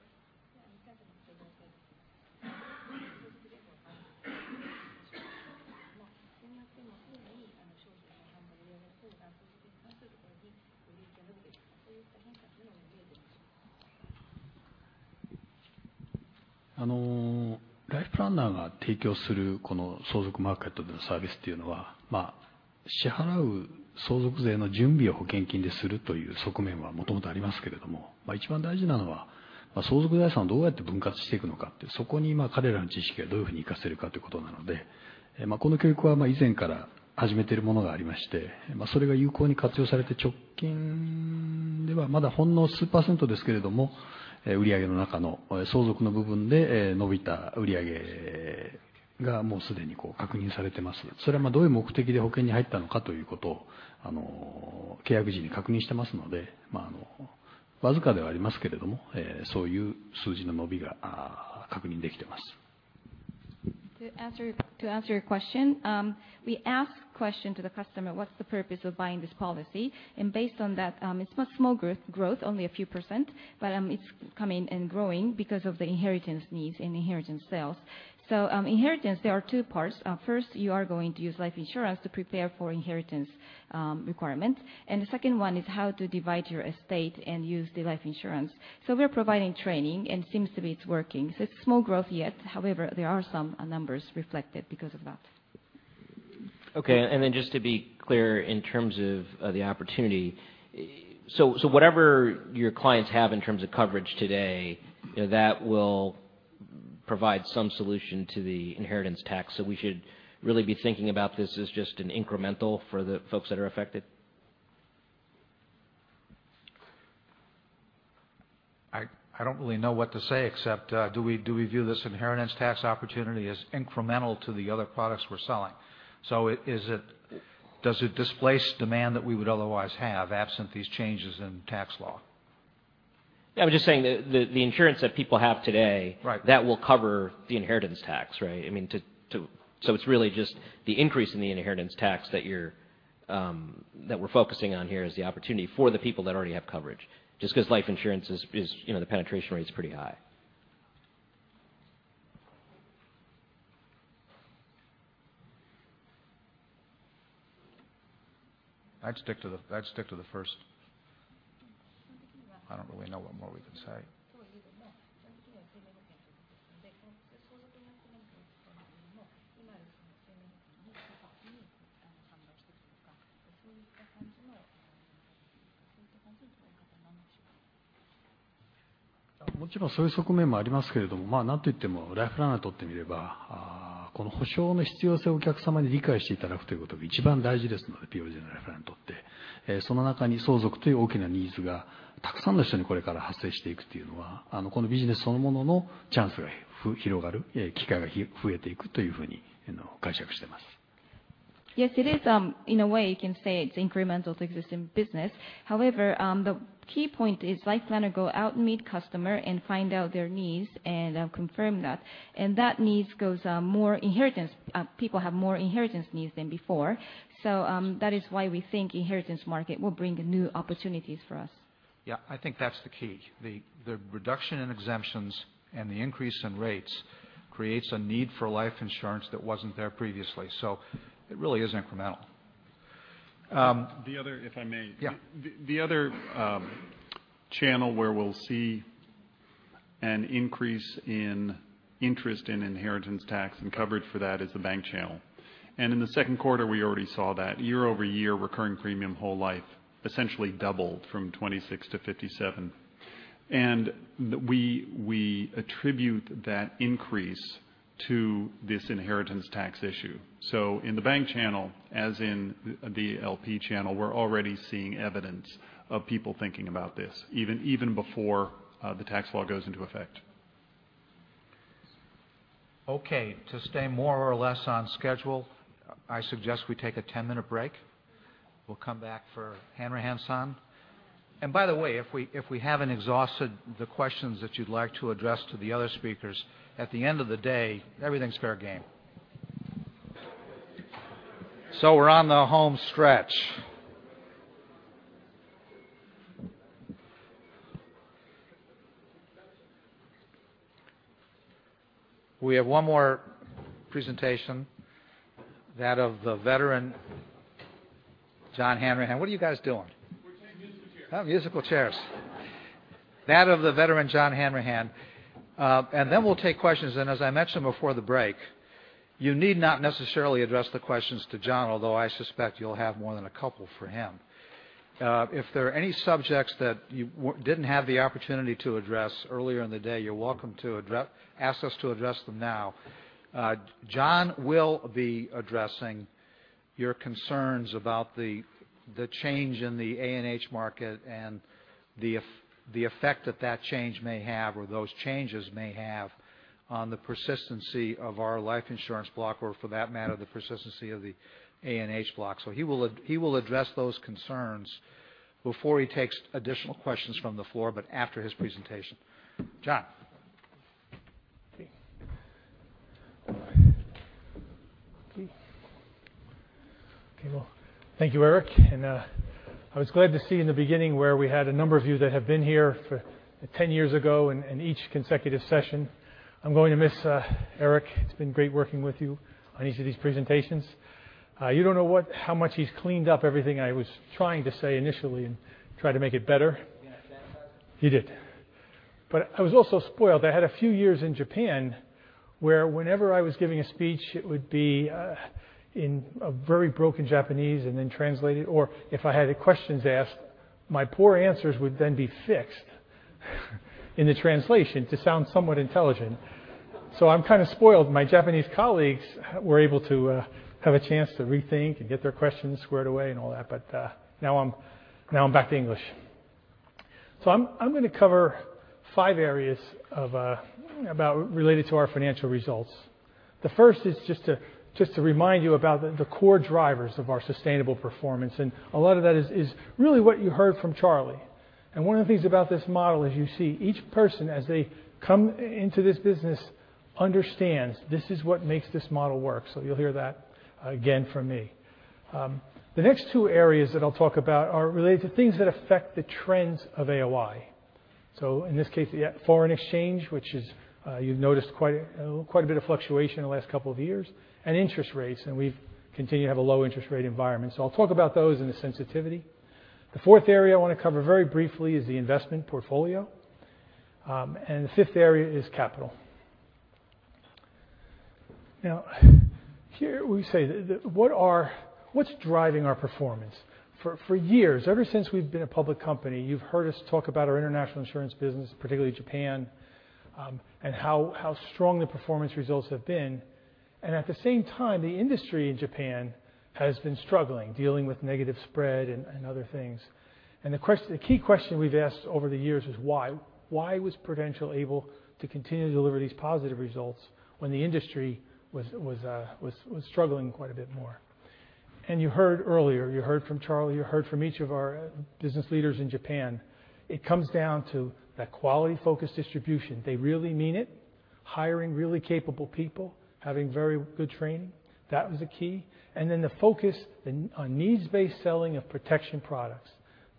To answer your question, we ask question to the customer, what's the purpose of buying this policy? Based on that, it's small growth, only a few %, but it's coming and growing because of the inheritance needs and inheritance sales. Inheritance, there are two parts. First, you are going to use life insurance to prepare for inheritance requirements. The second one is how to divide your estate and use the life insurance. We're providing training, and seems to be it's working. It's small growth yet, however, there are some numbers reflected because of that. Okay, just to be clear, in terms of the opportunity. Whatever your clients have in terms of coverage today, that will provide some solution to the inheritance tax. We should really be thinking about this as just an incremental for the folks that are affected? I don't really know what to say except do we view this inheritance tax opportunity as incremental to the other products we're selling? Does it displace demand that we would otherwise have absent these changes in tax law? I'm just saying that the insurance that people have today- Right That will cover the inheritance tax, right? It's really just the increase in the inheritance tax that we're focusing on here is the opportunity for the people that already have coverage. Because life insurance, the penetration rate is pretty high. I'd stick to the first. I don't really know what more we can say. 基本的には生命保険ということですので、相続になってくる人にとっても、今の生命保険の顧客に販売していくというか、そういった感じの取り方なんでしょうか。もちろんそういう側面もありますけれども、なんといってもライフプランナーにとってみれば、この補償の必要性をお客様に理解していただくということが一番大事ですので、POJのライフプランナーにとって。その中に相続という大きなニーズがたくさんの人にこれから発生していくというのは、このビジネスそのもののチャンスが広がる、機会が増えていくというふうに解釈しています。Yes, it is. In a way, you can say it's incremental to existing business. However, the key point is life planner go out and meet customer and find out their needs and confirm that. People have more inheritance needs than before. That is why we think inheritance market will bring new opportunities for us. Yeah, I think that's the key. The reduction in exemptions and the increase in rates creates a need for life insurance that wasn't there previously. It really is incremental. The other, if I may. Yeah. The other channel where we'll see an increase in interest in inheritance tax and coverage for that is the bank channel. In the second quarter, we already saw that. Year-over-year recurring premium whole life essentially doubled from 26 to 57. We attribute that increase to this inheritance tax issue. In the bank channel, as in the LP channel, we're already seeing evidence of people thinking about this, even before the tax law goes into effect. Okay, to stay more or less on schedule, I suggest we take a 10-minute break. We'll come back for Hanrahan-san. By the way, if we haven't exhausted the questions that you'd like to address to the other speakers, at the end of the day, everything's fair game. We're on the home stretch. We have one more presentation, that of the veteran John Hanrahan. What are you guys doing? We're playing musical chairs. Oh, musical chairs. That of the veteran John Hanrahan. Then we'll take questions. As I mentioned before the break, you need not necessarily address the questions to John, although I suspect you'll have more than a couple for him. If there are any subjects that you didn't have the opportunity to address earlier in the day, you're welcome to ask us to address them now. John will be addressing your concerns about the change in the A&H market and the effect that that change may have, or those changes may have on the persistency of our life insurance block or for that matter, the persistency of the A&H block. He will address those concerns before he takes additional questions from the floor, but after his presentation. John. Okay. Okay, well, thank you, Eric, and I was glad to see in the beginning where we had a number of you that have been here for 10 years ago and each consecutive session. I'm going to miss Eric. It's been great working with you on each of these presentations. You don't know how much he's cleaned up everything I was trying to say initially and tried to make it better. You going to thank us? You did. I was also spoiled. I had a few years in Japan where whenever I was giving a speech, it would be in a very broken Japanese and then translated, or if I had questions asked, my poor answers would then be fixed in the translation to sound somewhat intelligent. I'm kind of spoiled. My Japanese colleagues were able to have a chance to rethink and get their questions squared away and all that, now I'm back to English. I'm going to cover five areas related to our financial results. The first is just to remind you about the core drivers of our sustainable performance, a lot of that is really what you heard from Charlie. One of the things about this model is you see each person as they come into this business understands this is what makes this model work. You'll hear that again from me. The next two areas that I'll talk about are related to things that affect the trends of AOI. In this case, foreign exchange, which you've noticed quite a bit of fluctuation in the last couple of years, interest rates, we continue to have a low interest rate environment. I'll talk about those in the sensitivity. The fourth area I want to cover very briefly is the investment portfolio. The fifth area is capital. Here we say, what's driving our performance? For years, ever since we've been a public company, you've heard us talk about our international insurance business, particularly Japan, how strong the performance results have been. At the same time, the industry in Japan has been struggling, dealing with negative spread and other things. The key question we've asked over the years is why? Why was Prudential able to continue to deliver these positive results when the industry was struggling quite a bit more? You heard earlier, you heard from Charlie, you heard from each of our business leaders in Japan, it comes down to that quality focused distribution. They really mean it, hiring really capable people, having very good training. That was a key. Then the focus on needs-based selling of protection products.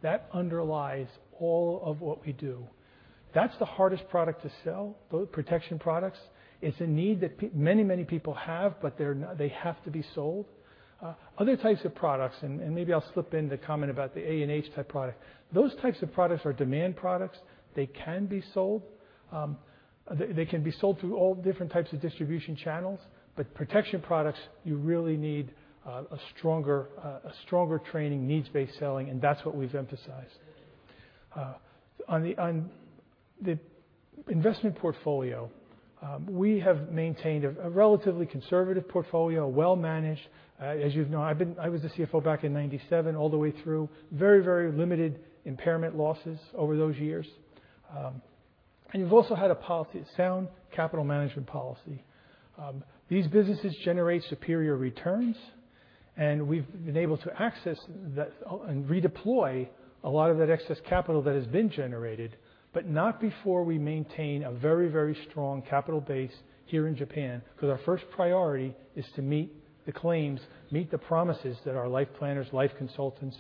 That underlies all of what we do. That's the hardest product to sell, the protection products. It's a need that many people have, but they have to be sold. Other types of products, maybe I'll slip in the comment about the A&H type product. Those types of products are demand products. They can be sold. They can be sold through all different types of distribution channels. Protection products, you really need a stronger training, needs-based selling, and that's what we've emphasized. On the investment portfolio, we have maintained a relatively conservative portfolio, well-managed. As you know, I was the CFO back in 1997 all the way through. Very limited impairment losses over those years. You've also had a policy, a sound capital management policy. These businesses generate superior returns, we've been able to access that and redeploy a lot of that excess capital that has been generated, not before we maintain a very strong capital base here in Japan, because our first priority is to meet the claims, meet the promises that our life planners, life consultants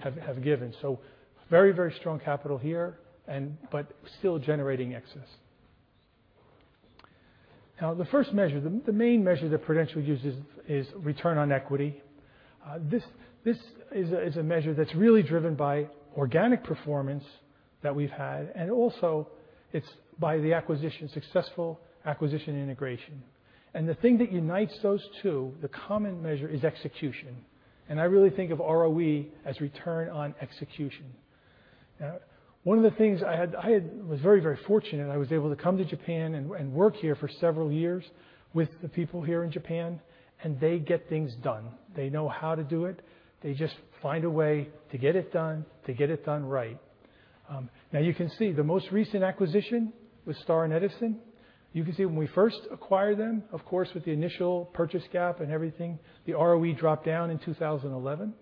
have given. Very strong capital here but still generating excess. The first measure, the main measure that Prudential uses is return on equity. This is a measure that's really driven by organic performance that we've had, it's also by the successful acquisition integration. The thing that unites those two, the common measure, is execution. I really think of ROE as return on execution. One of the things I was very fortunate. I was able to come to Japan and work here for several years with the people here in Japan, and they get things done. They know how to do it. They just find a way to get it done, to get it done right. You can see the most recent acquisition with Star and Edison. You can see when we first acquired them, of course, with the initial purchase gap and everything, the ROE dropped down in 2011.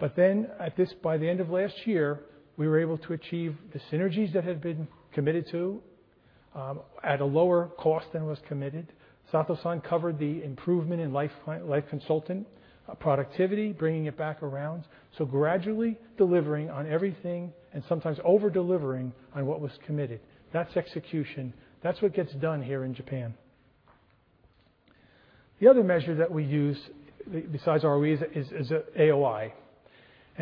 By the end of last year, we were able to achieve the synergies that had been committed to at a lower cost than was committed. Sato-san covered the improvement in life consultant productivity, bringing it back around. Gradually delivering on everything and sometimes over-delivering on what was committed. That's execution. That's what gets done here in Japan. The other measure that we use besides ROE is AOI.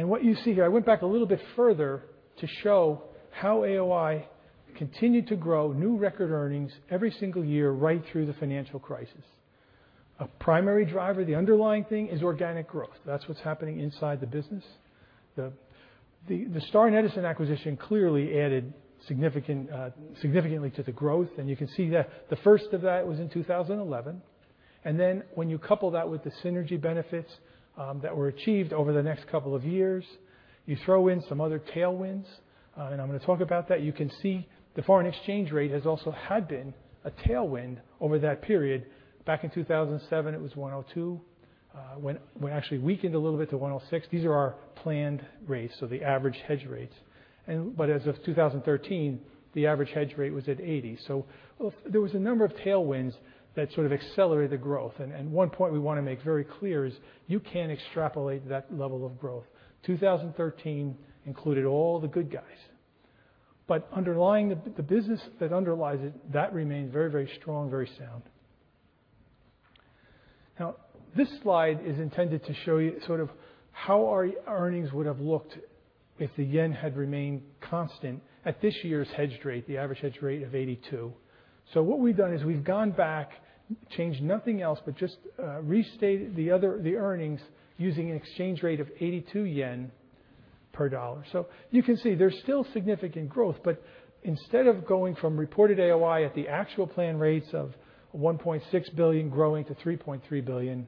What you see here, I went back a little bit further to show how AOI continued to grow new record earnings every single year right through the financial crisis. A primary driver, the underlying thing, is organic growth. That's what's happening inside the business. The Star and Edison acquisition clearly added significantly to the growth, and you can see that the first of that was in 2011. When you couple that with the synergy benefits that were achieved over the next couple of years, you throw in some other tailwinds, I'm going to talk about that. You can see the foreign exchange rate has also had been a tailwind over that period. Back in 2007, it was 102. Actually weakened a little bit to 106. These are our planned rates, so the average hedge rates. As of 2013, the average hedge rate was at 80. There was a number of tailwinds that sort of accelerated the growth. One point we want to make very clear is you can't extrapolate that level of growth. 2013 included all the good guys. The business that underlies it, that remains very strong, very sound. This slide is intended to show you sort of how our earnings would have looked if the yen had remained constant at this year's hedged rate, the average hedged rate of 82. What we've done is we've gone back, changed nothing else, just restated the earnings using an exchange rate of 82 yen per dollar. You can see there's still significant growth, instead of going from reported AOI at the actual plan rates of $1.6 billion growing to $3.3 billion,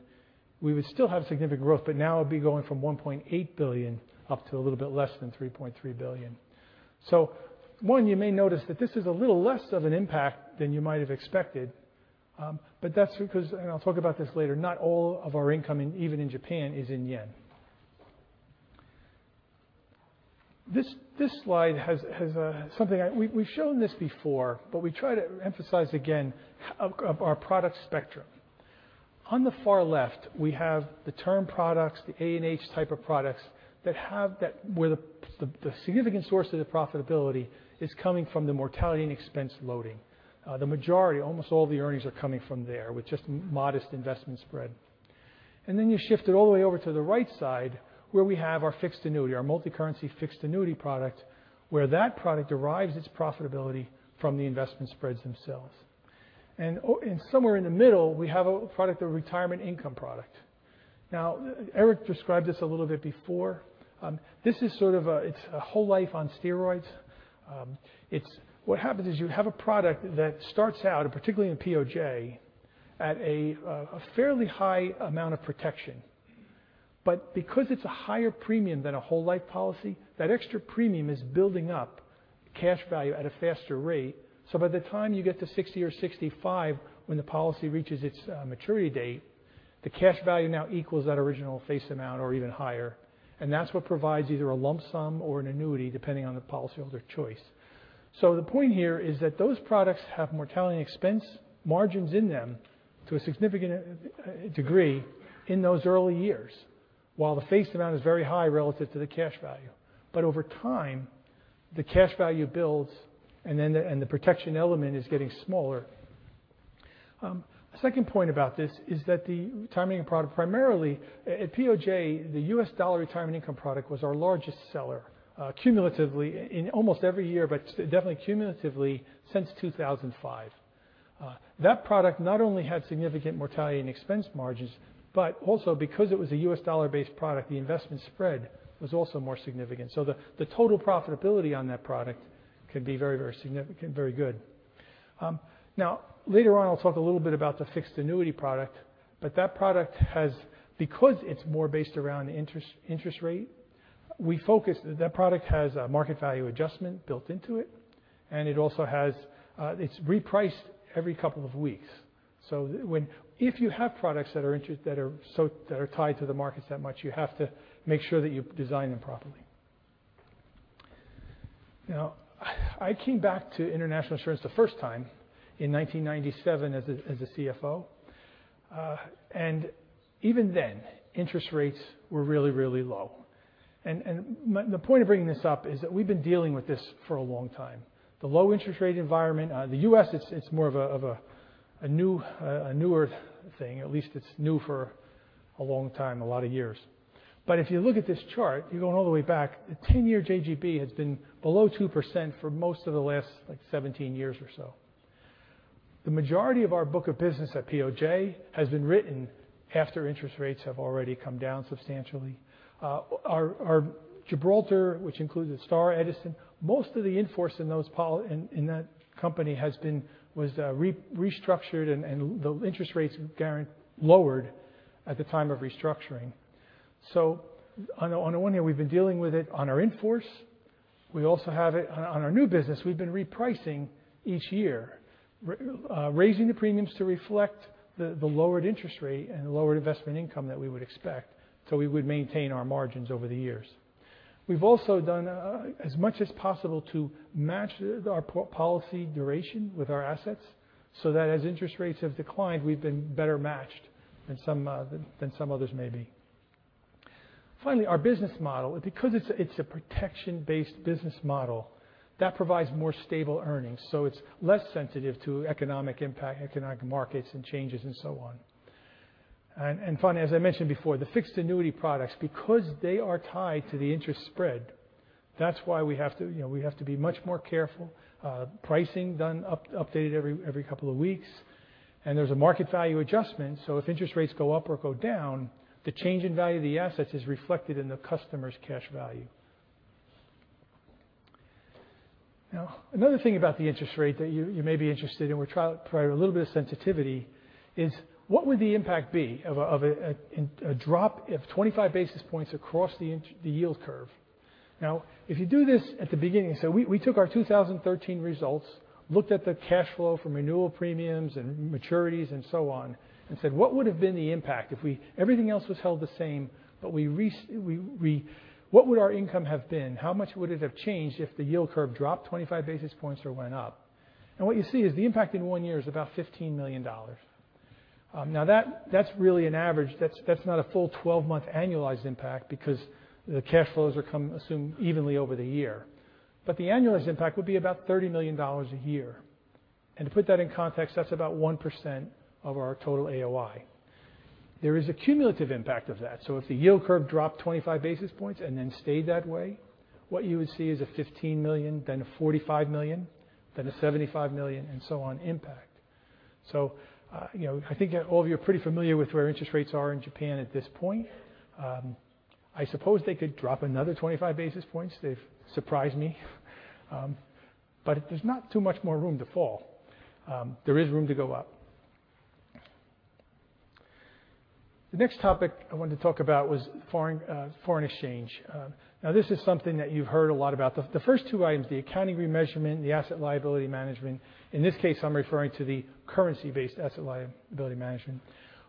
we would still have significant growth, now it'll be going from $1.8 billion up to a little bit less than $3.3 billion. One, you may notice that this is a little less of an impact than you might have expected, that's because, I'll talk about this later, not all of our income, even in Japan, is in yen. This slide has We've shown this before, but we try to emphasize again our product spectrum. On the far left, we have the term products, the A&H type of products, where the significant source of the profitability is coming from the mortality and expense loading. The majority, almost all the earnings are coming from there, with just modest investment spread. Then you shift it all the way over to the right side, where we have our fixed annuity, our multi-currency fixed annuity product, where that product derives its profitability from the investment spreads themselves. Somewhere in the middle, we have a retirement income product. Now, Eric described this a little bit before. This is sort of a whole life on steroids. What happens is you have a product that starts out, particularly in POJ, at a fairly high amount of protection. Because it's a higher premium than a whole life policy, that extra premium is building up cash value at a faster rate. By the time you get to 60 or 65, when the policy reaches its maturity date, the cash value now equals that original face amount or even higher. That's what provides either a lump sum or an annuity, depending on the policyholder's choice. The point here is that those products have mortality and expense margins in them to a significant degree in those early years, while the face amount is very high relative to the cash value. Over time, the cash value builds and the protection element is getting smaller. Second point about this is that the retirement income product, primarily at POJ, the U.S. Dollar Retirement Income product was our largest seller cumulatively in almost every year, but definitely cumulatively since 2005. That product not only had significant mortality and expense margins, but also because it was a U.S. Dollar based product, the investment spread was also more significant. The total profitability on that product can be very significant, very good. Now, later on, I'll talk a little bit about the fixed annuity product, because it's more based around interest rate, that product has a market value adjustment built into it. It's repriced every couple of weeks. If you have products that are tied to the markets that much, you have to make sure that you design them properly. Now, I came back to International Insurance the first time in 1997 as a CFO. Even then, interest rates were really low. The point of bringing this up is that we've been dealing with this for a long time. The low interest rate environment, the U.S. it's more of a newer thing. At least it's new for a long time, a lot of years. If you look at this chart, you're going all the way back. The 10-year JGB has been below 2% for most of the last 17 years or so. The majority of our book of business at POJ has been written after interest rates have already come down substantially. Our Gibraltar, which includes Star and Edison, most of the in-force in that company was restructured and the interest rates lowered at the time of restructuring. On the one hand, we've been dealing with it on our in-force. We also have it on our new business. We've been repricing each year, raising the premiums to reflect the lowered interest rate and the lowered investment income that we would expect so we would maintain our margins over the years. We've also done as much as possible to match our policy duration with our assets so that as interest rates have declined, we've been better matched than some others may be. Finally, our business model. Because it's a protection-based business model that provides more stable earnings, so it's less sensitive to economic impact, economic markets and changes, and so on. Finally, as I mentioned before, the fixed annuity products, because they are tied to the interest spread, that's why we have to be much more careful. Pricing done, updated every couple of weeks. There's a market value adjustment, so if interest rates go up or go down, the change in value of the assets is reflected in the customer's cash value. Another thing about the interest rate that you may be interested in, we try a little bit of sensitivity is what would the impact be of a drop of 25 basis points across the yield curve? If you do this at the beginning, we took our 2013 results, looked at the cash flow from renewal premiums and maturities and so on, said, what would have been the impact if everything else was held the same, what would our income have been? How much would it have changed if the yield curve dropped 25 basis points or went up? What you see is the impact in one year is about $15 million. That's really an average. That's not a full 12-month annualized impact because the cash flows are assumed evenly over the year. The annualized impact would be about $30 million a year. To put that in context, that's about 1% of our total AOI. There is a cumulative impact of that. If the yield curve dropped 25 basis points and then stayed that way, what you would see is a $15 million, then a $45 million, then a $75 million, and so on impact. I think all of you are pretty familiar with where interest rates are in Japan at this point. I suppose they could drop another 25 basis points. They've surprised me. There's not too much more room to fall. There is room to go up. The next topic I wanted to talk about was foreign exchange. This is something that you've heard a lot about. The first two items, the accounting remeasurement, the asset liability management. In this case, I'm referring to the currency-based asset liability management.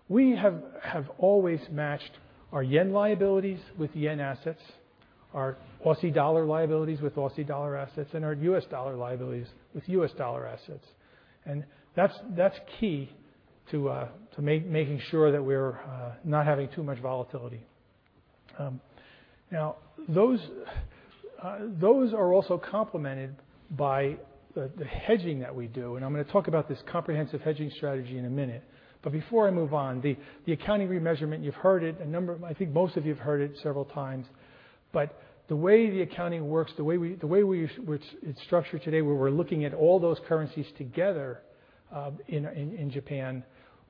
We have always matched our JPY liabilities with JPY assets, our AUD liabilities with AUD assets, and our USD liabilities with USD assets. That's key to making sure that we're not having too much volatility. Those are also complemented by the hedging that we do, I'm going to talk about this comprehensive hedging strategy in a minute. Before I move on, the accounting remeasurement, I think most of you have heard it several times. The way the accounting works, the way it's structured today, where we're looking at all those currencies together in Japan,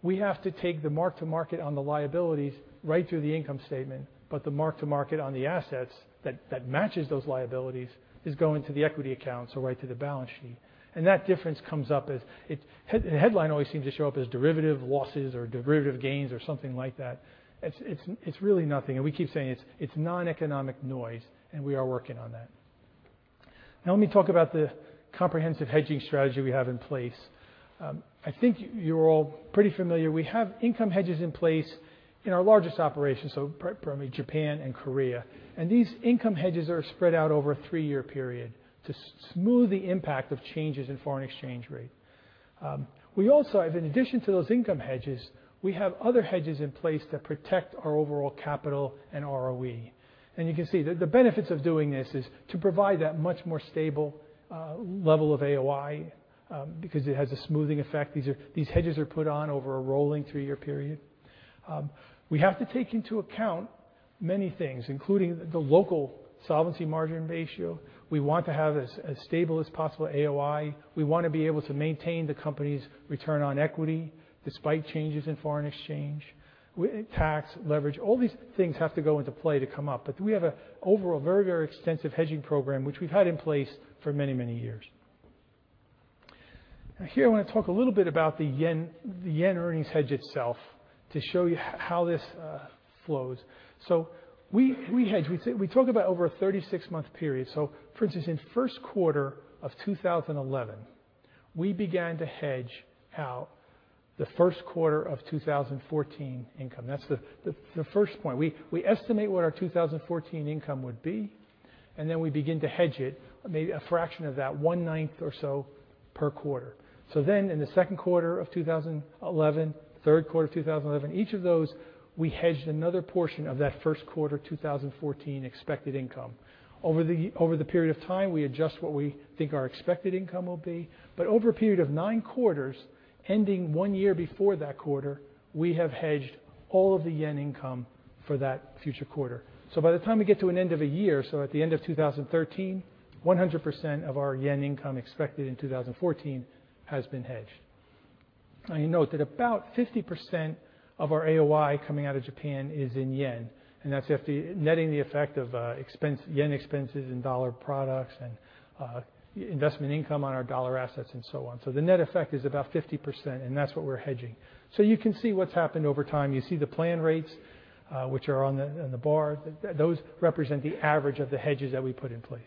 we have to take the market on the liabilities right through the income statement. The market on the assets that matches those liabilities is going to the equity account, so right to the balance sheet. That difference comes up as. The headline always seems to show up as derivative losses or derivative gains or something like that. It's really nothing. We keep saying it's non-economic noise, and we are working on that. Let me talk about the comprehensive hedging strategy we have in place. I think you're all pretty familiar. We have income hedges in place in our largest operations, so primarily Japan and Korea. These income hedges are spread out over a three-year period to smooth the impact of changes in foreign exchange rate. We also have, in addition to those income hedges, we have other hedges in place that protect our overall capital and ROE. You can see the benefits of doing this is to provide that much more stable level of AOI because it has a smoothing effect. These hedges are put on over a rolling three-year period. We have to take into account many things, including the local solvency margin ratio. We want to have as stable as possible AOI. We want to be able to maintain the company's return on equity despite changes in foreign exchange. Tax leverage, all these things have to go into play to come up. We have an overall very, very extensive hedging program, which we've had in place for many, many years. Here I want to talk a little bit about the yen earnings hedge itself to show you how this flows. We hedge. We talk about over a 36-month period. For instance, in the first quarter of 2011, we began to hedge out the first quarter of 2014 income. That's the first point. We estimate what our 2014 income would be. Then we begin to hedge it, maybe a fraction of that, one-ninth or so per quarter. In the second quarter of 2011, third quarter of 2011, each of those, we hedged another portion of that first quarter 2014 expected income. Over the period of time, we adjust what we think our expected income will be. Over a period of nine quarters, ending one year before that quarter, we have hedged all of the yen income for that future quarter. By the time we get to an end of a year, at the end of 2013, 100% of our yen income expected in 2014 has been hedged. You note that about 50% of our AOI coming out of Japan is in yen, and that's after netting the effect of yen expenses in dollar products and investment income on our dollar assets and so on. The net effect is about 50%, and that's what we're hedging. You can see what's happened over time. You see the plan rates, which are on the bar. Those represent the average of the hedges that we put in place.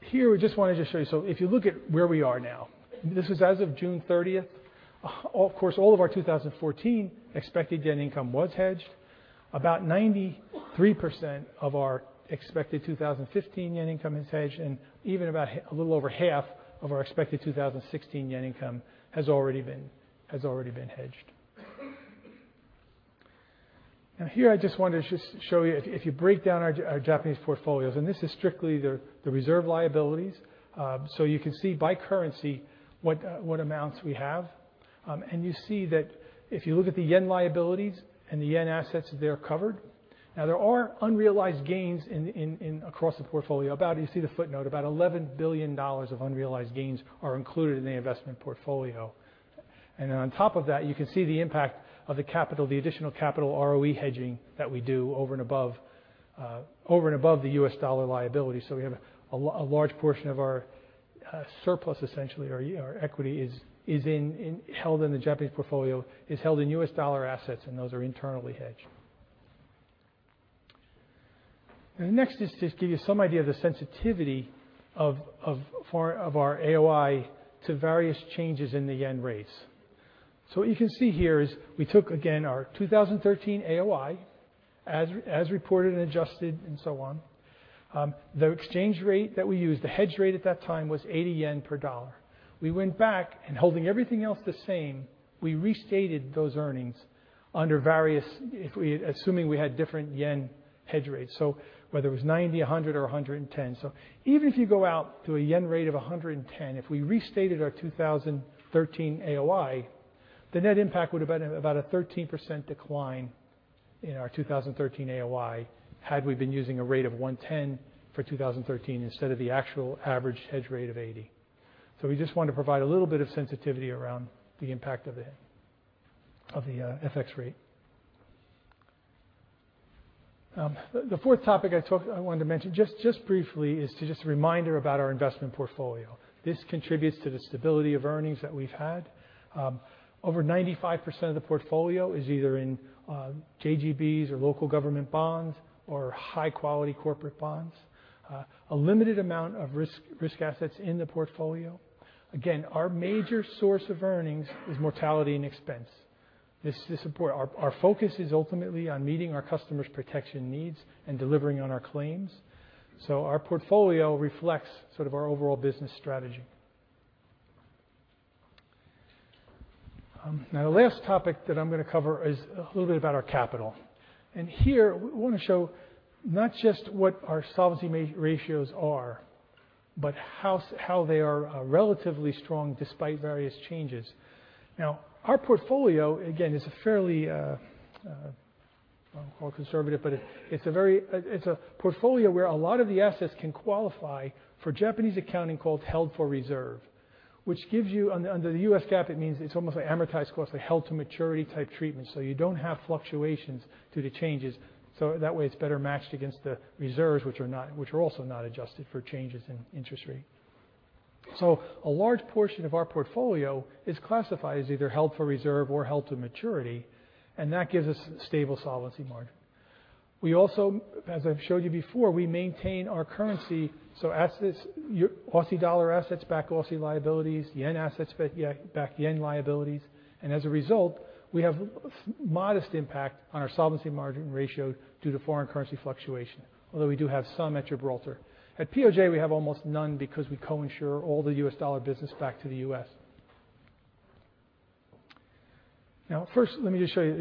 Here we just wanted to show you. If you look at where we are now, this is as of June 30th. Of course, all of our 2014 expected yen income was hedged. About 93% of our expected 2015 yen income is hedged, even about a little over half of our expected 2016 yen income has already been hedged. Here I just wanted to show you, if you break down our Japanese portfolios, and this is strictly the reserve liabilities. You can see by currency what amounts we have. You see that if you look at the JPY liabilities and the JPY assets, they're covered. There are unrealized gains across the portfolio. You see the footnote, about $11 billion of unrealized gains are included in the investment portfolio. On top of that, you can see the impact of the additional capital ROE hedging that we do over and above the USD liability. We have a large portion of our surplus, essentially our equity is held in the Japanese portfolio, is held in USD assets, those are internally hedged. Next is just to give you some idea of the sensitivity of our AOI to various changes in the JPY rates. What you can see here is we took again our 2013 AOI as reported and adjusted and so on. The exchange rate that we used, the hedge rate at that time was 80 yen per USD. We went back, holding everything else the same, we restated those earnings under various-- assuming we had different JPY hedge rates. Whether it was 90, 100, or 110. Even if you go out to a JPY rate of 110, if we restated our 2013 AOI, the net impact would have been about a 13% decline in our 2013 AOI had we been using a rate of 110 for 2013 instead of the actual average hedge rate of 80. We just want to provide a little bit of sensitivity around the impact of the FX rate. The fourth topic I wanted to mention just briefly is just a reminder about our investment portfolio. This contributes to the stability of earnings that we've had. Over 95% of the portfolio is either in JGBs or local government bonds or high-quality corporate bonds. A limited amount of risk assets in the portfolio. Our major source of earnings is mortality and expense. Our focus is ultimately on meeting our customers' protection needs and delivering on our claims. Our portfolio reflects sort of our overall business strategy. The last topic that I'm going to cover is a little bit about our capital. Here we want to show not just what our solvency ratios are, but how they are relatively strong despite various changes. Our portfolio is a fairly, I don't want to call it conservative, but it's a portfolio where a lot of the assets can qualify for Japanese accounting called held for reserve. Under the U.S. GAAP, it means it's almost like amortized cost, like held to maturity type treatment. You don't have fluctuations due to changes. That way it's better matched against the reserves, which are also not adjusted for changes in interest rate. A large portion of our portfolio is classified as either held for reserve or held to maturity, that gives us stable solvency margin. We also, as I've showed you before, we maintain our currency. AUD assets back AUD liabilities, JPY assets back JPY liabilities, As a result, we have modest impact on our solvency margin ratio due to foreign currency fluctuation. Although we do have some at Gibraltar. At POJ, we have almost none because we co-insure all the U.S. dollar business back to the U.S. First, let me just show you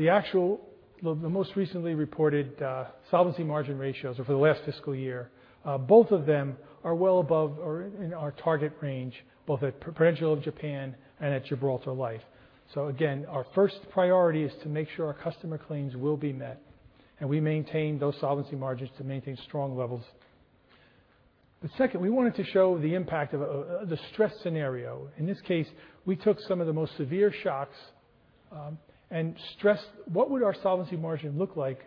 the most recently reported solvency margin ratios for the last fiscal year. Both of them are well above or in our target range, both at Prudential of Japan and at Gibraltar Life. Again, our first priority is to make sure our customer claims will be met, and we maintain those solvency margins to maintain strong levels. Second, we wanted to show the impact of the stress scenario. In this case, we took some of the most severe shocks and stressed what would our solvency margin look like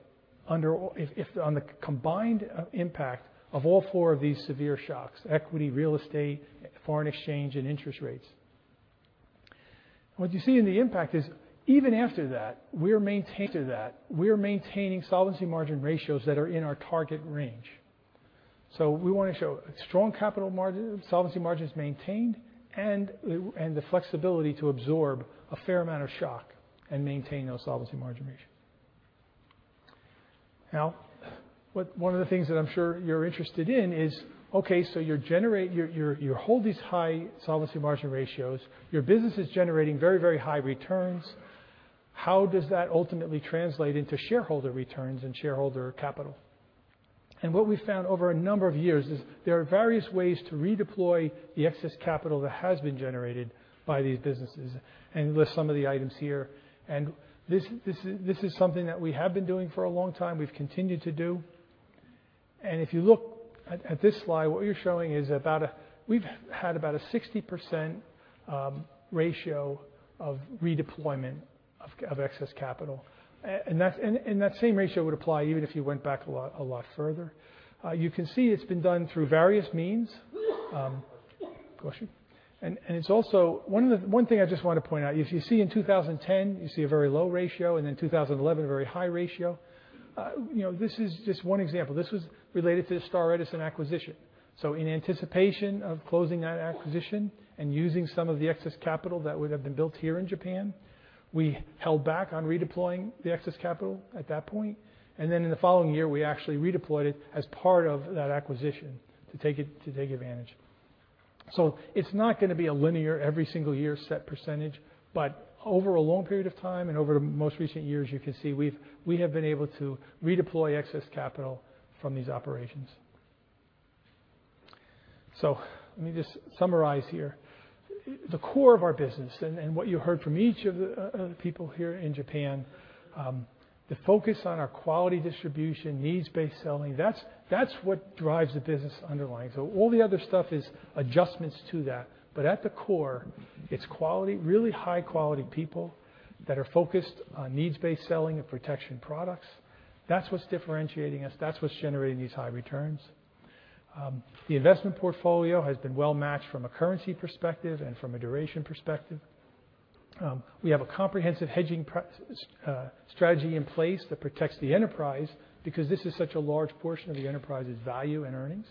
on the combined impact of all four of these severe shocks: equity, real estate, foreign exchange, and interest rates. What you see in the impact is even after that, we're maintaining solvency margin ratios that are in our target range. We want to show strong capital margin, solvency margins maintained, and the flexibility to absorb a fair amount of shock and maintain those solvency margin ratios. One of the things that I'm sure you're interested in is, okay, you hold these high solvency margin ratios. Your business is generating very, very high returns. How does that ultimately translate into shareholder returns and shareholder capital? What we've found over a number of years is there are various ways to redeploy the excess capital that has been generated by these businesses, we list some of the items here. This is something that we have been doing for a long time, we've continued to do. If you look at this slide, what we're showing is we've had about a 60% ratio of redeployment of excess capital. That same ratio would apply even if you went back a lot further. You can see it's been done through various means. Bless you. One thing I just want to point out, if you see in 2010, you see a very low ratio, then 2011, a very high ratio. This is just one example. This was related to the Star Edison acquisition. In anticipation of closing that acquisition and using some of the excess capital that would have been built here in Japan, we held back on redeploying the excess capital at that point. Then in the following year, we actually redeployed it as part of that acquisition to take advantage. It's not going to be a linear every single year set percentage, but over a long period of time and over the most recent years, you can see we have been able to redeploy excess capital from these operations. Let me just summarize here. The core of our business and what you heard from each of the people here in Japan, the focus on our quality distribution, needs-based selling, that's what drives the business underlying. All the other stuff is adjustments to that. At the core, it's quality, really high-quality people that are focused on needs-based selling of protection products. That's what's differentiating us, that's what's generating these high returns. The investment portfolio has been well matched from a currency perspective and from a duration perspective. We have a comprehensive hedging strategy in place that protects the enterprise because this is such a large portion of the enterprise's value and earnings.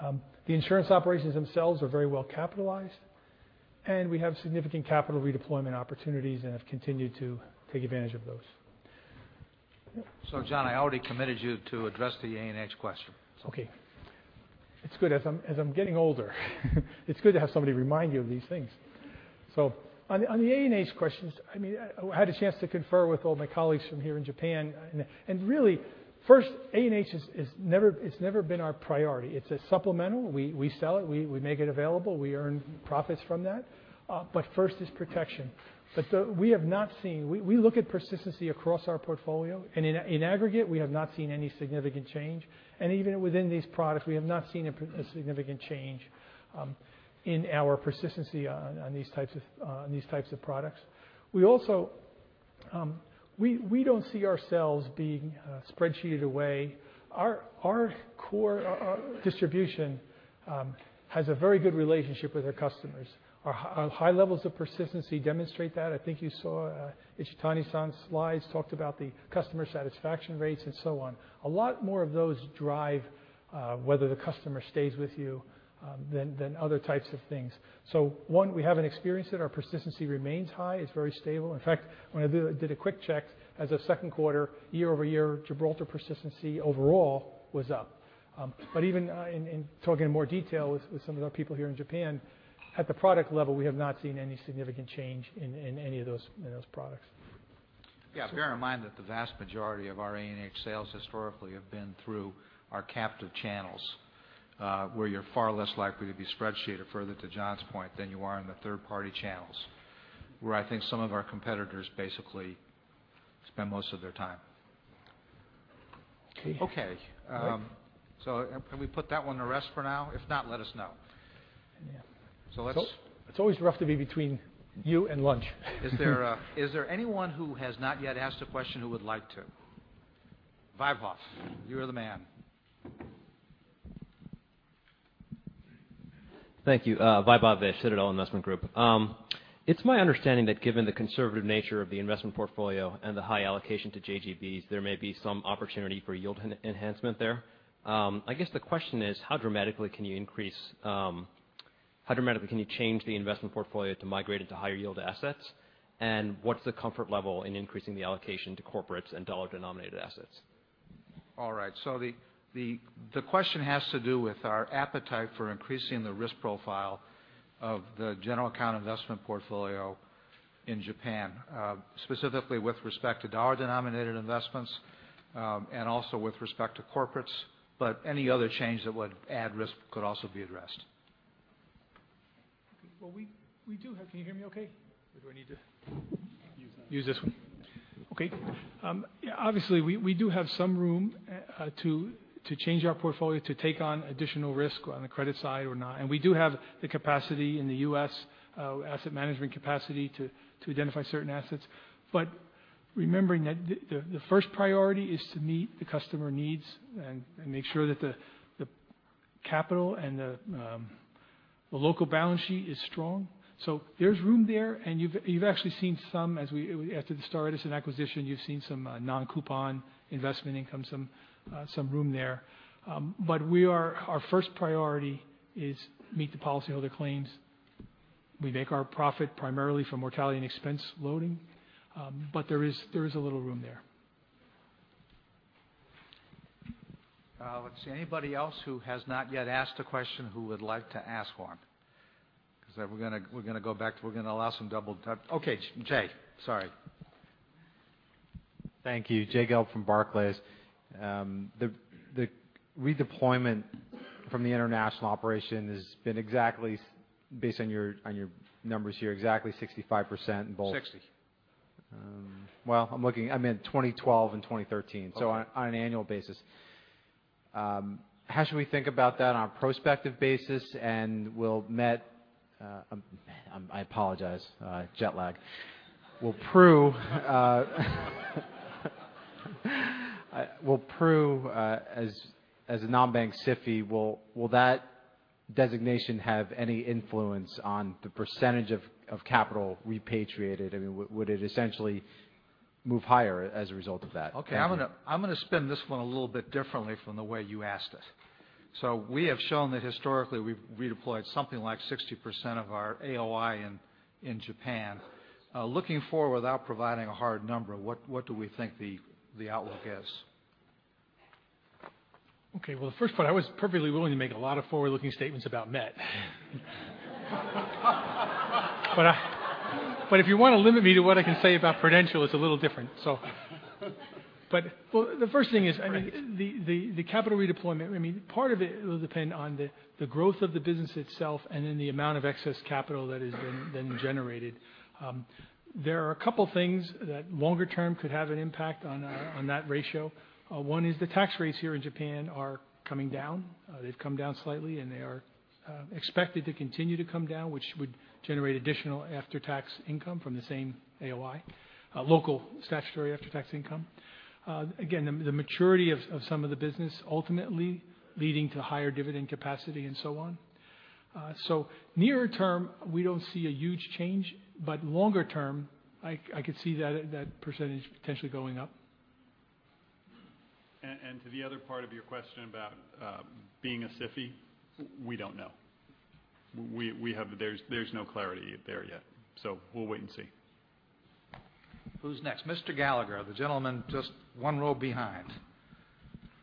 The insurance operations themselves are very well capitalized, and we have significant capital redeployment opportunities and have continued to take advantage of those. John, I already committed you to address the A&H question. Okay. As I'm getting older it's good to have somebody remind you of these things. On the A&H questions, I had a chance to confer with all my colleagues from here in Japan. Really first, A&H it's never been our priority. It's a supplemental. We sell it. We make it available. We earn profits from that. First is protection. We look at persistency across our portfolio, and in aggregate, we have not seen any significant change. Even within these products, we have not seen a significant change in our persistency on these types of products. We don't see ourselves being spreadsheeted away. Our core distribution has a very good relationship with our customers. Our high levels of persistency demonstrate that. I think you saw Ichitani-san's slides talked about the customer satisfaction rates and so on. A lot more of those drive whether the customer stays with you than other types of things. One, we haven't experienced it. Our persistency remains high. It's very stable. In fact, when I did a quick check as of second quarter, year-over-year, Gibraltar persistency overall was up. Even in talking in more detail with some of our people here in Japan, at the product level, we have not seen any significant change in any of those products. Bear in mind that the vast majority of our A&H sales historically have been through our captive channels, where you're far less likely to be spreadsheeted, further to John's point, than you are in the third party channels, where I think some of our competitors basically spend most of their time. Okay. Can we put that one to rest for now? If not, let us know. It's always rough to be between you and lunch. Is there anyone who has not yet asked a question who would like to? Vaibhav. You're the man. Thank you. Vaibhav, the Citadel Investment Group. It's my understanding that given the conservative nature of the investment portfolio and the high allocation to JGBs, there may be some opportunity for yield enhancement there. I guess the question is how dramatically can you change the investment portfolio to migrate into higher yield assets? What's the comfort level in increasing the allocation to corporates and $ denominated assets? All right. The question has to do with our appetite for increasing the risk profile of the general account investment portfolio in Japan, specifically with respect to $ denominated investments, also with respect to corporates. Any other change that would add risk could also be addressed. Can you hear me okay? Or do I need to use this one? Okay. Obviously, we do have some room to change our portfolio to take on additional risk on the credit side or not. We do have the capacity in the U.S., asset management capacity to identify certain assets. Remembering that the first priority is to meet the customer needs and make sure that the capital and the local balance sheet is strong. There's room there and you've actually seen some after the Star and Edison acquisition, you've seen some non-coupon investment income, some room there. Our first priority is meet the policyholder claims. We make our profit primarily from mortality and expense loading. There is a little room there. Let's see. Anybody else who has not yet asked a question who would like to ask one? Okay, Jay, sorry. Thank you. Jay Gelb from Barclays. The redeployment from the international operation has been exactly based on your numbers here, exactly 65% in both. 60. Well, I meant 2012 and 2013. Okay. On an annual basis, how should we think about that on a prospective basis? I apologize, jet lag. Will Pru, as a non-bank SIFI, will that designation have any influence on the % of capital repatriated? I mean, would it essentially move higher as a result of that? Thank you. Okay. I'm going to spin this one a little bit differently from the way you asked it. We have shown that historically we've redeployed something like 60% of our AOI in Japan. Looking forward, without providing a hard number, what do we think the outlook is? Okay. Well, the first part, I was perfectly willing to make a lot of forward-looking statements about MetLife. If you want to limit me to what I can say about Prudential, it's a little different. The first thing is, I mean, the capital redeployment, part of it will depend on the growth of the business itself and then the amount of excess capital that has been then generated. There are a couple things that longer term could have an impact on that ratio. One is the tax rates here in Japan are coming down. They've come down slightly, they are expected to continue to come down, which would generate additional after-tax income from the same AOI, local statutory after-tax income. Again, the maturity of some of the business ultimately leading to higher dividend capacity and so on. Nearer term, we don't see a huge change, longer term, I could see that percentage potentially going up. To the other part of your question about being a SIFI, we don't know. There's no clarity there yet. We'll wait and see. Who's next? Mr. Gallagher, the gentleman just one row behind.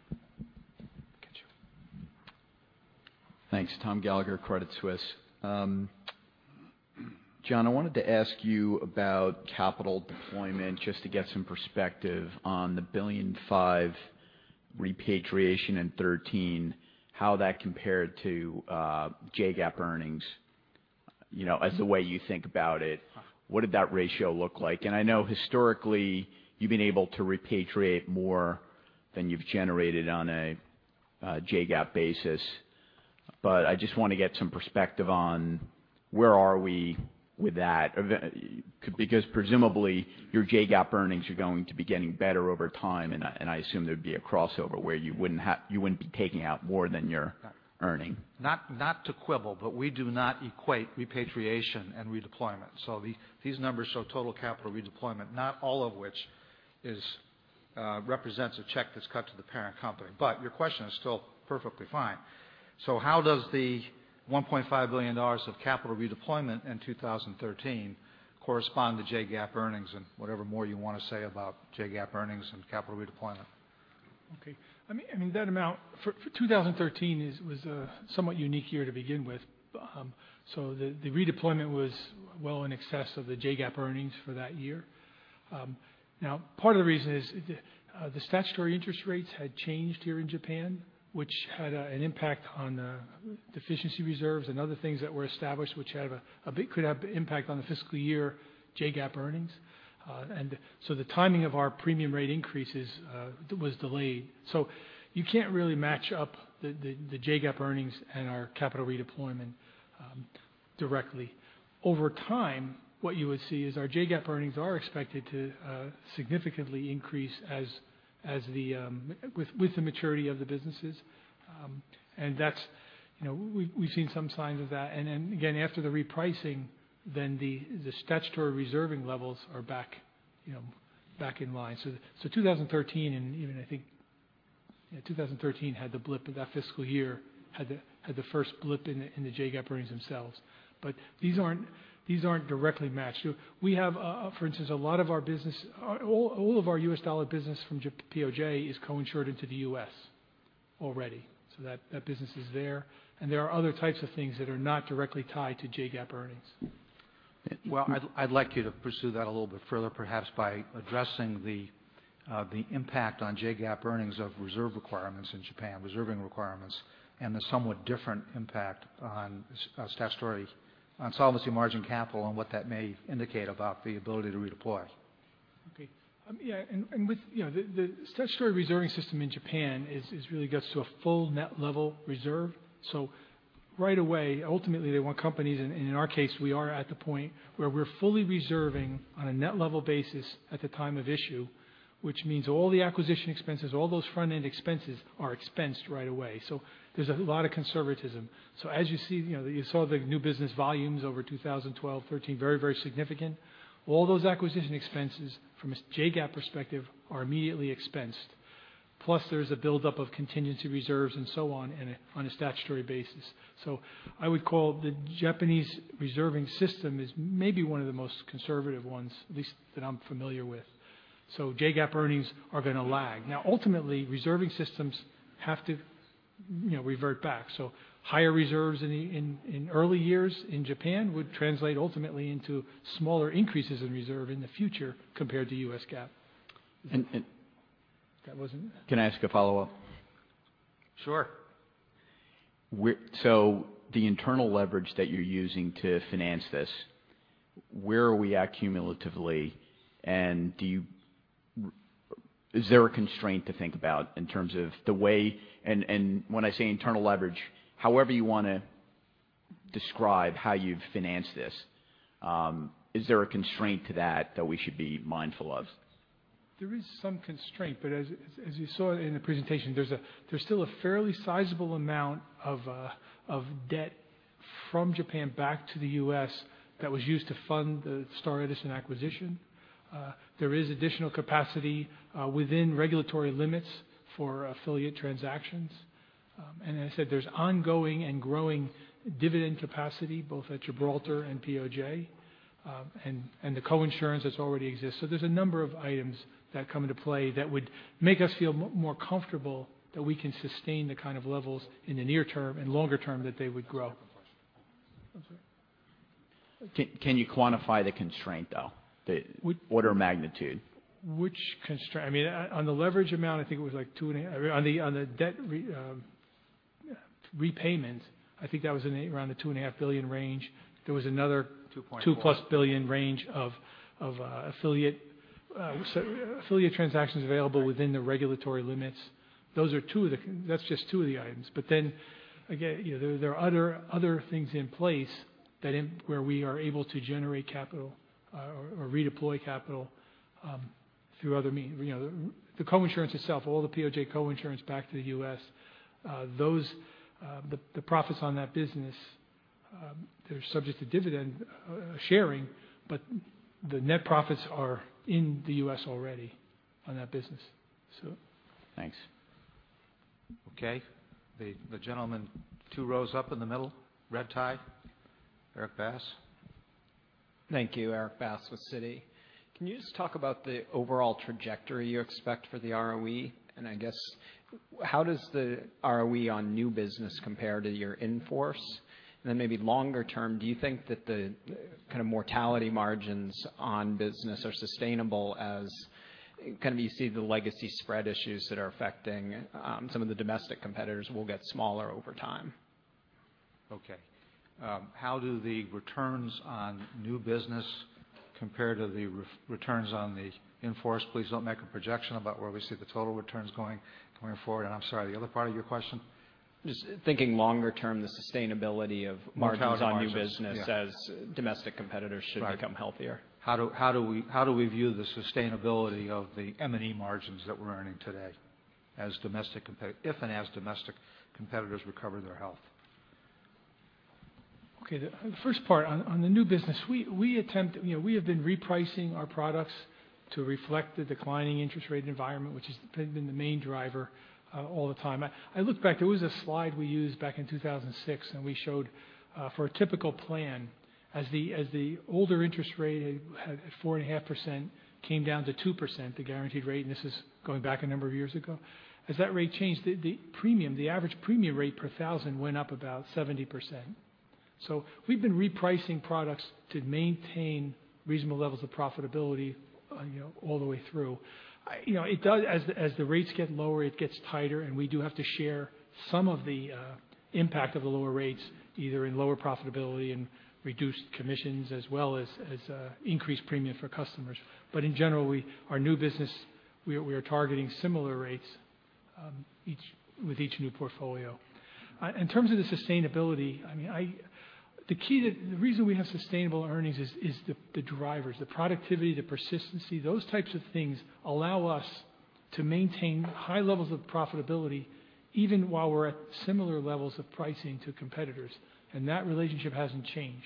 Get you. Thanks. Thomas Gallagher, Credit Suisse. John, I wanted to ask you about capital deployment just to get some perspective on the $1.5 billion repatriation in 2013, how that compared to JGAAP earnings. As the way you think about it, what did that ratio look like? I know historically you've been able to repatriate more than you've generated on a JGAAP basis, but I just want to get some perspective on where are we with that. Presumably your JGAAP earnings are going to be getting better over time, and I assume there'd be a crossover where you wouldn't be taking out more than you're earning. Not to quibble, but we do not equate repatriation and redeployment. These numbers show total capital redeployment, not all of which represents a check that's cut to the parent company. Your question is still perfectly fine. How does the $1.5 billion of capital redeployment in 2013 correspond to JGAAP earnings and whatever more you want to say about JGAAP earnings and capital redeployment? Okay. I mean, that amount for 2013 was a somewhat unique year to begin with. The redeployment was well in excess of the JGAAP earnings for that year. Now, part of the reason is the statutory interest rates had changed here in Japan, which had an impact on deficiency reserves and other things that were established, which could have impact on the fiscal year JGAAP earnings. The timing of our premium rate increases was delayed. You can't really match up the JGAAP earnings and our capital redeployment directly. Over time, what you would see is our JGAAP earnings are expected to significantly increase with the maturity of the businesses. We've seen some signs of that. Then again, after the repricing, the statutory reserving levels are back in line. 2013 had the blip in that fiscal year, had the first blip in the JGAAP earnings themselves. These aren't directly matched. We have, for instance, all of our U.S. dollar business from POJ is co-insured into the U.S. already. That business is there, and there are other types of things that are not directly tied to JGAAP earnings. Well, I'd like you to pursue that a little bit further perhaps by addressing the impact on JGAAP earnings of reserve requirements in Japan, reserving requirements, and the somewhat different impact on statutory on solvency margin capital and what that may indicate about the ability to redeploy. Okay. Yeah, the statutory reserving system in Japan really gets to a full net level reserve. Right away, ultimately, they want companies, and in our case, we are at the point where we're fully reserving on a net level basis at the time of issue, which means all the acquisition expenses, all those front-end expenses are expensed right away. There's a lot of conservatism. As you saw the new business volumes over 2012, 2013, very significant. All those acquisition expenses from a JGAAP perspective are immediately expensed. Plus, there's a buildup of contingency reserves and so on a statutory basis. I would call the Japanese reserving system is maybe one of the most conservative ones, at least that I'm familiar with. JGAAP earnings are going to lag. Now, ultimately, reserving systems have to revert back. Higher reserves in early years in Japan would translate ultimately into smaller increases in reserve in the future compared to U.S. GAAP. And- That wasn't- Can I ask a follow-up? Sure. The internal leverage that you're using to finance this, where are we at cumulatively? Is there a constraint to think about in terms of the way-- and when I say internal leverage, however you want to describe how you've financed this, is there a constraint to that we should be mindful of? There is some constraint, as you saw in the presentation, there's still a fairly sizable amount of debt from Japan back to the U.S. that was used to fund the Star Edison acquisition. There is additional capacity within regulatory limits for affiliate transactions. As I said, there's ongoing and growing dividend capacity both at Gibraltar and POJ, and the co-insurance that's already exist. There's a number of items that come into play that would make us feel more comfortable that we can sustain the kind of levels in the near term and longer term that they would grow. Can you quantify the constraint, though? What order of magnitude? Which constraint? On the leverage amount, on the debt repayment, I think that was around the $2.5 billion range. 2.4 $2-plus billion range of affiliate transactions available within the regulatory limits. That's just two of the items. Again, there are other things in place where we are able to generate capital or redeploy capital through other means. The co-insurance itself, all the POJ co-insurance back to the U.S., the profits on that business, they're subject to dividend sharing, but the net profits are in the U.S. already on that business. So. Thanks. Okay. The gentleman two rows up in the middle, red tie. Erik Bass. Thank you. Erik Bass with Citi. Can you just talk about the overall trajectory you expect for the ROE? I guess, how does the ROE on new business compare to your in-force? Maybe longer term, do you think that the kind of mortality margins on business are sustainable as you see the legacy spread issues that are affecting some of the domestic competitors will get smaller over time? Okay. How do the returns on new business compare to the returns on the in-force? Please don't make a projection about where we see the total returns going forward. I'm sorry, the other part of your question? Just thinking longer term, the sustainability of margins- Mortality margins on new business as domestic competitors should become healthier. How do we view the sustainability of the M&E margins that we're earning today, if and as domestic competitors recover their health? Okay. The first part, on the new business, we have been repricing our products to reflect the declining interest rate environment, which has been the main driver all the time. I look back, there was a slide we used back in 2006, and we showed for a typical plan as the older interest rate at 4.5% came down to 2%, the guaranteed rate, and this is going back a number of years ago. As that rate changed, the average premium rate per thousand went up about 70%. We've been repricing products to maintain reasonable levels of profitability all the way through. As the rates get lower, it gets tighter, and we do have to share some of the impact of the lower rates, either in lower profitability and reduced commissions, as well as increased premium for customers. In general, our new business, we are targeting similar rates with each new portfolio. In terms of the sustainability, the reason we have sustainable earnings is the drivers, the productivity, the persistency. Those types of things allow us to maintain high levels of profitability, even while we're at similar levels of pricing to competitors, and that relationship hasn't changed.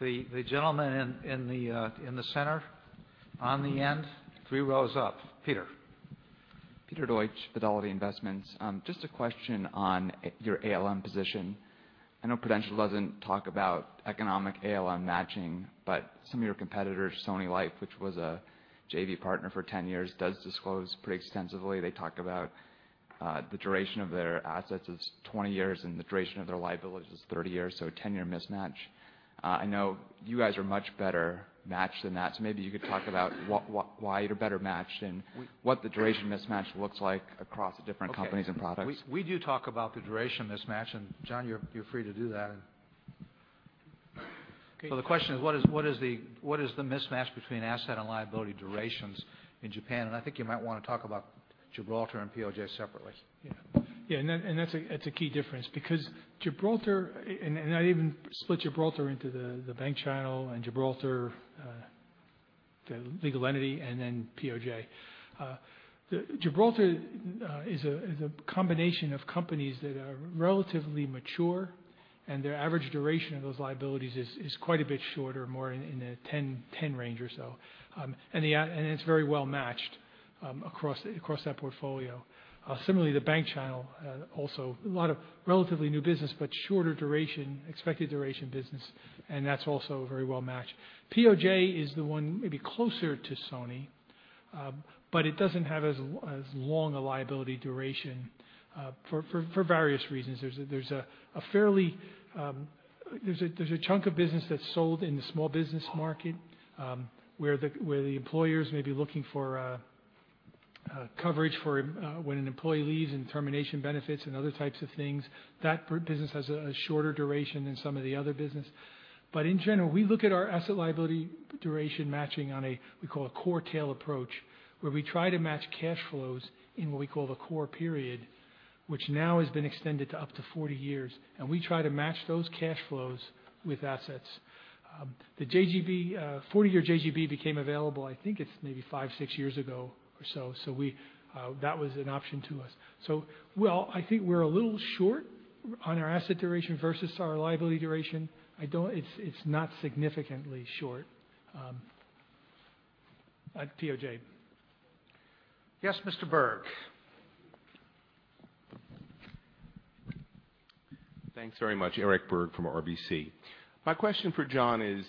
The gentleman in the center, on the end, three rows up. Peter. Peter Deutsch, Fidelity Investments. Just a question on your ALM position. I know Prudential doesn't talk about economic ALM matching, but some of your competitors, Sony Life, which was a JV partner for 10 years, does disclose pretty extensively. They talk about the duration of their assets is 20 years, and the duration of their liabilities is 30 years, so a 10-year mismatch. I know you guys are much better matched than that, maybe you could talk about why you're better matched and what the duration mismatch looks like across different companies and products. We do talk about the duration mismatch, and John, you're free to do that and- The question is, what is the mismatch between asset and liability durations in Japan? I think you might want to talk about Gibraltar and POJ separately. Yeah. That's a key difference because Gibraltar, and I even split Gibraltar into the bank channel and Gibraltar, the legal entity, and then POJ. Gibraltar is a combination of companies that are relatively mature, and their average duration of those liabilities is quite a bit shorter, more in the 10 range or so. It's very well matched across that portfolio. Similarly, the bank channel, also a lot of relatively new business, but shorter expected duration business, and that's also very well matched. POJ is the one maybe closer to Sony. It doesn't have as long a liability duration for various reasons. There's a chunk of business that's sold in the small business market, where the employers may be looking for coverage for when an employee leaves and termination benefits and other types of things. That business has a shorter duration than some of the other business. In general, we look at our asset liability duration matching on a we call a core-tail approach, where we try to match cash flows in what we call the core period, which now has been extended to up to 40 years. We try to match those cash flows with assets. The 40-year JGB became available, I think it's maybe 5, 6 years ago or so. That was an option to us. While I think we're a little short on our asset duration versus our liability duration, it's not significantly short at POJ. Yes, Mr. Berg. Thanks very much. Eric Berg from RBC. My question for John is,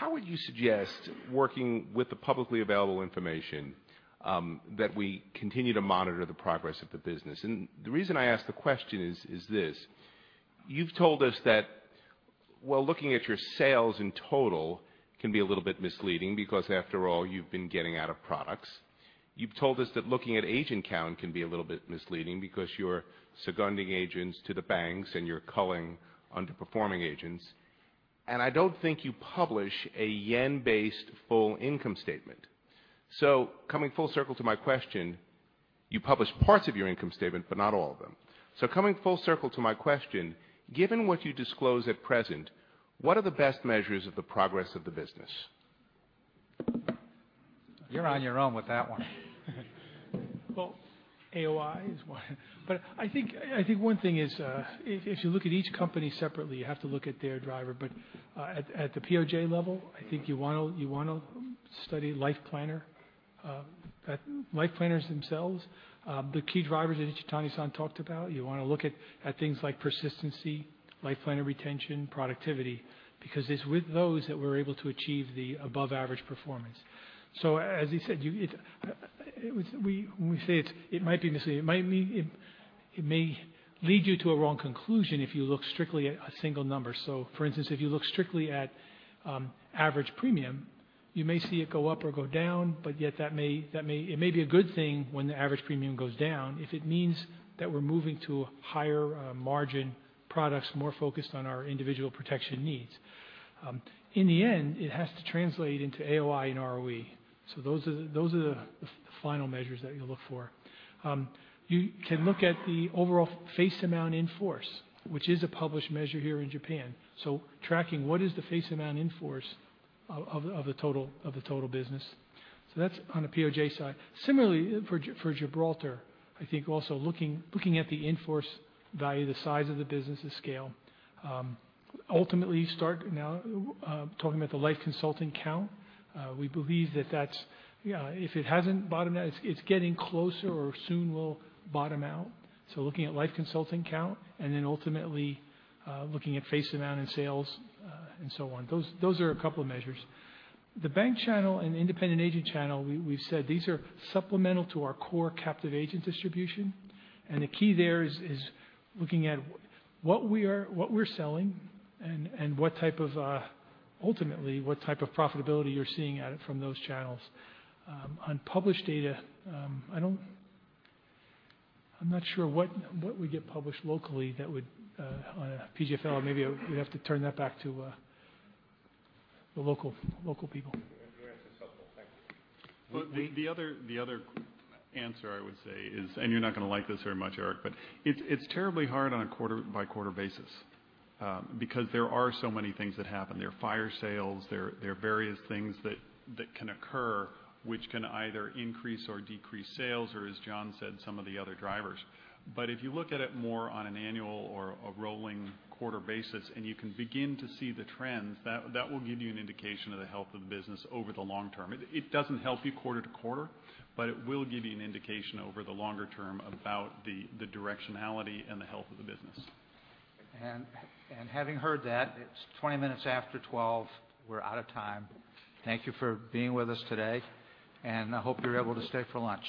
how would you suggest working with the publicly available information that we continue to monitor the progress of the business? The reason I ask the question is this. You've told us that while looking at your sales in total can be a little bit misleading because after all, you've been getting out of products. You've told us that looking at agent count can be a little bit misleading because you're seconding agents to the banks and you're culling underperforming agents. I don't think you publish a yen-based full income statement. Coming full circle to my question, you publish parts of your income statement, but not all of them. Coming full circle to my question, given what you disclose at present, what are the best measures of the progress of the business? You're on your own with that one. AOI is one. I think one thing is if you look at each company separately, you have to look at their driver. At the POJ level, I think you want to study life planner. At life planners themselves, the key drivers that Ichitani-san talked about, you want to look at things like persistency, life planner retention, productivity, because it's with those that we're able to achieve the above-average performance. As he said, when we say it might be misleading, it may lead you to a wrong conclusion if you look strictly at a single number. For instance, if you look strictly at average premium, you may see it go up or go down, but yet it may be a good thing when the average premium goes down if it means that we're moving to higher margin products more focused on our individual protection needs. In the end, it has to translate into AOI and ROE. Those are the final measures that you look for. You can look at the overall face amount in force, which is a published measure here in Japan. Tracking what is the face amount in force of the total business. That's on the POJ side. Similarly, for Gibraltar, I think also looking at the in-force value, the size of the business' scale. Ultimately start now talking about the life consulting count. We believe that if it hasn't bottomed out, it's getting closer or soon will bottom out. Looking at life consulting count and then ultimately looking at face amount and sales, and so on. Those are a couple of measures. The bank channel and independent agent channel, we've said these are supplemental to our core captive agent distribution. The key there is looking at what we're selling and ultimately what type of profitability you're seeing at it from those channels. On published data, I'm not sure what would get published locally on a PGFL. Maybe we'd have to turn that back to the local people. Your answer is helpful. Thank you. The other answer I would say is, you're not going to like this very much, Eric, but it's terribly hard on a quarter-by-quarter basis. There are so many things that happen. There are fire sales, there are various things that can occur which can either increase or decrease sales or, as John said, some of the other drivers. If you look at it more on an annual or a rolling quarter basis and you can begin to see the trends, that will give you an indication of the health of the business over the long term. It doesn't help you quarter to quarter, but it will give you an indication over the longer term about the directionality and the health of the business. Having heard that, it's 20 minutes after 12:00. We're out of time. Thank you for being with us today, and I hope you're able to stay for lunch.